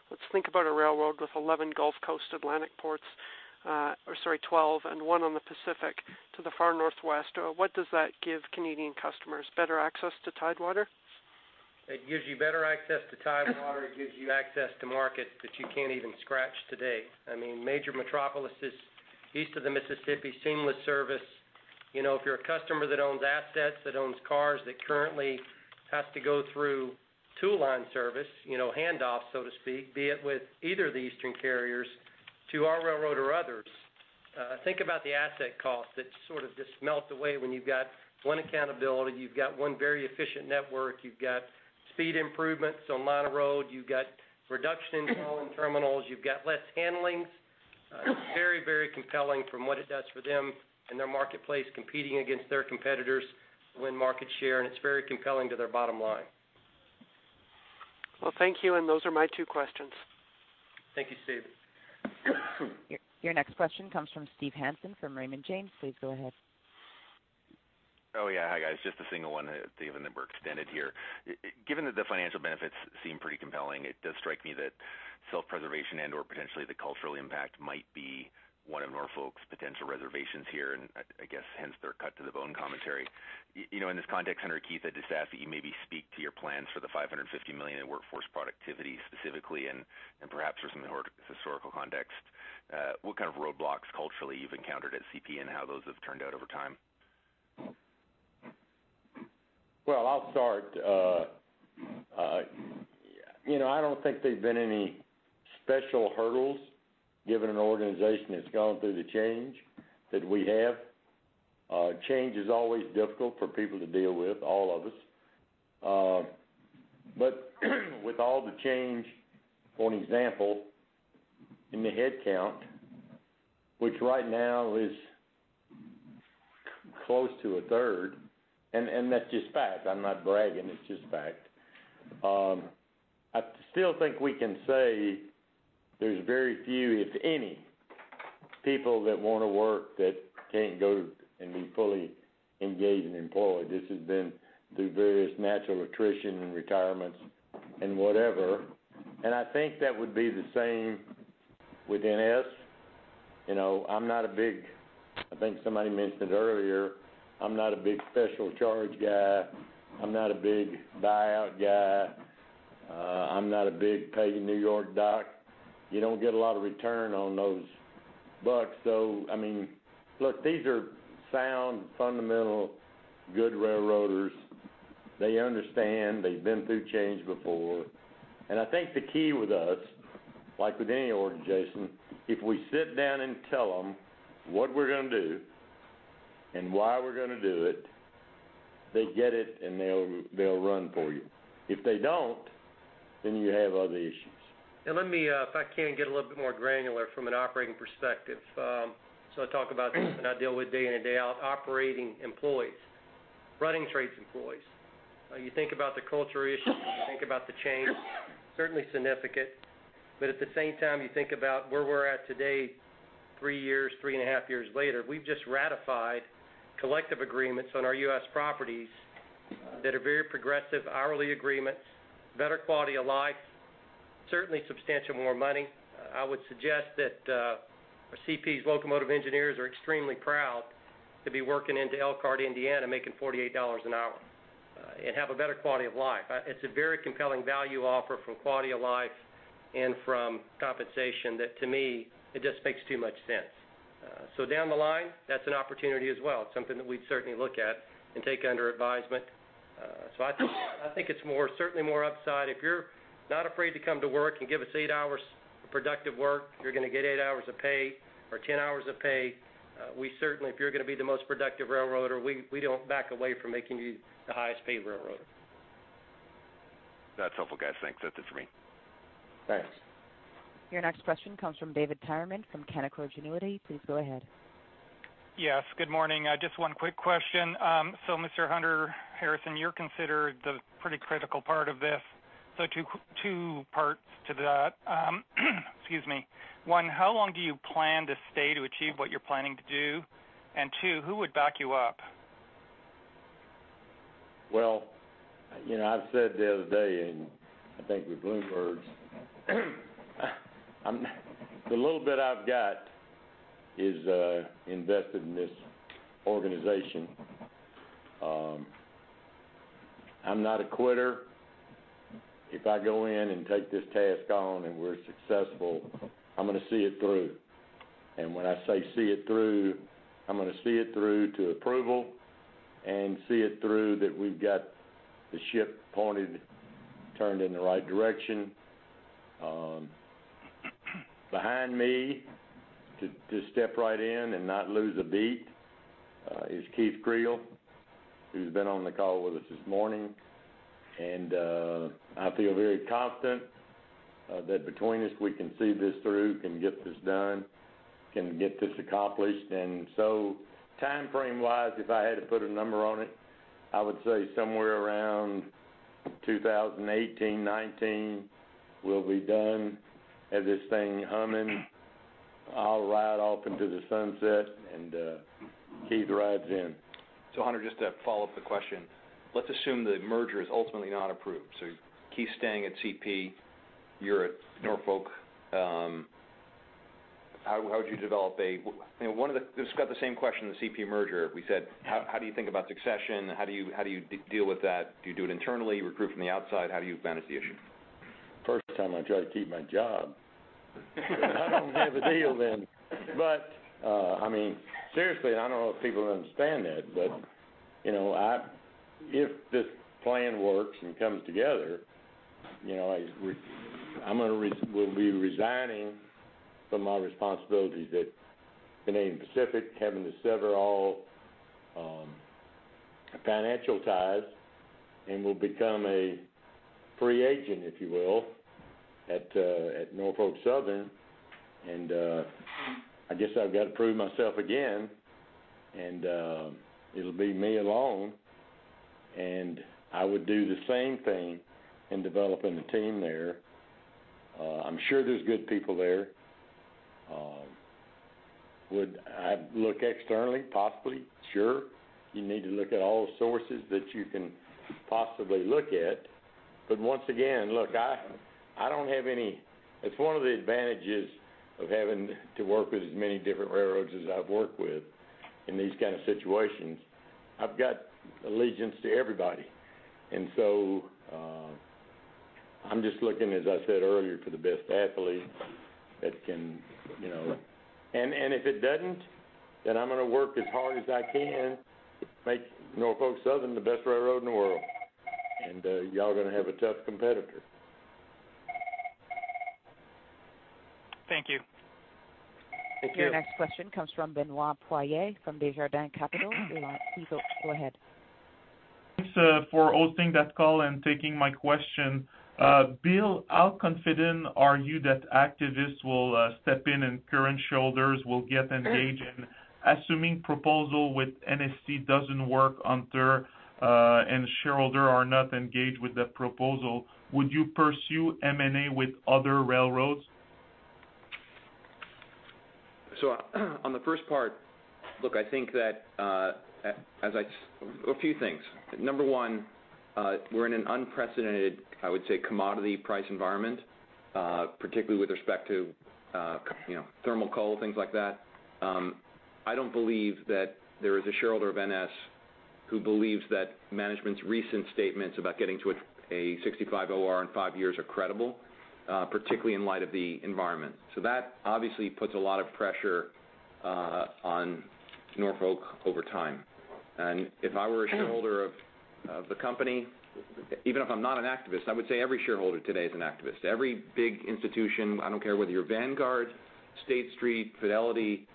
let's think about a railroad with 11 Gulf Coast Atlantic ports or sorry, 12 and one on the Pacific to the far northwest. What does that give Canadian customers, better access to tidewater? It gives you better access to tidewater. It gives you access to market that you can't even scratch today. I mean, major metropolises east of the Mississippi, seamless service. If you're a customer that owns assets, that owns cars, that currently has to go through two-line service, handoff, so to speak, be it with either of the eastern carriers to our railroad or others, think about the asset cost that's sort of just melt away when you've got one accountability, you've got one very efficient network, you've got speed improvements on line of road, you've got reduction in call-in terminals, you've got less handlings. It's very, very compelling from what it does for them and their marketplace competing against their competitors to win market share. It's very compelling to their bottom line. Well, thank you. Those are my two questions. Thank you, Steven. Your next question comes from Steve Hansen from Raymond James. Please go ahead. Oh, yeah. Hi, guys. Just a single one, Steven, that were extended here. Given that the financial benefits seem pretty compelling, it does strike me that self-preservation and/or potentially the cultural impact might be one of Norfolk's potential reservations here and I guess, hence, their cut-to-the-bone commentary. In this context, Hunter, Keith, I'd just ask that you maybe speak to your plans for the $550 million in workforce productivity specifically and perhaps for some historical context. What kind of roadblocks culturally you've encountered at CP and how those have turned out over time? Well, I'll start. I don't think there's been any special hurdles given an organization that's gone through the change that we have. Change is always difficult for people to deal with, all of us. But with all the change, for example, in the headcount, which right now is close to a third, and that's just fact. I'm not bragging. It's just fact. I still think we can say there's very few, if any, people that want to work that can't go and be fully engaged and employed. This has been through various natural attrition and retirements and whatever and I think that would be the same with NS. I'm not a big. I think somebody mentioned it earlier. I'm not a big special charge guy. I'm not a big buyout guy. I'm not a big paying New York dollars guy. You don't get a lot of return on those bucks. So I mean, look, these are sound, fundamental, good railroaders. They understand. They've been through change before and I think the key with us, like with any organization, if we sit down and tell them what we're going to do and why we're going to do it, they get it, and they'll run for you. If they don't, then you have other issues. If I can get a little bit more granular from an operating perspective, so I talk about this that I deal with day in and day out, operating employees, running trades employees. You think about the cultural issues. You think about the change, certainly significant. But at the same time, you think about where we're at today, 3 years, 3.5 years later. We've just ratified collective agreements on our U.S. properties that are very progressive hourly agreements, better quality of life, certainly substantial more money. I would suggest that our CP's locomotive engineers are extremely proud to be working into Elkhart, Indiana, making $48 an hour and have a better quality of life. It's a very compelling value offer from quality of life and from compensation that, to me, it just makes too much sense. So down the line, that's an opportunity as well. It's something that we'd certainly look at and take under advisement. So I think it's certainly more upside. If you're not afraid to come to work and give us eight hours of productive work, you're going to get eight hours of pay or 10 hours of pay. If you're going to be the most productive railroader, we don't back away from making you the highest-paid railroader. That's helpful, guys. Thanks. That's it for me. Thanks. Your next question comes from David Tyerman from Canaccord Genuity. Please go ahead. Yes. Good morning. Just one quick question. So Mr. Hunter Harrison, you're considered the pretty critical part of this. So two parts to that. Excuse me. One, how long do you plan to stay to achieve what you're planning to do? And two, who would back you up? Well, I've said the other day and I think with Bloomberg's, the little bit I've got is invested in this organization. I'm not a quitter. If I go in and take this task on and we're successful, I'm going to see it through and when I say see it through, I'm going to see it through to approval and see it through that we've got the ship pointed, turned in the right direction. Behind me to step right in and not lose a beat is Keith Creel, who's been on the call with us this morning and I feel very confident that between us, we can see this through, can get this done, can get this accomplished and so timeframe-wise, if I had to put a number on it, I would say somewhere around 2018, 2019, we'll be done at this thing humming. I'll ride off into the sunset, and Keith rides in. So, Hunter, just to follow up the question, let's assume the merger is ultimately not approved. So, Keith's staying at CP. You're at Norfolk. How would you develop a, I mean, we've got the same question, the CP merger. We said, how do you think about succession? How do you deal with that? Do you do it internally, recruit from the outside? How do you manage the issue? First time I try to keep my job. I don't have a deal then. But I mean, seriously, and I don't know if people understand that, but if this plan works and comes together, I'm going to be resigning from my responsibilities at Canadian Pacific, having to sever all financial ties, and will become a free agent, if you will, at Norfolk Southern and I guess I've got to prove myself again and it'll be me alone and I would do the same thing in developing the team there. I'm sure there's good people there. I'd look externally, possibly, sure. You need to look at all the sources that you can possibly look at. But once again, look, I don't have any. It's one of the advantages of having to work with as many different railroads as I've worked with in these kind of situations. I've got allegiance to everybody. And so I'm just looking, as I said earlier, for the best athlete that can and if it doesn't, then I'm going to work as hard as I can to make Norfolk Southern the best railroad in the world and y'all are going to have a tough competitor. Thank you. Thank you. Your next question comes from Benoit Poirier from Desjardins Capital. Benoit, go ahead. Thanks for hosting that call and taking my question. Bill, how confident are you that activists will step in and current shareholders will get engaged? Assuming proposal with NSC doesn't work, Hunter, and shareholders are not engaged with that proposal, would you pursue M&A with other railroads? So on the first part, look, I think that as I say a few things. Number one, we're in an unprecedented, I would say, commodity price environment, particularly with respect to thermal coal, things like that. I don't believe that there is a shareholder of NS who believes that management's recent statements about getting to a 65 OR in five years are credible, particularly in light of the environment. So that obviously puts a lot of pressure on Norfolk over time and if I were a shareholder of the company, even if I'm not an activist, I would say every shareholder today is an activist. Every big institution, I don't care whether you're Vanguard, State Street, Fidelity,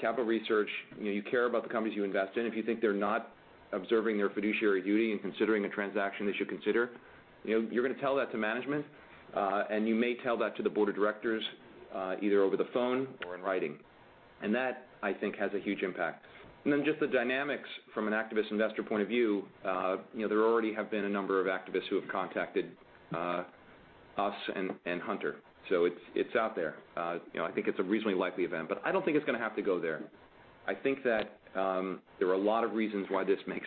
Capital Research, you care about the companies you invest in. If you think they're not observing their fiduciary duty and considering a transaction they should consider, you're going to tell that to management. You may tell that to the Board of Directors either over the phone or in writing. That, I think, has a huge impact. Then just the dynamics from an activist-investor point of view, there already have been a number of activists who have contacted us and Hunter. So it's out there. I think it's a reasonably likely event. But I don't think it's going to have to go there. I think that there are a lot of reasons why this makes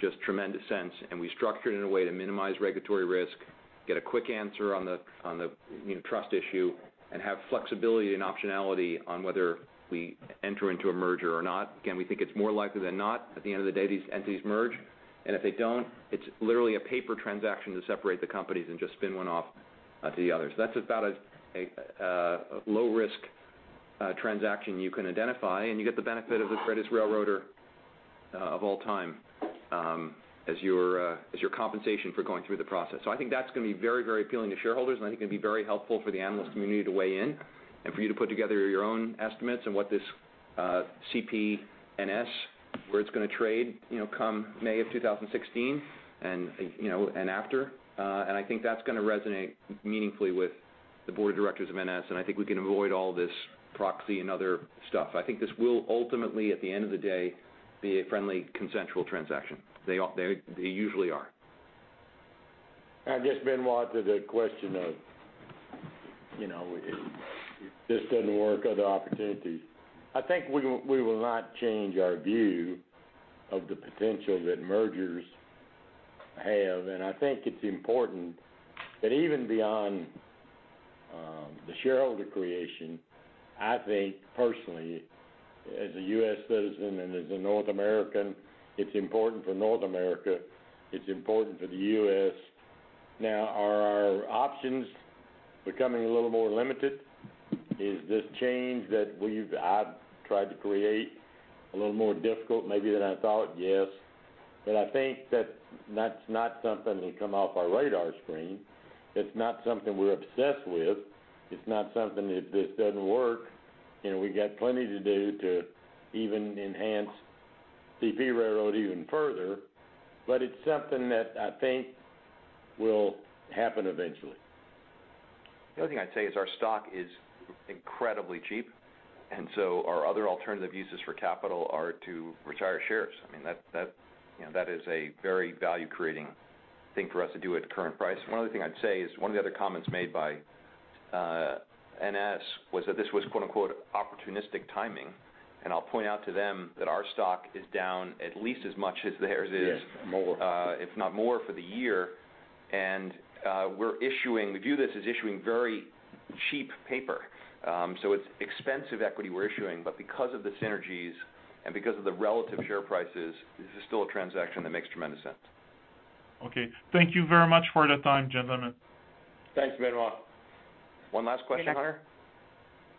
just tremendous sense. We structured it in a way to minimize regulatory risk, get a quick answer on the trust issue, and have flexibility and optionality on whether we enter into a merger or not. Again, we think it's more likely than not at the end of the day these entities merge. And if they don't, it's literally a paper transaction to separate the companies and just spin one off to the other. So that's about a low-risk transaction you can identify and you get the benefit of the greatest railroader of all time as your compensation for going through the process. So I think that's going to be very, very appealing to shareholders and I think it'll be very helpful for the analyst community to weigh in and for you to put together your own estimates on what this CP-NS, where it's going to trade, come May of 2016 and after and I think that's going to resonate meaninDfully with the Board of Directors of NS and I think we can avoid all this proxy and other stuff. I think this will ultimately, at the end of the day, be a friendly, consensual transaction. They usually are. I guess Benoit did a question of, "If this doesn't work, are there opportunities?" I think we will not change our view of the potential that mergers have and I think it's important that even beyond the shareholder creation, I think, personally, as a U.S. citizen and as a North American, it's important for North America. It's important for the U.S. Now, are our options becoming a little more limited? Is this change that I've tried to create a little more difficult maybe than I thought? Yes. But I think that's not something that'll come off our radar screen. It's not something we're obsessed with. It's not something that if this doesn't work, we've got plenty to do to even enhance CP Railroad even further. But it's something that I think will happen eventually. The other thing I'd say is our stock is incredibly cheap and so our other alternative uses for capital are to retire shares. I mean, that is a very value-creating thing for us to do at current price. One other thing I'd say is one of the other comments made by NS was that this was "opportunistic timing." And I'll point out to them that our stock is down at least as much as theirs is, if not more, for the year and we view this as issuing very cheap paper. So it's expensive equity we're issuing. But because of the synergies and because of the relative share prices, this is still a transaction that makes tremendous sense. Okay. Thank you very much for the time, gentlemen. Thanks, Benoit. One last question, Hunter?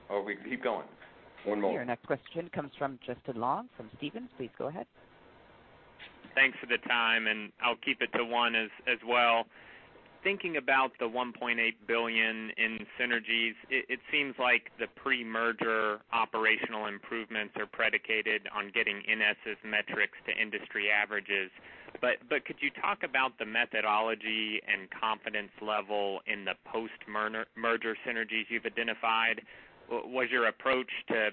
Or we can keep going. One moment. Your next question comes from Justin Long from Stephens. Please go ahead. Thanks for the time. I'll keep it to one as well. Thinking about the $1.8 billion in synergies, it seems like the pre-merger operational improvements are predicated on getting NS's metrics to industry averages. Could you talk about the methodology and confidence level in the post-merger synergies you've identified? Was your approach to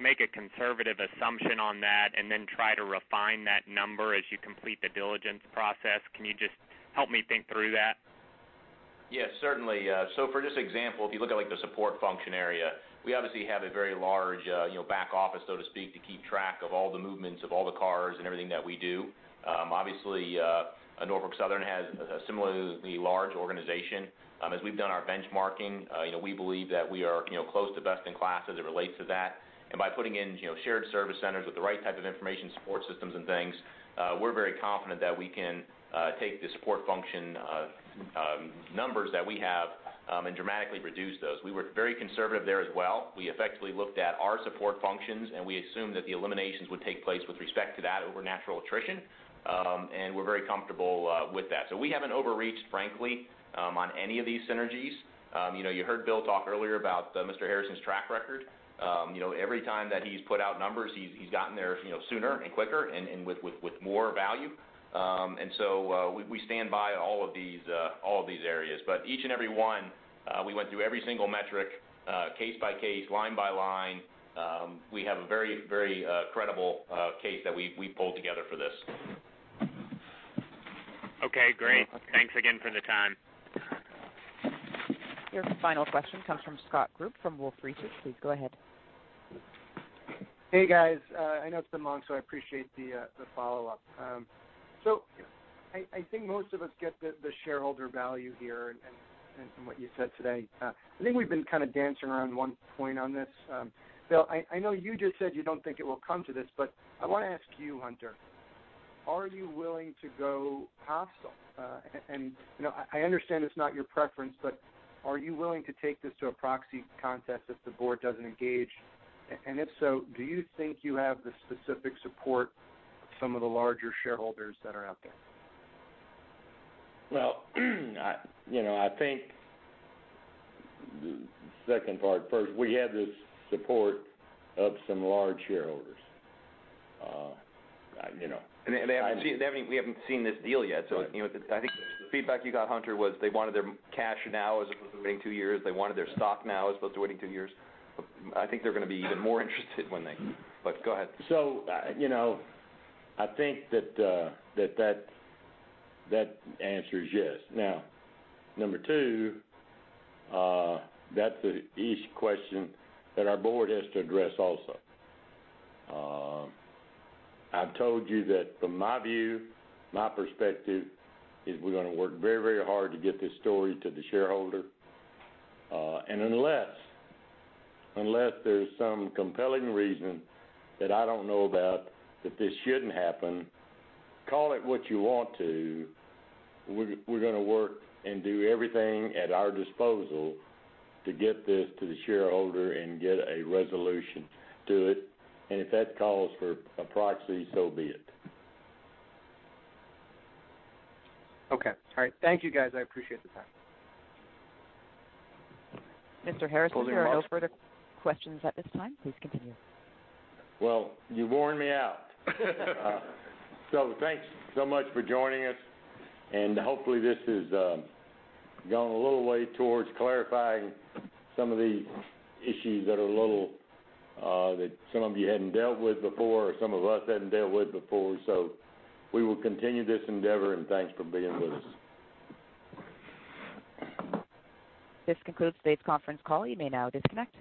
make a conservative assumption on that and then try to refine that number as you complete the diligence process? Can you just help me think through that? Yes, certainly. So for just example, if you look at the support function area, we obviously have a very large back office, so to speak, to keep track of all the movements of all the cars and everything that we do. Obviously, Norfolk Southern has a similarly large organization. As we've done our benchmarking, we believe that we are close to best in class as it relates to that and by putting in shared service centers with the right type of information, support systems, and things, we're very confident that we can take the support function numbers that we have and dramatically reduce those. We were very conservative there as well. We effectively looked at our support functions and we assumed that the eliminations would take place with respect to that over natural attrition and we're very comfortable with that. So we haven't overreached, frankly, on any of these synergies. You heard Bill talk earlier about Mr. Harrison's track record. Every time that he's put out numbers, he's gotten there sooner and quicker and with more value and so we stand by all of these areas. But each and every one, we went through every single metric case by case, line by line. We have a very, very credible case that we pulled together for this. Okay. Great. Thanks again for the time. Your final question comes from Scott Group from Wolfe Research. Please go ahead. Hey, guys. I know it's been long, so I appreciate the follow-up. I think most of us get the shareholder value here in what you said today. I think we've been kind of dancing around one point on this. Bill, I know you just said you don't think it will come to this. I want to ask you, Hunter, are you willing to go hostile? I understand it's not your preference, but are you willing to take this to a proxy contest if the Board doesn't engage? If so, do you think you have the specific support of some of the larger shareholders that are out there? Well, I think second part. First, we have the support of some large shareholders. They haven't seen this deal yet. So I think the feedback you got, Hunter, was they wanted their cash now as opposed to waiting two years. They wanted their stock now as opposed to waiting two years. I think they're going to be even more interested when they but go ahead. So I think that that answer is yes. Now, number two, that's an issue question that our Board has to address also. I've told you that from my view, my perspective, is we're going to work very, very hard to get this story to the shareholder and unless there's some compelling reason that I don't know about that this shouldn't happen, call it what you want to, we're going to work and do everything at our disposal to get this to the shareholder and get a resolution to it and if that calls for a proxy, so be it. Okay. All right. Thank you, guys. I appreciate the time. Mr. Harrison, there are no further questions at this time. Please continue. Well, you warned me out. Thanks so much for joining us. Hopefully, this has gone a little way towards clarifying some of these issues that are a little that some of you hadn't dealt with before or some of us hadn't dealt with before. We will continue this endeavor. Thanks for being with us. This concludes today's conference call. You may now disconnect.